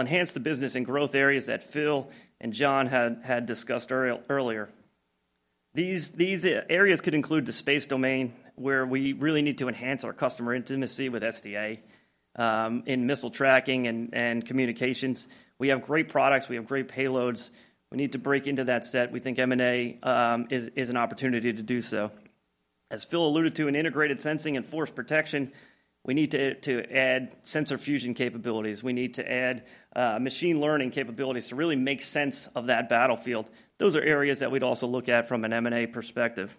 enhance the business and growth areas that Phil and John had discussed earlier. These areas could include the space domain, where we really need to enhance our customer intimacy with SDA in missile tracking and communications. We have great products, we have great payloads. We need to break into that set. We think M&A is an opportunity to do so. As Phil alluded to, in integrated sensing and force protection, we need to add sensor fusion capabilities. We need to add machine learning capabilities to really make sense of that battlefield. Those are areas that we'd also look at from an M&A perspective.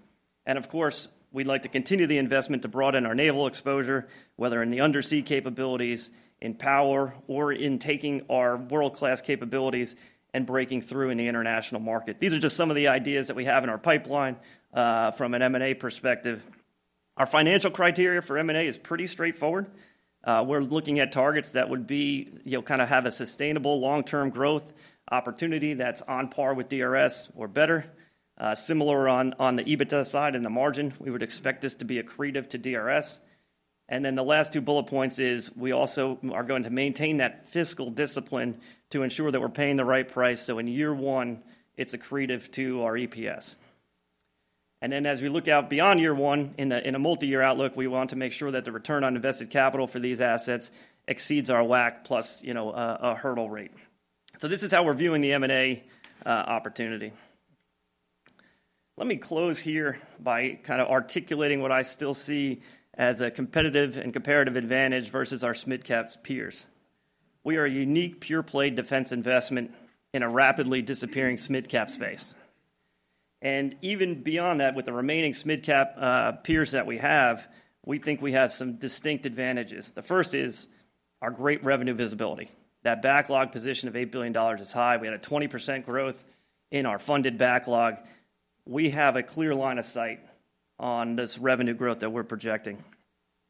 Of course, we'd like to continue the investment to broaden our naval exposure, whether in the undersea capabilities, in power, or in taking our world-class capabilities and breaking through in the international market. These are just some of the ideas that we have in our pipeline from an M&A perspective. Our financial criteria for M&A is pretty straightforward. We're looking at targets that would be, you know, kinda have a sustainable long-term growth opportunity that's on par with DRS or better. Similar on, on the EBITDA side and the margin, we would expect this to be accretive to DRS. And then the last two bullet points is, we also are going to maintain that fiscal discipline to ensure that we're paying the right price, so in year one, it's accretive to our EPS. Then, as we look out beyond year one, in a multi-year outlook, we want to make sure that the return on invested capital for these assets exceeds our WACC plus, you know, a hurdle rate. So this is how we're viewing the M&A opportunity. Let me close here by kinda articulating what I still see as a competitive and comparative advantage versus our mid-cap peers. We are a unique, pure-play defense investment in a rapidly disappearing mid-cap space. And even beyond that, with the remaining mid-cap peers that we have, we think we have some distinct advantages. The first is our great revenue visibility. That backlog position of $8 billion is high. We had a 20% growth in our funded backlog. We have a clear line of sight on this revenue growth that we're projecting.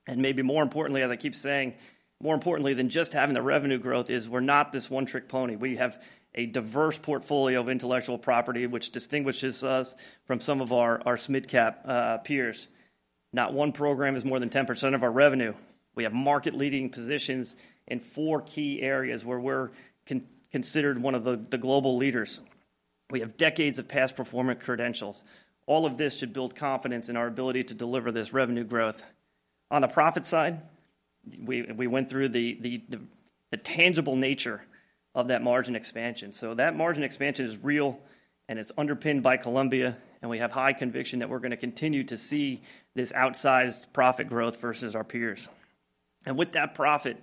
And maybe more importantly, as I keep saying, more importantly than just having the revenue growth, is we're not this one-trick pony. We have a diverse portfolio of intellectual property, which distinguishes us from some of our mid-cap peers. Not one program is more than 10% of our revenue. We have market-leading positions in four key areas where we're considered one of the global leaders. We have decades of past performance credentials. All of this should build confidence in our ability to deliver this revenue growth. On the profit side, we went through the tangible nature of that margin expansion. So that margin expansion is real, and it's underpinned by Columbia, and we have high conviction that we're gonna continue to see this outsized profit growth versus our peers. And with that profit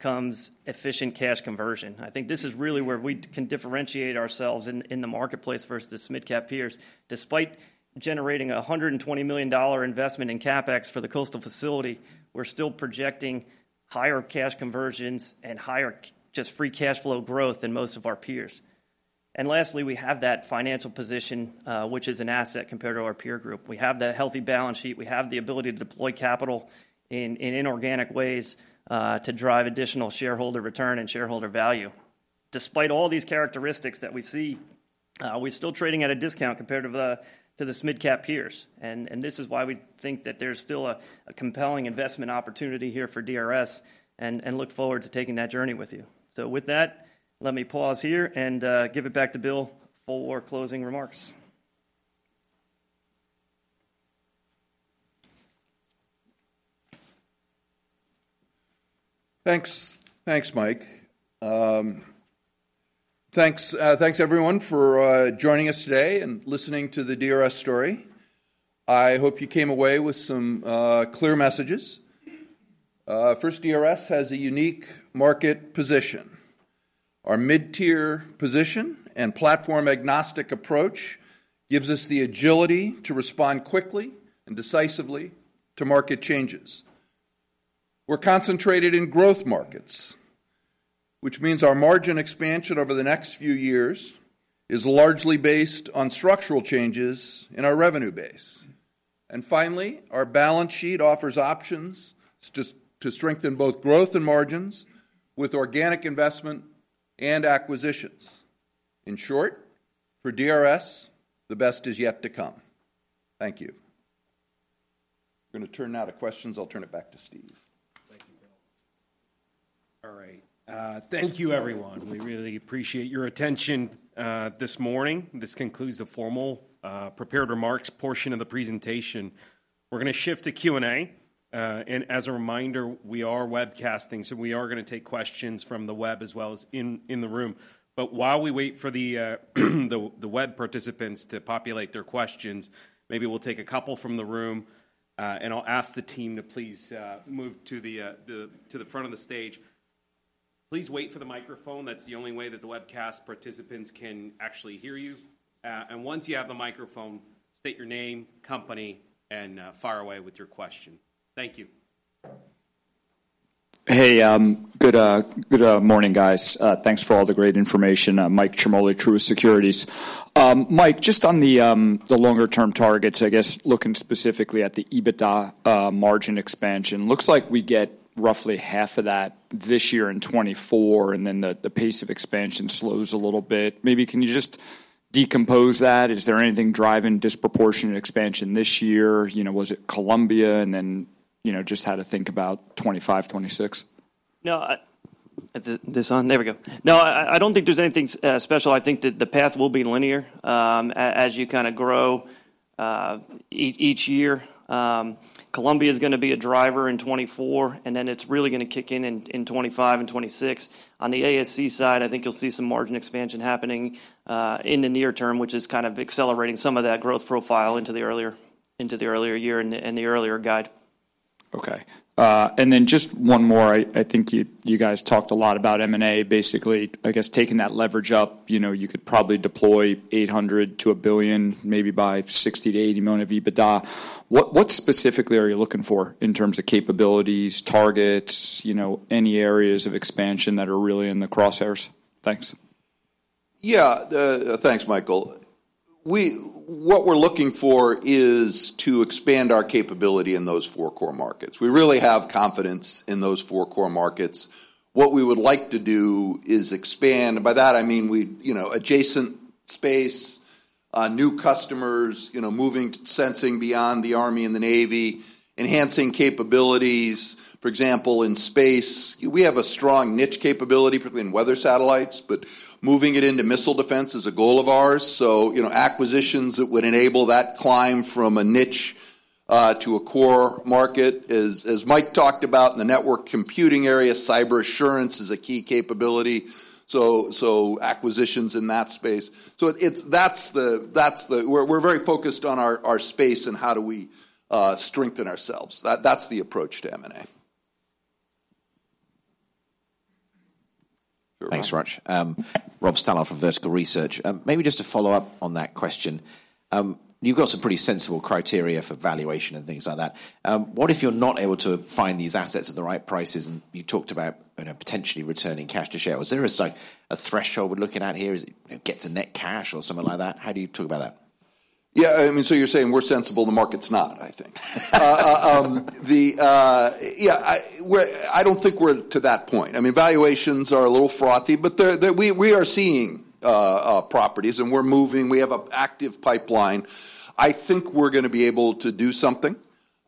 comes efficient cash conversion. I think this is really where we can differentiate ourselves in the marketplace versus mid-cap peers. Despite generating a $120 million investment in CapEx for the coastal facility, we're still projecting higher cash conversions and higher just free cash flow growth than most of our peers. And lastly, we have that financial position, which is an asset compared to our peer group. We have that healthy balance sheet. We have the ability to deploy capital in inorganic ways, to drive additional shareholder return and shareholder value. Despite all these characteristics that we see, we're still trading at a discount compared to the mid-cap peers. And this is why we think that there's still a compelling investment opportunity here for DRS and look forward to taking that journey with you. With that, let me pause here and give it back to Bill for closing remarks. Thanks. Thanks, Mike. Thanks, everyone, for joining us today and listening to the DRS story. I hope you came away with some clear messages. First, DRS has a unique market position. Our mid-tier position and platform-agnostic approach gives us the agility to respond quickly and decisively to market changes. We're concentrated in growth markets, which means our margin expansion over the next few years is largely based on structural changes in our revenue base. And finally, our balance sheet offers options to strengthen both growth and margins with organic investment and acquisitions. In short, for DRS, the best is yet to come. Thank you. We're gonna turn now to questions. I'll turn it back to Steve. Thank you, Bill. All right. Thank you, everyone. We really appreciate your attention this morning. This concludes the formal prepared remarks portion of the presentation. We're gonna shift to Q&A. And as a reminder, we are webcasting, so we are gonna take questions from the web as well as in the room. But while we wait for the web participants to populate their questions, maybe we'll take a couple from the room. And I'll ask the team to please move to the front of the stage. Please wait for the microphone. That's the only way that the webcast participants can actually hear you. And once you have the microphone, state your name, company, and fire away with your question. Thank you. Hey, good morning, guys. Thanks for all the great information. Mike Ciarmoli, Truist Securities. Mike, just on the longer-term targets, I guess looking specifically at the EBITDA margin expansion, looks like we get roughly half of that this year in 2024, and then the pace of expansion slows a little bit. Maybe can you just decompose that? Is there anything driving disproportionate expansion this year? You know, was it Columbia? And then, you know, just how to think about 2025, 2026. No, is this on? There we go. No, I don't think there's anything special. I think that the path will be linear, as you kind of grow each year. Columbia's gonna be a driver in 2024, and then it's really gonna kick in in 2025 and 2026. On the ASC side, I think you'll see some margin expansion happening in the near term, which is kind of accelerating some of that growth profile into the earlier year and the earlier guide. Okay. And then just one more. I think you guys talked a lot about M&A, basically, I guess, taking that leverage up. You know, you could probably deploy $800 million-$1 billion, maybe by $60 million-$80 million of EBITDA. What specifically are you looking for in terms of capabilities, targets, you know, any areas of expansion that are really in the crosshairs? Thanks. Yeah. Thanks, Mike. What we're looking for is to expand our capability in those four core markets. We really have confidence in those four core markets. What we would like to do is expand. By that, I mean, we, you know, adjacent space, new customers, you know, moving sensing beyond the Army and the Navy, enhancing capabilities. For example, in space, we have a strong niche capability, particularly in weather satellites, but moving it into missile defense is a goal of ours. So, you know, acquisitions that would enable that climb from a niche to a core market is -- Mike talked about in the network computing area, cyber assurance is a key capability, so acquisitions in that space. So it's that -- we're very focused on our space and how do we strengthen ourselves. That's the approach to M&A. Thanks very much. Rob Stallard from Vertical Research. Maybe just to follow-up on that question, you've got some pretty sensible criteria for valuation and things like that. What if you're not able to find these assets at the right prices, and you talked about, you know, potentially returning cash to shareholders? Is there a, like, a threshold we're looking at here, is it, you know, get to net cash or something like that? How do you talk about that? Yeah, I mean, so you're saying we're sensible, the market's not, I think. Yeah, I don't think we're to that point. I mean, valuations are a little frothy, but they're we are seeing properties, and we're moving. We have an active pipeline. I think we're gonna be able to do something.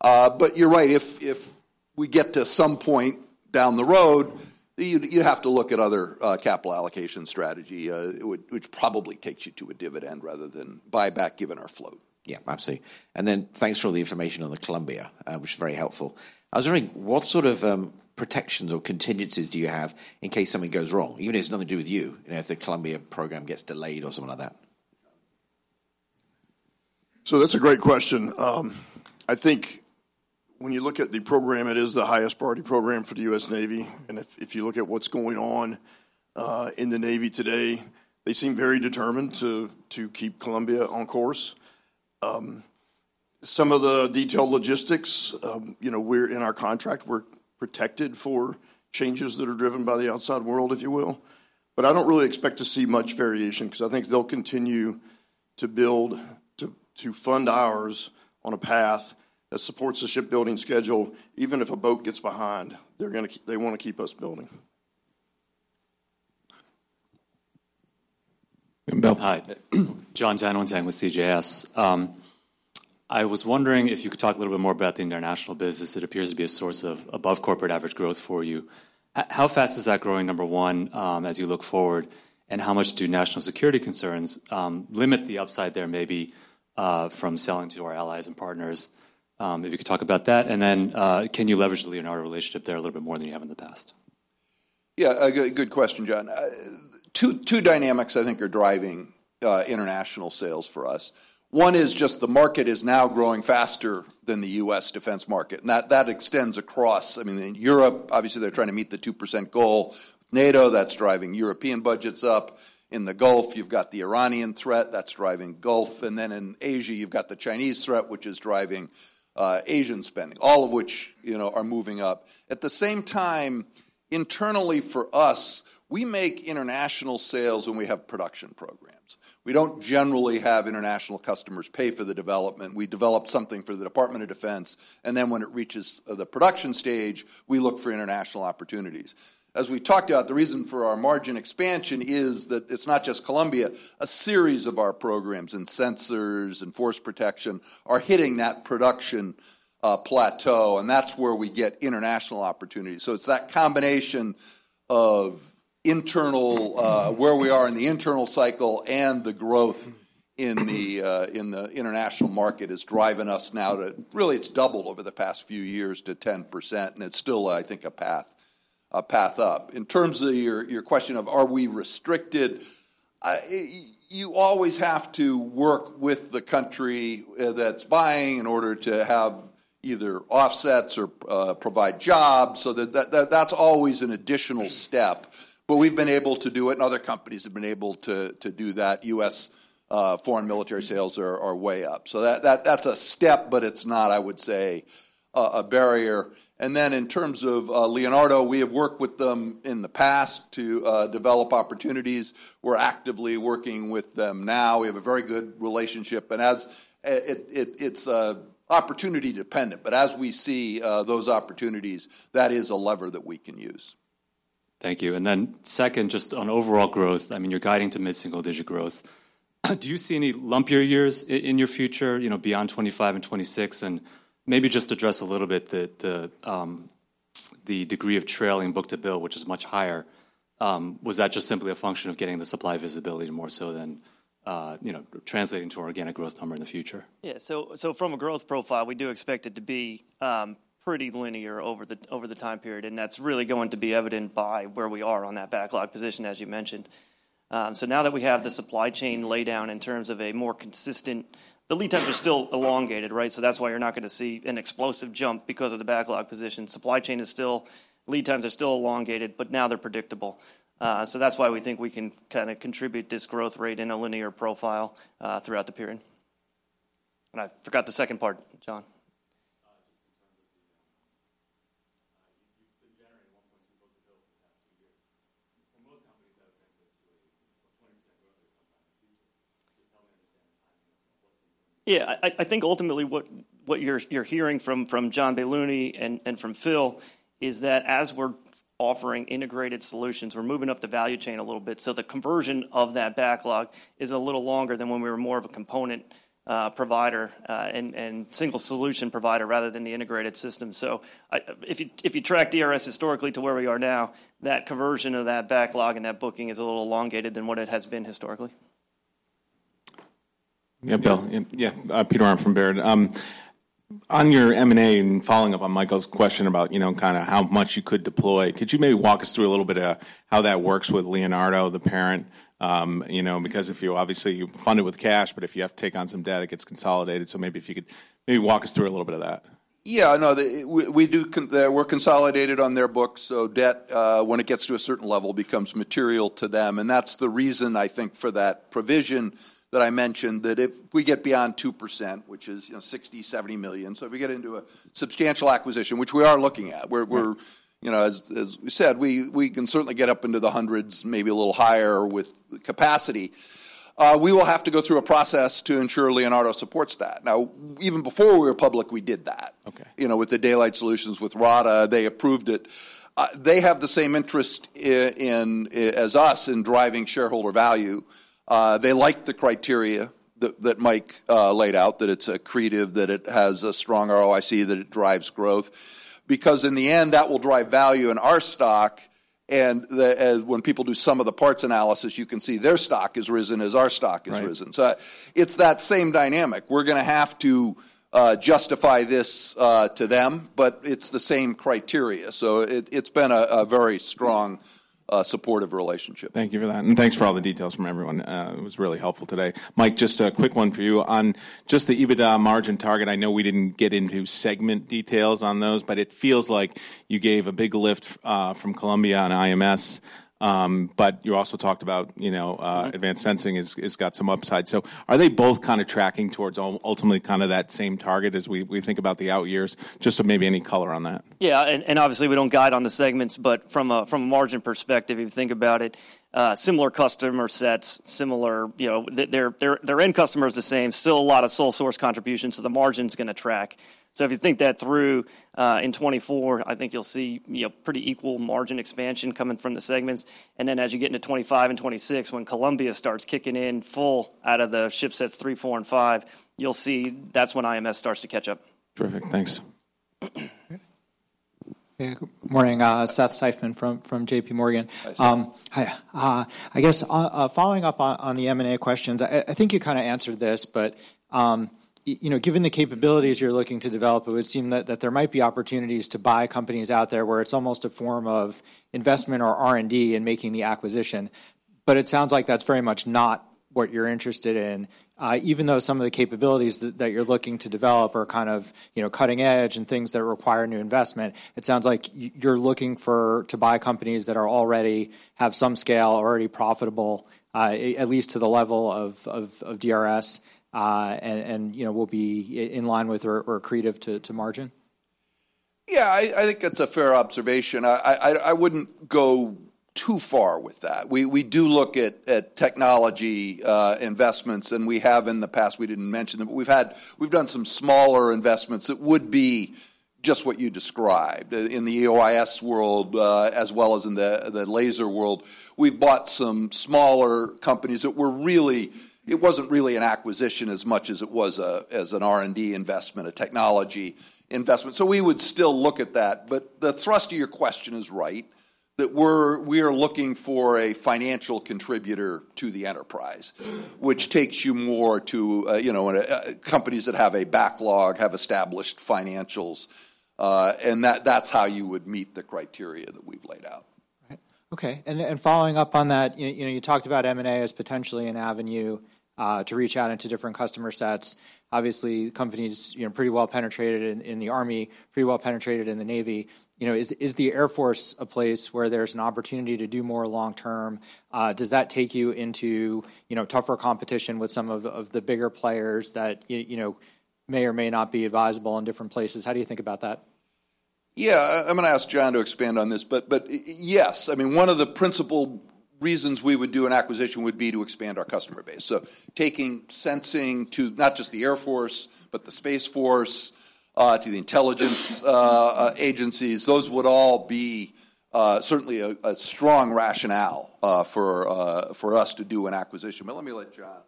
But you're right, if we get to some point down the road, you have to look at other capital allocation strategy, which probably takes you to a dividend rather than buyback, given our flow. Yeah, I see. Thanks for all the information on the Columbia, which is very helpful. I was wondering, what sort of protections or contingencies do you have in case something goes wrong? Even if it's nothing to do with you, you know, if the Columbia program gets delayed or something like that. So that's a great question. I think when you look at the program, it is the highest priority program for the U.S. Navy, and if you look at what's going on in the Navy today, they seem very determined to keep Columbia on course. Some of the detailed logistics, you know, we're in our contract, we're protected for changes that are driven by the outside world, if you will. But I don't really expect to see much variation, because I think they'll continue to build to fund ours on a path that supports the shipbuilding schedule. Even if a boat gets behind, they're gonna they want to keep us building. Hi. Jon Tanwanteng with CJS. I was wondering if you could talk a little bit more about the international business. It appears to be a source of above corporate average growth for you. How fast is that growing, number one, as you look forward, and how much do national security concerns limit the upside there, maybe, from selling to our allies and partners? If you could talk about that, and then, can you leverage the Leonardo relationship there a little bit more than you have in the past? Yeah, a good, good question, Jon. Two, two dynamics I think are driving international sales for us. One is just the market is now growing faster than the U.S. defense market, and that, that extends across—I mean, in Europe, obviously, they're trying to meet the 2% goal. NATO, that's driving European budgets up. In the Gulf, you've got the Iranian threat, that's driving Gulf. And then in Asia, you've got the Chinese threat, which is driving Asian spending, all of which, you know, are moving up. At the same time, internally for us, we make international sales when we have production programs. We don't generally have international customers pay for the development. We develop something for the Department of Defense, and then when it reaches the production stage, we look for international opportunities. As we talked about, the reason for our margin expansion is that it's not just Columbia. A series of our programs in sensors and Force Protection are hitting that production plateau, and that's where we get international opportunities. So it's that combination of internal where we are in the internal cycle, and the growth in the international market is driving us now to really, it's doubled over the past few years to 10%, and it's still, I think, a path, a path up. In terms of your question of, are we restricted? You always have to work with the country that's buying in order to have either offsets or provide jobs, so that that's always an additional step. But we've been able to do it, and other companies have been able to do that. U.S. foreign military sales are way up. So that's a step, but it's not, I would say, a barrier. And then in terms of Leonardo, we have worked with them in the past to develop opportunities. We're actively working with them now. We have a very good relationship, and as it's opportunity-dependent, but as we see those opportunities, that is a lever that we can use.... Thank you. And then second, just on overall growth, I mean, you're guiding to mid-single digit growth. Do you see any lumpier years in your future, you know, beyond 2025 and 2026? And maybe just address a little bit the degree of trailing book-to-bill, which is much higher. Was that just simply a function of getting the supply visibility more so than, you know, translating to organic growth number in the future? Yeah. So from a growth profile, we do expect it to be pretty linear over the time period, and that's really going to be evident by where we are on that backlog position, as you mentioned. So now that we have the supply chain laydown in terms of a more consistent. Yeah, I think ultimately what you're hearing from John Baylouny and from Phil is that as we're offering integrated solutions, we're moving up the value chain a little bit, so the conversion of that backlog is a little longer than when we were more of a component provider and single solution provider rather than the integrated system. So if you track DRS historically to where we are now, that conversion of that backlog and that booking is a little elongated than what it has been historically. Yeah, Peter Arment from Baird. On your M&A, and following up on Michael's question about, you know, kinda how much you could deploy, could you maybe walk us through a little bit of how that works with Leonardo, the parent? You know, because obviously you fund it with cash, but if you have to take on some debt, it gets consolidated. So maybe if you could maybe walk us through a little bit of that. Yeah, no, we do – we're consolidated on their books, so debt, when it gets to a certain level, becomes material to them, and that's the reason I think for that provision that I mentioned, that if we get beyond 2%, which is, you know, $60 million-$70 million, so if we get into a substantial acquisition, which we are looking at- Yeah... we're, you know, as we said, we can certainly get up into the hundreds, maybe a little higher with capacity. We will have to go through a process to ensure Leonardo supports that. Now, even before we were public, we did that. Okay. You know, with the Daylight Solutions, with RADA, they approved it. They have the same interest in as us in driving shareholder value. They like the criteria that Mike laid out, that it's accretive, that it has a strong ROIC, that it drives growth. Because in the end, that will drive value in our stock, and when people do sum of the parts analysis, you can see their stock has risen as our stock has risen. Right. So it's that same dynamic. We're gonna have to justify this to them, but it's the same criteria. So it's been a very strong supportive relationship. Thank you for that, and thanks for all the details from everyone. It was really helpful today. Mike, just a quick one for you. On just the EBITDA margin target, I know we didn't get into segment details on those, but it feels like you gave a big lift from Columbia on IMS, but you also talked about, you know, Mm... Advanced Sensing has got some upside. So are they both kind of tracking towards ultimately kind of that same target as we think about the out years? Just so maybe any color on that. Yeah, and obviously, we don't guide on the segments, but from a margin perspective, if you think about it, similar customer sets, similar, you know, their end customer is the same, still a lot of sole source contribution, so the margin's gonna track. So if you think that through, in 2024, I think you'll see, you know, pretty equal margin expansion coming from the segments. And then, as you get into 2025 and 2026, when Columbia starts kicking in full out of shipsets 3, 4, and 5, you'll see that's when IMS starts to catch up. Terrific. Thanks. Yeah, good morning. Seth Seifman from JPMorgan. Hi, Seth. Hi. I guess, following up on the M&A questions, I think you kinda answered this, but, you know, given the capabilities you're looking to develop, it would seem that there might be opportunities to buy companies out there, where it's almost a form of investment or R&D in making the acquisition, but it sounds like that's very much not what you're interested in. Even though some of the capabilities that you're looking to develop are kind of, you know, cutting edge and things that require new investment, it sounds like you're looking for to buy companies that are already have some scale, already profitable, at least to the level of DRS, and you know, will be in line with or accretive to margin. Yeah, I think it's a fair observation. I wouldn't go too far with that. We do look at technology investments, and we have in the past. We didn't mention them, but we've done some smaller investments that would be just what you described. In the EOIS world, as well as in the laser world, we've bought some smaller companies that were really... It wasn't really an acquisition as much as it was an R&D investment, a technology investment. So we would still look at that. But the thrust of your question is right, that we're looking for a financial contributor to the enterprise, which takes you more to, you know, companies that have a backlog, have established financials, and that's how you would meet the criteria that we've laid out. Right. Okay, and following up on that, you know, you talked about M&A as potentially an avenue to reach out into different customer sets. Obviously, the company's, you know, pretty well penetrated in the Army, pretty well penetrated in the Navy. You know, is the Air Force a place where there's an opportunity to do more long term? Does that take you into, you know, tougher competition with some of the bigger players that you know, may or may not be advisable in different places? How do you think about that? Yeah, I'm gonna ask John to expand on this, but yes, I mean, one of the principal reasons we would do an acquisition would be to expand our customer base. So taking sensing to not just the Air Force, but the Space Force, to the intelligence agencies, those would all be certainly a strong rationale for us to do an acquisition. But let me let John-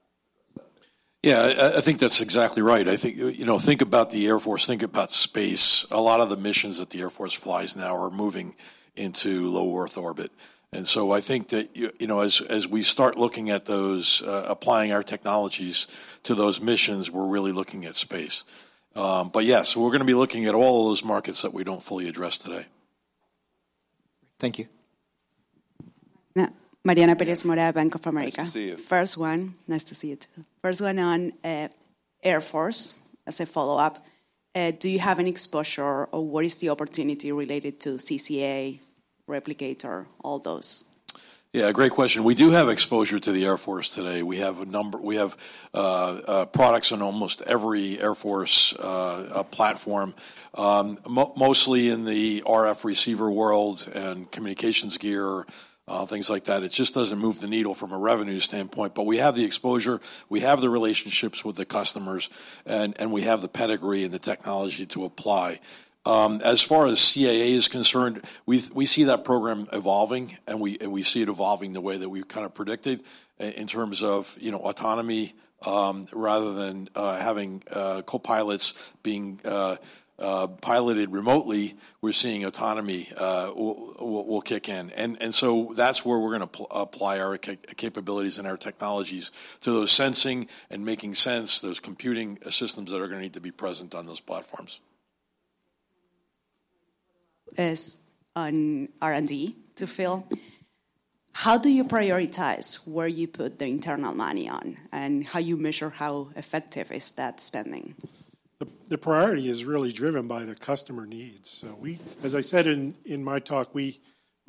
Yeah, I think that's exactly right. I think, you know, think about the Air Force, think about space. A lot of the missions that the Air Force flies now are moving into low Earth orbit. And so I think that you know, as we start looking at those, applying our technologies to those missions, we're really looking at space. But yeah, so we're gonna be looking at all of those markets that we don't fully address today. Thank you. Yeah. Mariana Pérez Mora, Bank of America. Nice to see you. First one... Nice to see you, too. First one on Air Force, as a follow-up. Do you have any exposure or what is the opportunity related to CCA, Replicator, all those? Yeah, great question. We do have exposure to the Air Force today. We have products in almost every Air Force platform, mostly in the RF receiver world and communications gear, things like that. It just doesn't move the needle from a revenue standpoint. But we have the exposure, we have the relationships with the customers, and we have the pedigree and the technology to apply. As far as CCA is concerned, we see that program evolving, and we see it evolving the way that we've kind of predicted in terms of, you know, autonomy. Rather than having co-pilots being piloted remotely, we're seeing autonomy will kick in. So that's where we're gonna apply our capabilities and our technologies to those sensing and making sense, those computing systems that are gonna need to be present on those platforms. Question on R&D to Phil, how do you prioritize where you put the internal money on, and how you measure how effective is that spending? The priority is really driven by the customer needs. So we, as I said in my talk, we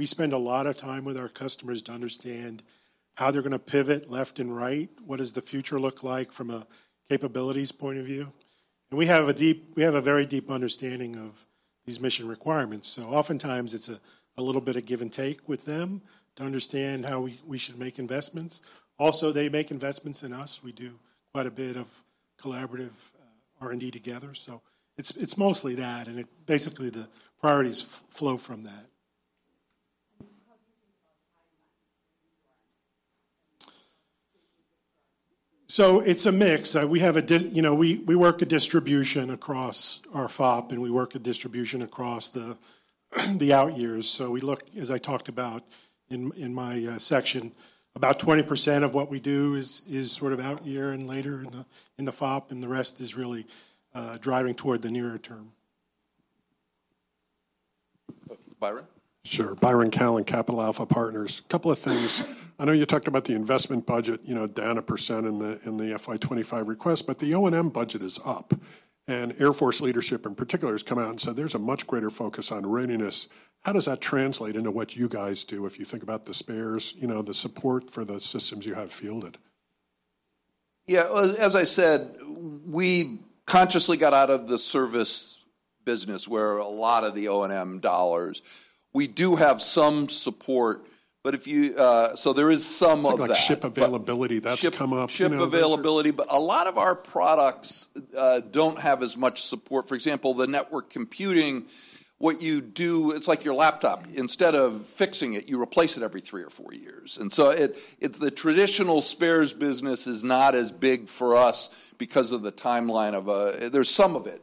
spend a lot of time with our customers to understand how they're gonna pivot left and right, what does the future look like from a capabilities point of view? And we have a very deep understanding of these mission requirements. So oftentimes, it's a little bit of give and take with them to understand how we should make investments. Also, they make investments in us. We do quite a bit of collaborative R&D together, so it's mostly that, and basically, the priorities flow from that. So it's a mix. You know, we work a distribution across our FYDP, and we work a distribution across the outyears. So we look, as I talked about in my section, about 20% of what we do is sort of outyear and later in the FYDP, and the rest is really driving toward the nearer term. Uh, Byron? Sure. Byron Callan, Capital Alpha Partners. Couple of things. I know you talked about the investment budget, you know, down 1% in the FY 2025 request, but the O&M budget is up, and Air Force leadership in particular, has come out and said there's a much greater focus on readiness. How does that translate into what you guys do if you think about the spares, you know, the support for the systems you have fielded? Yeah, as I said, we consciously got out of the service business, where a lot of the O&M dollars... We do have some support, but if you, so there is some of that. Like, ship availability- Ship- that's come up, you know? Ship availability, but a lot of our products don't have as much support. For example, the network computing, what you do, it's like your laptop. Instead of fixing it, you replace it every three or four years. And so it's the traditional spares business is not as big for us because of the timeline of... There's some of it,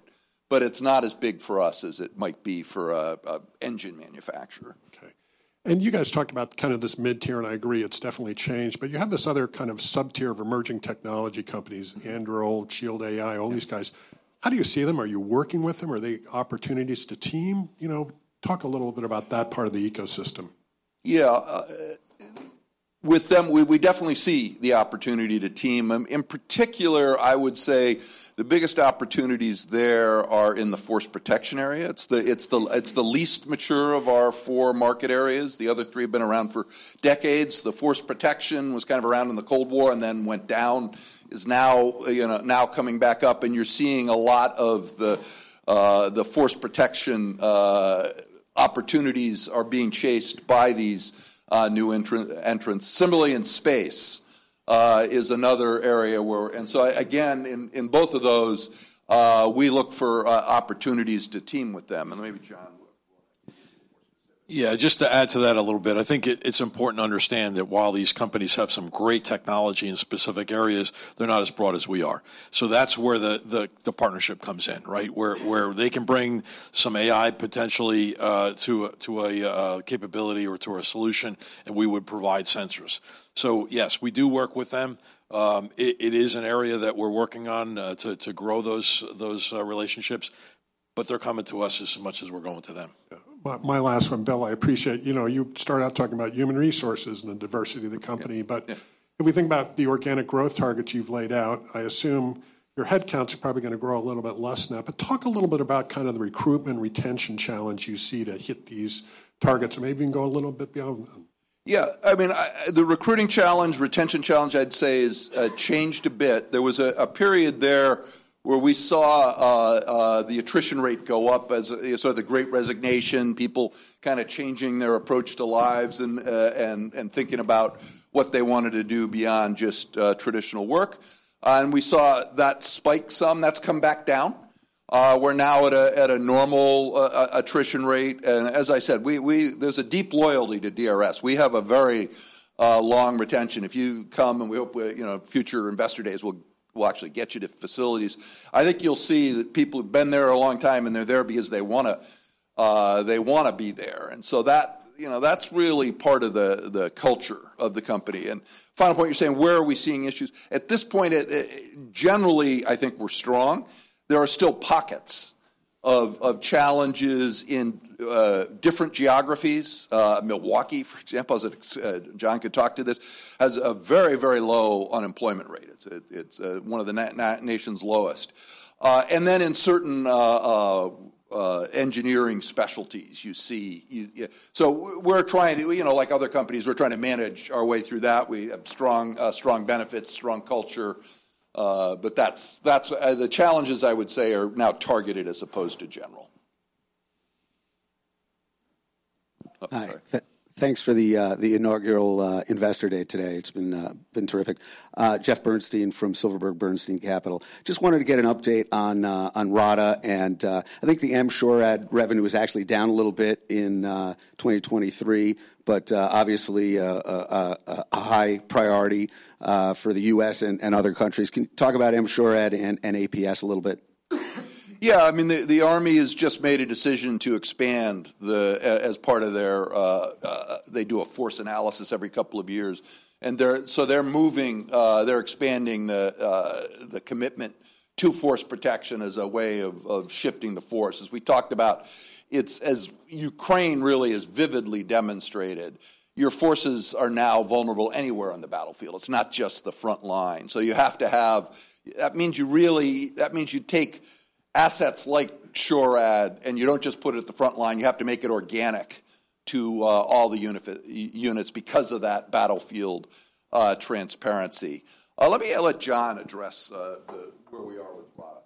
but it's not as big for us as it might be for an engine manufacturer. Okay. And you guys talked about kind of this mid-tier, and I agree, it's definitely changed. But you have this other kind of sub-tier of emerging technology companies, Anduril, Shield AI, all these guys. How do you see them? Are you working with them? Are they opportunities to team? You know, talk a little bit about that part of the ecosystem. Yeah, with them, we definitely see the opportunity to team. In particular, I would say the biggest opportunities there are in the Force Protection area. It's the least mature of our four market areas. The other three have been around for decades. The Force Protection was kind of around in the Cold War and then went down, is now, you know, now coming back up, and you're seeing a lot of the Force Protection opportunities are being chased by these new entrants. Similarly in space is another area and so again, in both of those, we look for opportunities to team with them. And maybe John... Yeah, just to add to that a little bit, I think it's important to understand that while these companies have some great technology in specific areas, they're not as broad as we are. So that's where the partnership comes in, right? Where they can bring some AI potentially to a capability or to a solution, and we would provide sensors. So yes, we do work with them. It is an area that we're working on to grow those relationships, but they're coming to us just as much as we're going to them. Yeah. My, my last one, Bill, I appreciate, you know, you started out talking about human resources and the diversity of the company- Yeah... but if we think about the organic growth targets you've laid out, I assume your headcounts are probably gonna grow a little bit less now. But talk a little bit about kind of the recruitment and retention challenge you see to hit these targets, and maybe even go a little bit beyond them. ... Yeah, I mean, the recruiting challenge, retention challenge, I'd say is changed a bit. There was a period there where we saw the attrition rate go up as you saw the great resignation, people kinda changing their approach to lives and thinking about what they wanted to do beyond just traditional work. And we saw that spike some. That's come back down. We're now at a normal attrition rate, and as I said, there's a deep loyalty to DRS. We have a very long retention. If you come, and we hope we, you know, future Investor Days, we'll actually get you to facilities, I think you'll see that people have been there a long time, and they're there because they wanna, they wanna be there, and so that, you know, that's really part of the culture of the company. Final point, you're saying, where are we seeing issues? At this point, generally, I think we're strong. There are still pockets of challenges in different geographies. Milwaukee, for example, as John could talk to this, has a very, very low unemployment rate. It's one of the nation's lowest. And then in certain engineering specialties, you see. So we're trying to, you know, like other companies, we're trying to manage our way through that. We have strong, strong benefits, strong culture, but that's... The challenges, I would say, are now targeted as opposed to general. Hi. Thanks for the inaugural Investor Day today. It's been terrific. Jeff Bernstein from Silverberg Bernstein Capital. Just wanted to get an update on RADA, and I think the M-SHORAD revenue is actually down a little bit in 2023, but obviously a high priority for the U.S. and other countries. Can you talk about M-SHORAD and APS a little bit? Yeah, I mean, the Army has just made a decision to expand the—as part of their, they do a force analysis every couple of years, and they're—so they're moving, they're expanding the commitment to force protection as a way of shifting the force. As we talked about, it's as Ukraine really has vividly demonstrated, your forces are now vulnerable anywhere on the battlefield. It's not just the front line. So you have to have... That means you really, that means you take assets like SHORAD, and you don't just put it at the front line. You have to make it organic to all the units because of that battlefield transparency. Let me, I'll let John address where we are with RADA.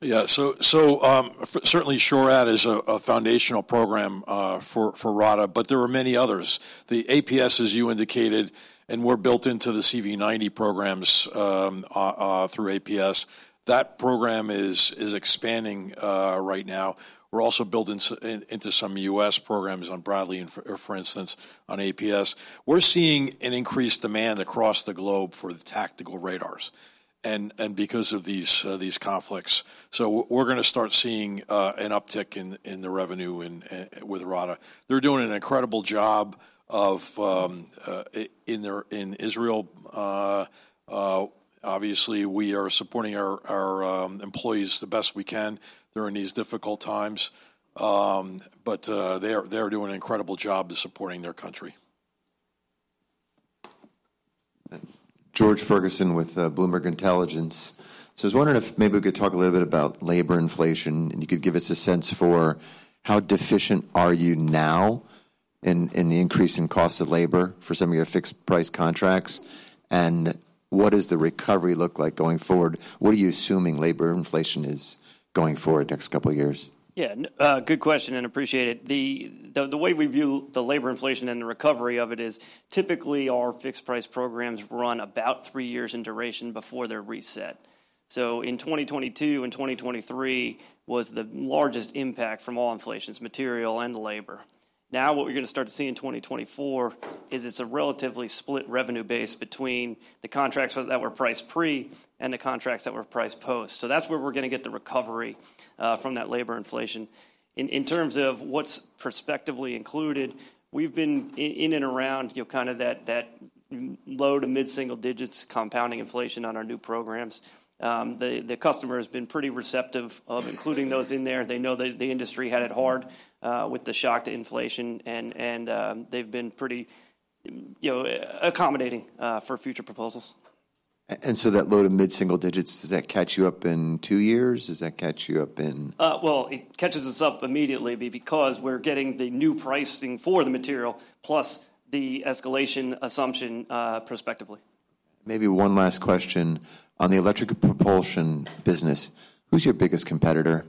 Yeah, so certainly SHORAD is a foundational program for RADA, but there are many others. The APS, as you indicated, and we're built into the CV90 programs through APS. That program is expanding right now. We're also building into some U.S. programs on Bradley and, for instance, on APS. We're seeing an increased demand across the globe for the tactical radars, and because of these conflicts, so we're gonna start seeing an uptick in the revenue with RADA. They're doing an incredible job of in their in Israel. Obviously, we are supporting our employees the best we can during these difficult times. But they are doing an incredible job of supporting their country. George Ferguson with Bloomberg Intelligence. So I was wondering if maybe we could talk a little bit about labor inflation, and you could give us a sense for how deficient are you now in the increase in cost of labor for some of your fixed-price contracts, and what does the recovery look like going forward? What are you assuming labor inflation is, going forward the next couple of years? Yeah, good question, and appreciate it. The way we view the labor inflation and the recovery of it is, typically, our fixed-price programs run about three years in duration before they're reset. So in 2022 and 2023 was the largest impact from all inflations, material and labor. Now, what we're gonna start to see in 2024 is it's a relatively split revenue base between the contracts that were priced pre and the contracts that were priced post. So that's where we're gonna get the recovery from that labor inflation. In terms of what's prospectively included, we've been in and around, you know, kind of that low- to mid-single digits compounding inflation on our new programs. The customer has been pretty receptive of including those in there. They know that the industry had it hard with the shock to inflation, and they've been pretty, you know, accommodating for future proposals. and so that low to mid-single digits, does that catch you up in two years? Does that catch you up in- Well, it catches us up immediately because we're getting the new pricing for the material, plus the escalation assumption, prospectively. Maybe one last question. On the electric propulsion business, who's your biggest competitor?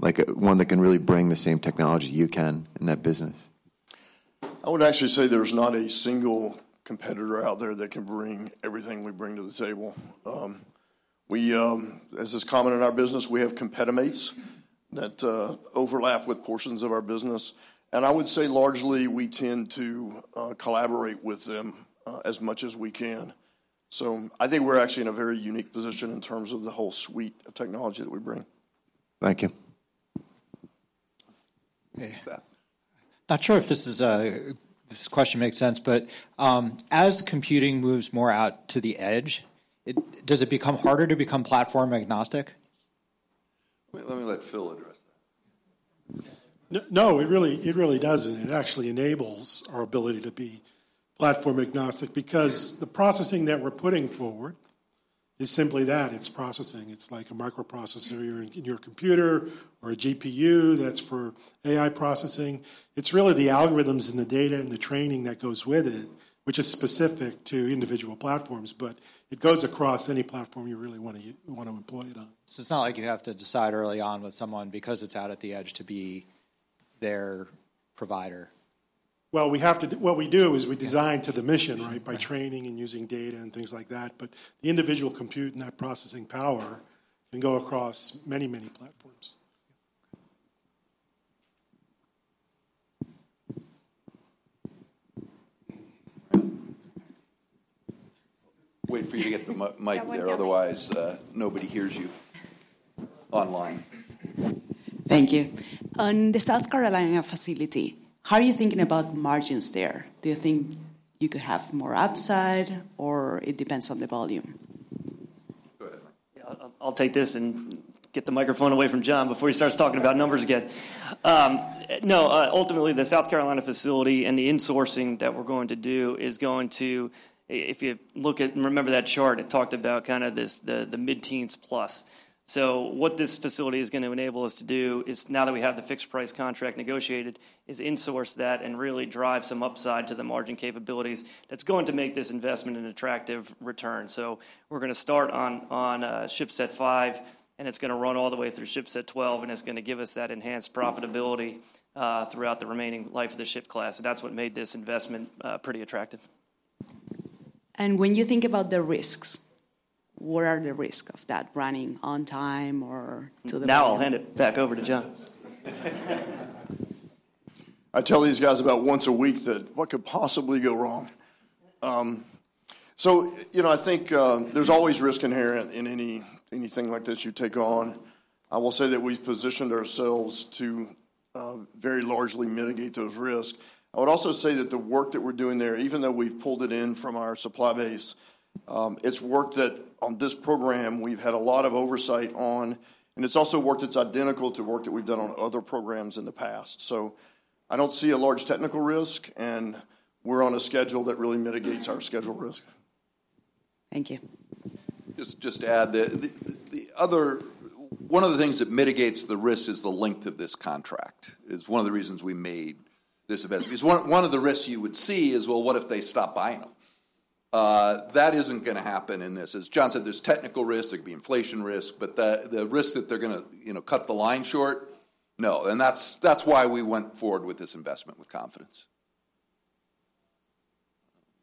Like, one that can really bring the same technology you can in that business. I would actually say there's not a single competitor out there that can bring everything we bring to the table. We, as is common in our business, we have competitors that overlap with portions of our business, and I would say, largely, we tend to collaborate with them as much as we can. So I think we're actually in a very unique position in terms of the whole suite of technology that we bring. Thank you. Okay. Yeah. Not sure if this is, this question makes sense, but, as computing moves more out to the edge, it, does it become harder to become platform-agnostic? Let me let Phil address that. No, it really, it really doesn't. It actually enables our ability to be platform-agnostic because the processing that we're putting forward is simply that, it's processing. It's like a microprocessor in your computer or a GPU that's for AI processing. It's really the algorithms and the data and the training that goes with it, which is specific to individual platforms, but it goes across any platform you really wanna employ it on. So it's not like you have to decide early on with someone because it's out at the edge to be their provider? Well, what we do is we design to the mission, right? By training and using data and things like that, but the individual compute and that processing power can go across many, many platforms. Wait for you to get the mic there. Someone- Otherwise, nobody hears you online. Thank you. On the South Carolina facility, how are you thinking about margins there? Do you think you could have more upside, or it depends on the volume? Go ahead. Yeah, I'll take this and get the microphone away from John before he starts talking about numbers again. No, ultimately, the South Carolina facility and the insourcing that we're going to do is going to... If you look at and remember that chart, it talked about kinda this, the mid-teens plus. So what this facility is gonna enable us to do is, now that we have the fixed price contract negotiated, insource that and really drive some upside to the margin capabilities that's going to make this investment an attractive return. So we're gonna start shipset 5, and it's gonna run all the way shipset 12, and it's gonna give us that enhanced profitability throughout the remaining life of the ship class, and that's what made this investment pretty attractive. When you think about the risks, what are the risk of that running on time or to the- Now, I'll hand it back over to Jon. I tell these guys about once a week that, "What could possibly go wrong?" So, you know, I think, there's always risk inherent in anything like this you take on. I will say that we've positioned ourselves to very largely mitigate those risks. I would also say that the work that we're doing there, even though we've pulled it in from our supply base, it's work that on this program we've had a lot of oversight on, and it's also work that's identical to work that we've done on other programs in the past. So I don't see a large technical risk, and we're on a schedule that really mitigates our schedule risk. Thank you. Just to add, the other one of the things that mitigates the risk is the length of this contract. It's one of the reasons we made this event, because one of the risks you would see is, well, what if they stop buying them? That isn't gonna happen in this. As Jon said, there's technical risk, there could be inflation risk, but the risk that they're gonna, you know, cut the line short, no. That's why we went forward with this investment with confidence.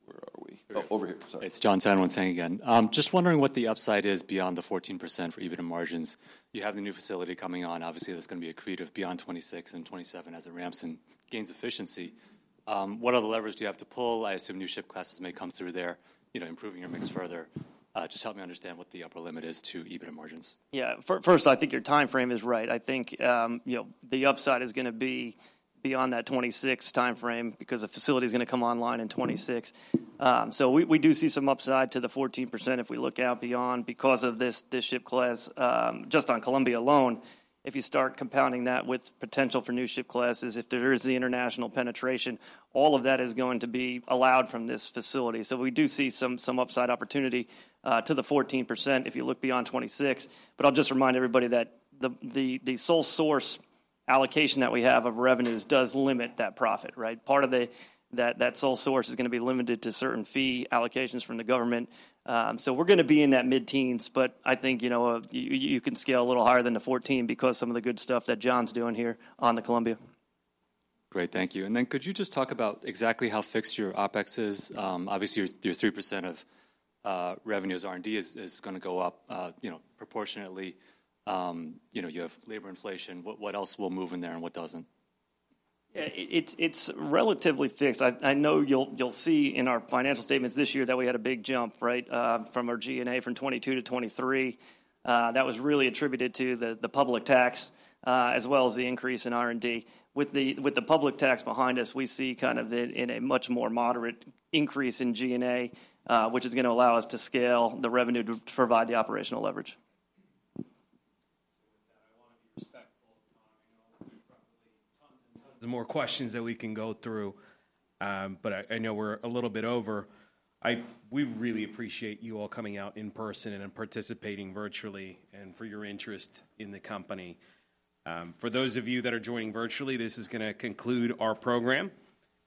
Where are we? Oh, over here. Sorry. It's Jon Tanwanteng again. Just wondering what the upside is beyond the 14% for EBITDA margins. You have the new facility coming on. Obviously, there's gonna be accretive beyond 2026 and 2027 as it ramps and gains efficiency. What other levers do you have to pull? I assume new ship classes may come through there, you know, improving your mix further. Just help me understand what the upper limit is to EBITDA margins. Yeah. First, I think your timeframe is right. I think, you know, the upside is gonna be beyond that 2026 timeframe because the facility is gonna come online in 2026. So we do see some upside to the 14% if we look out beyond because of this, this ship class, just on Columbia alone. If you start compounding that with potential for new ship classes, if there is the international penetration, all of that is going to be allowed from this facility. So we do see some upside opportunity to the 14% if you look beyond 2026. But I'll just remind everybody that the sole source allocation that we have of revenues does limit that profit, right? Part of that sole source is gonna be limited to certain fee allocations from the government. We're gonna be in that mid-teens, but I think, you know, you can scale a little higher than the 14 because some of the good stuff that John's doing here on the Columbia. Great. Thank you. And then could you just talk about exactly how fixed your OpEx is? Obviously, your 3% of revenues R&D is gonna go up, you know, proportionately. You know, you have labor inflation. What else will move in there and what doesn't? It's relatively fixed. I know you'll see in our financial statements this year that we had a big jump, right, from our G&A from 2022 to 2023. That was really attributed to the public tax, as well as the increase in R&D. With the public tax behind us, we see kind of a much more moderate increase in G&A, which is gonna allow us to scale the revenue to provide the operational leverage. I wanna be respectful of time. You know, there's probably tons and tons more questions that we can go through, but I, I know we're a little bit over. We really appreciate you all coming out in person and, and participating virtually, and for your interest in the company. For those of you that are joining virtually, this is gonna conclude our program,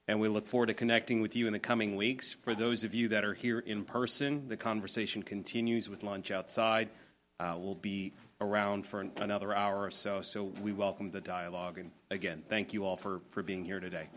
and we look forward to connecting with you in the coming weeks. For those of you that are here in person, the conversation continues with lunch outside. We'll be around for another hour or so, so we welcome the dialogue. Again, thank you all for, for being here today.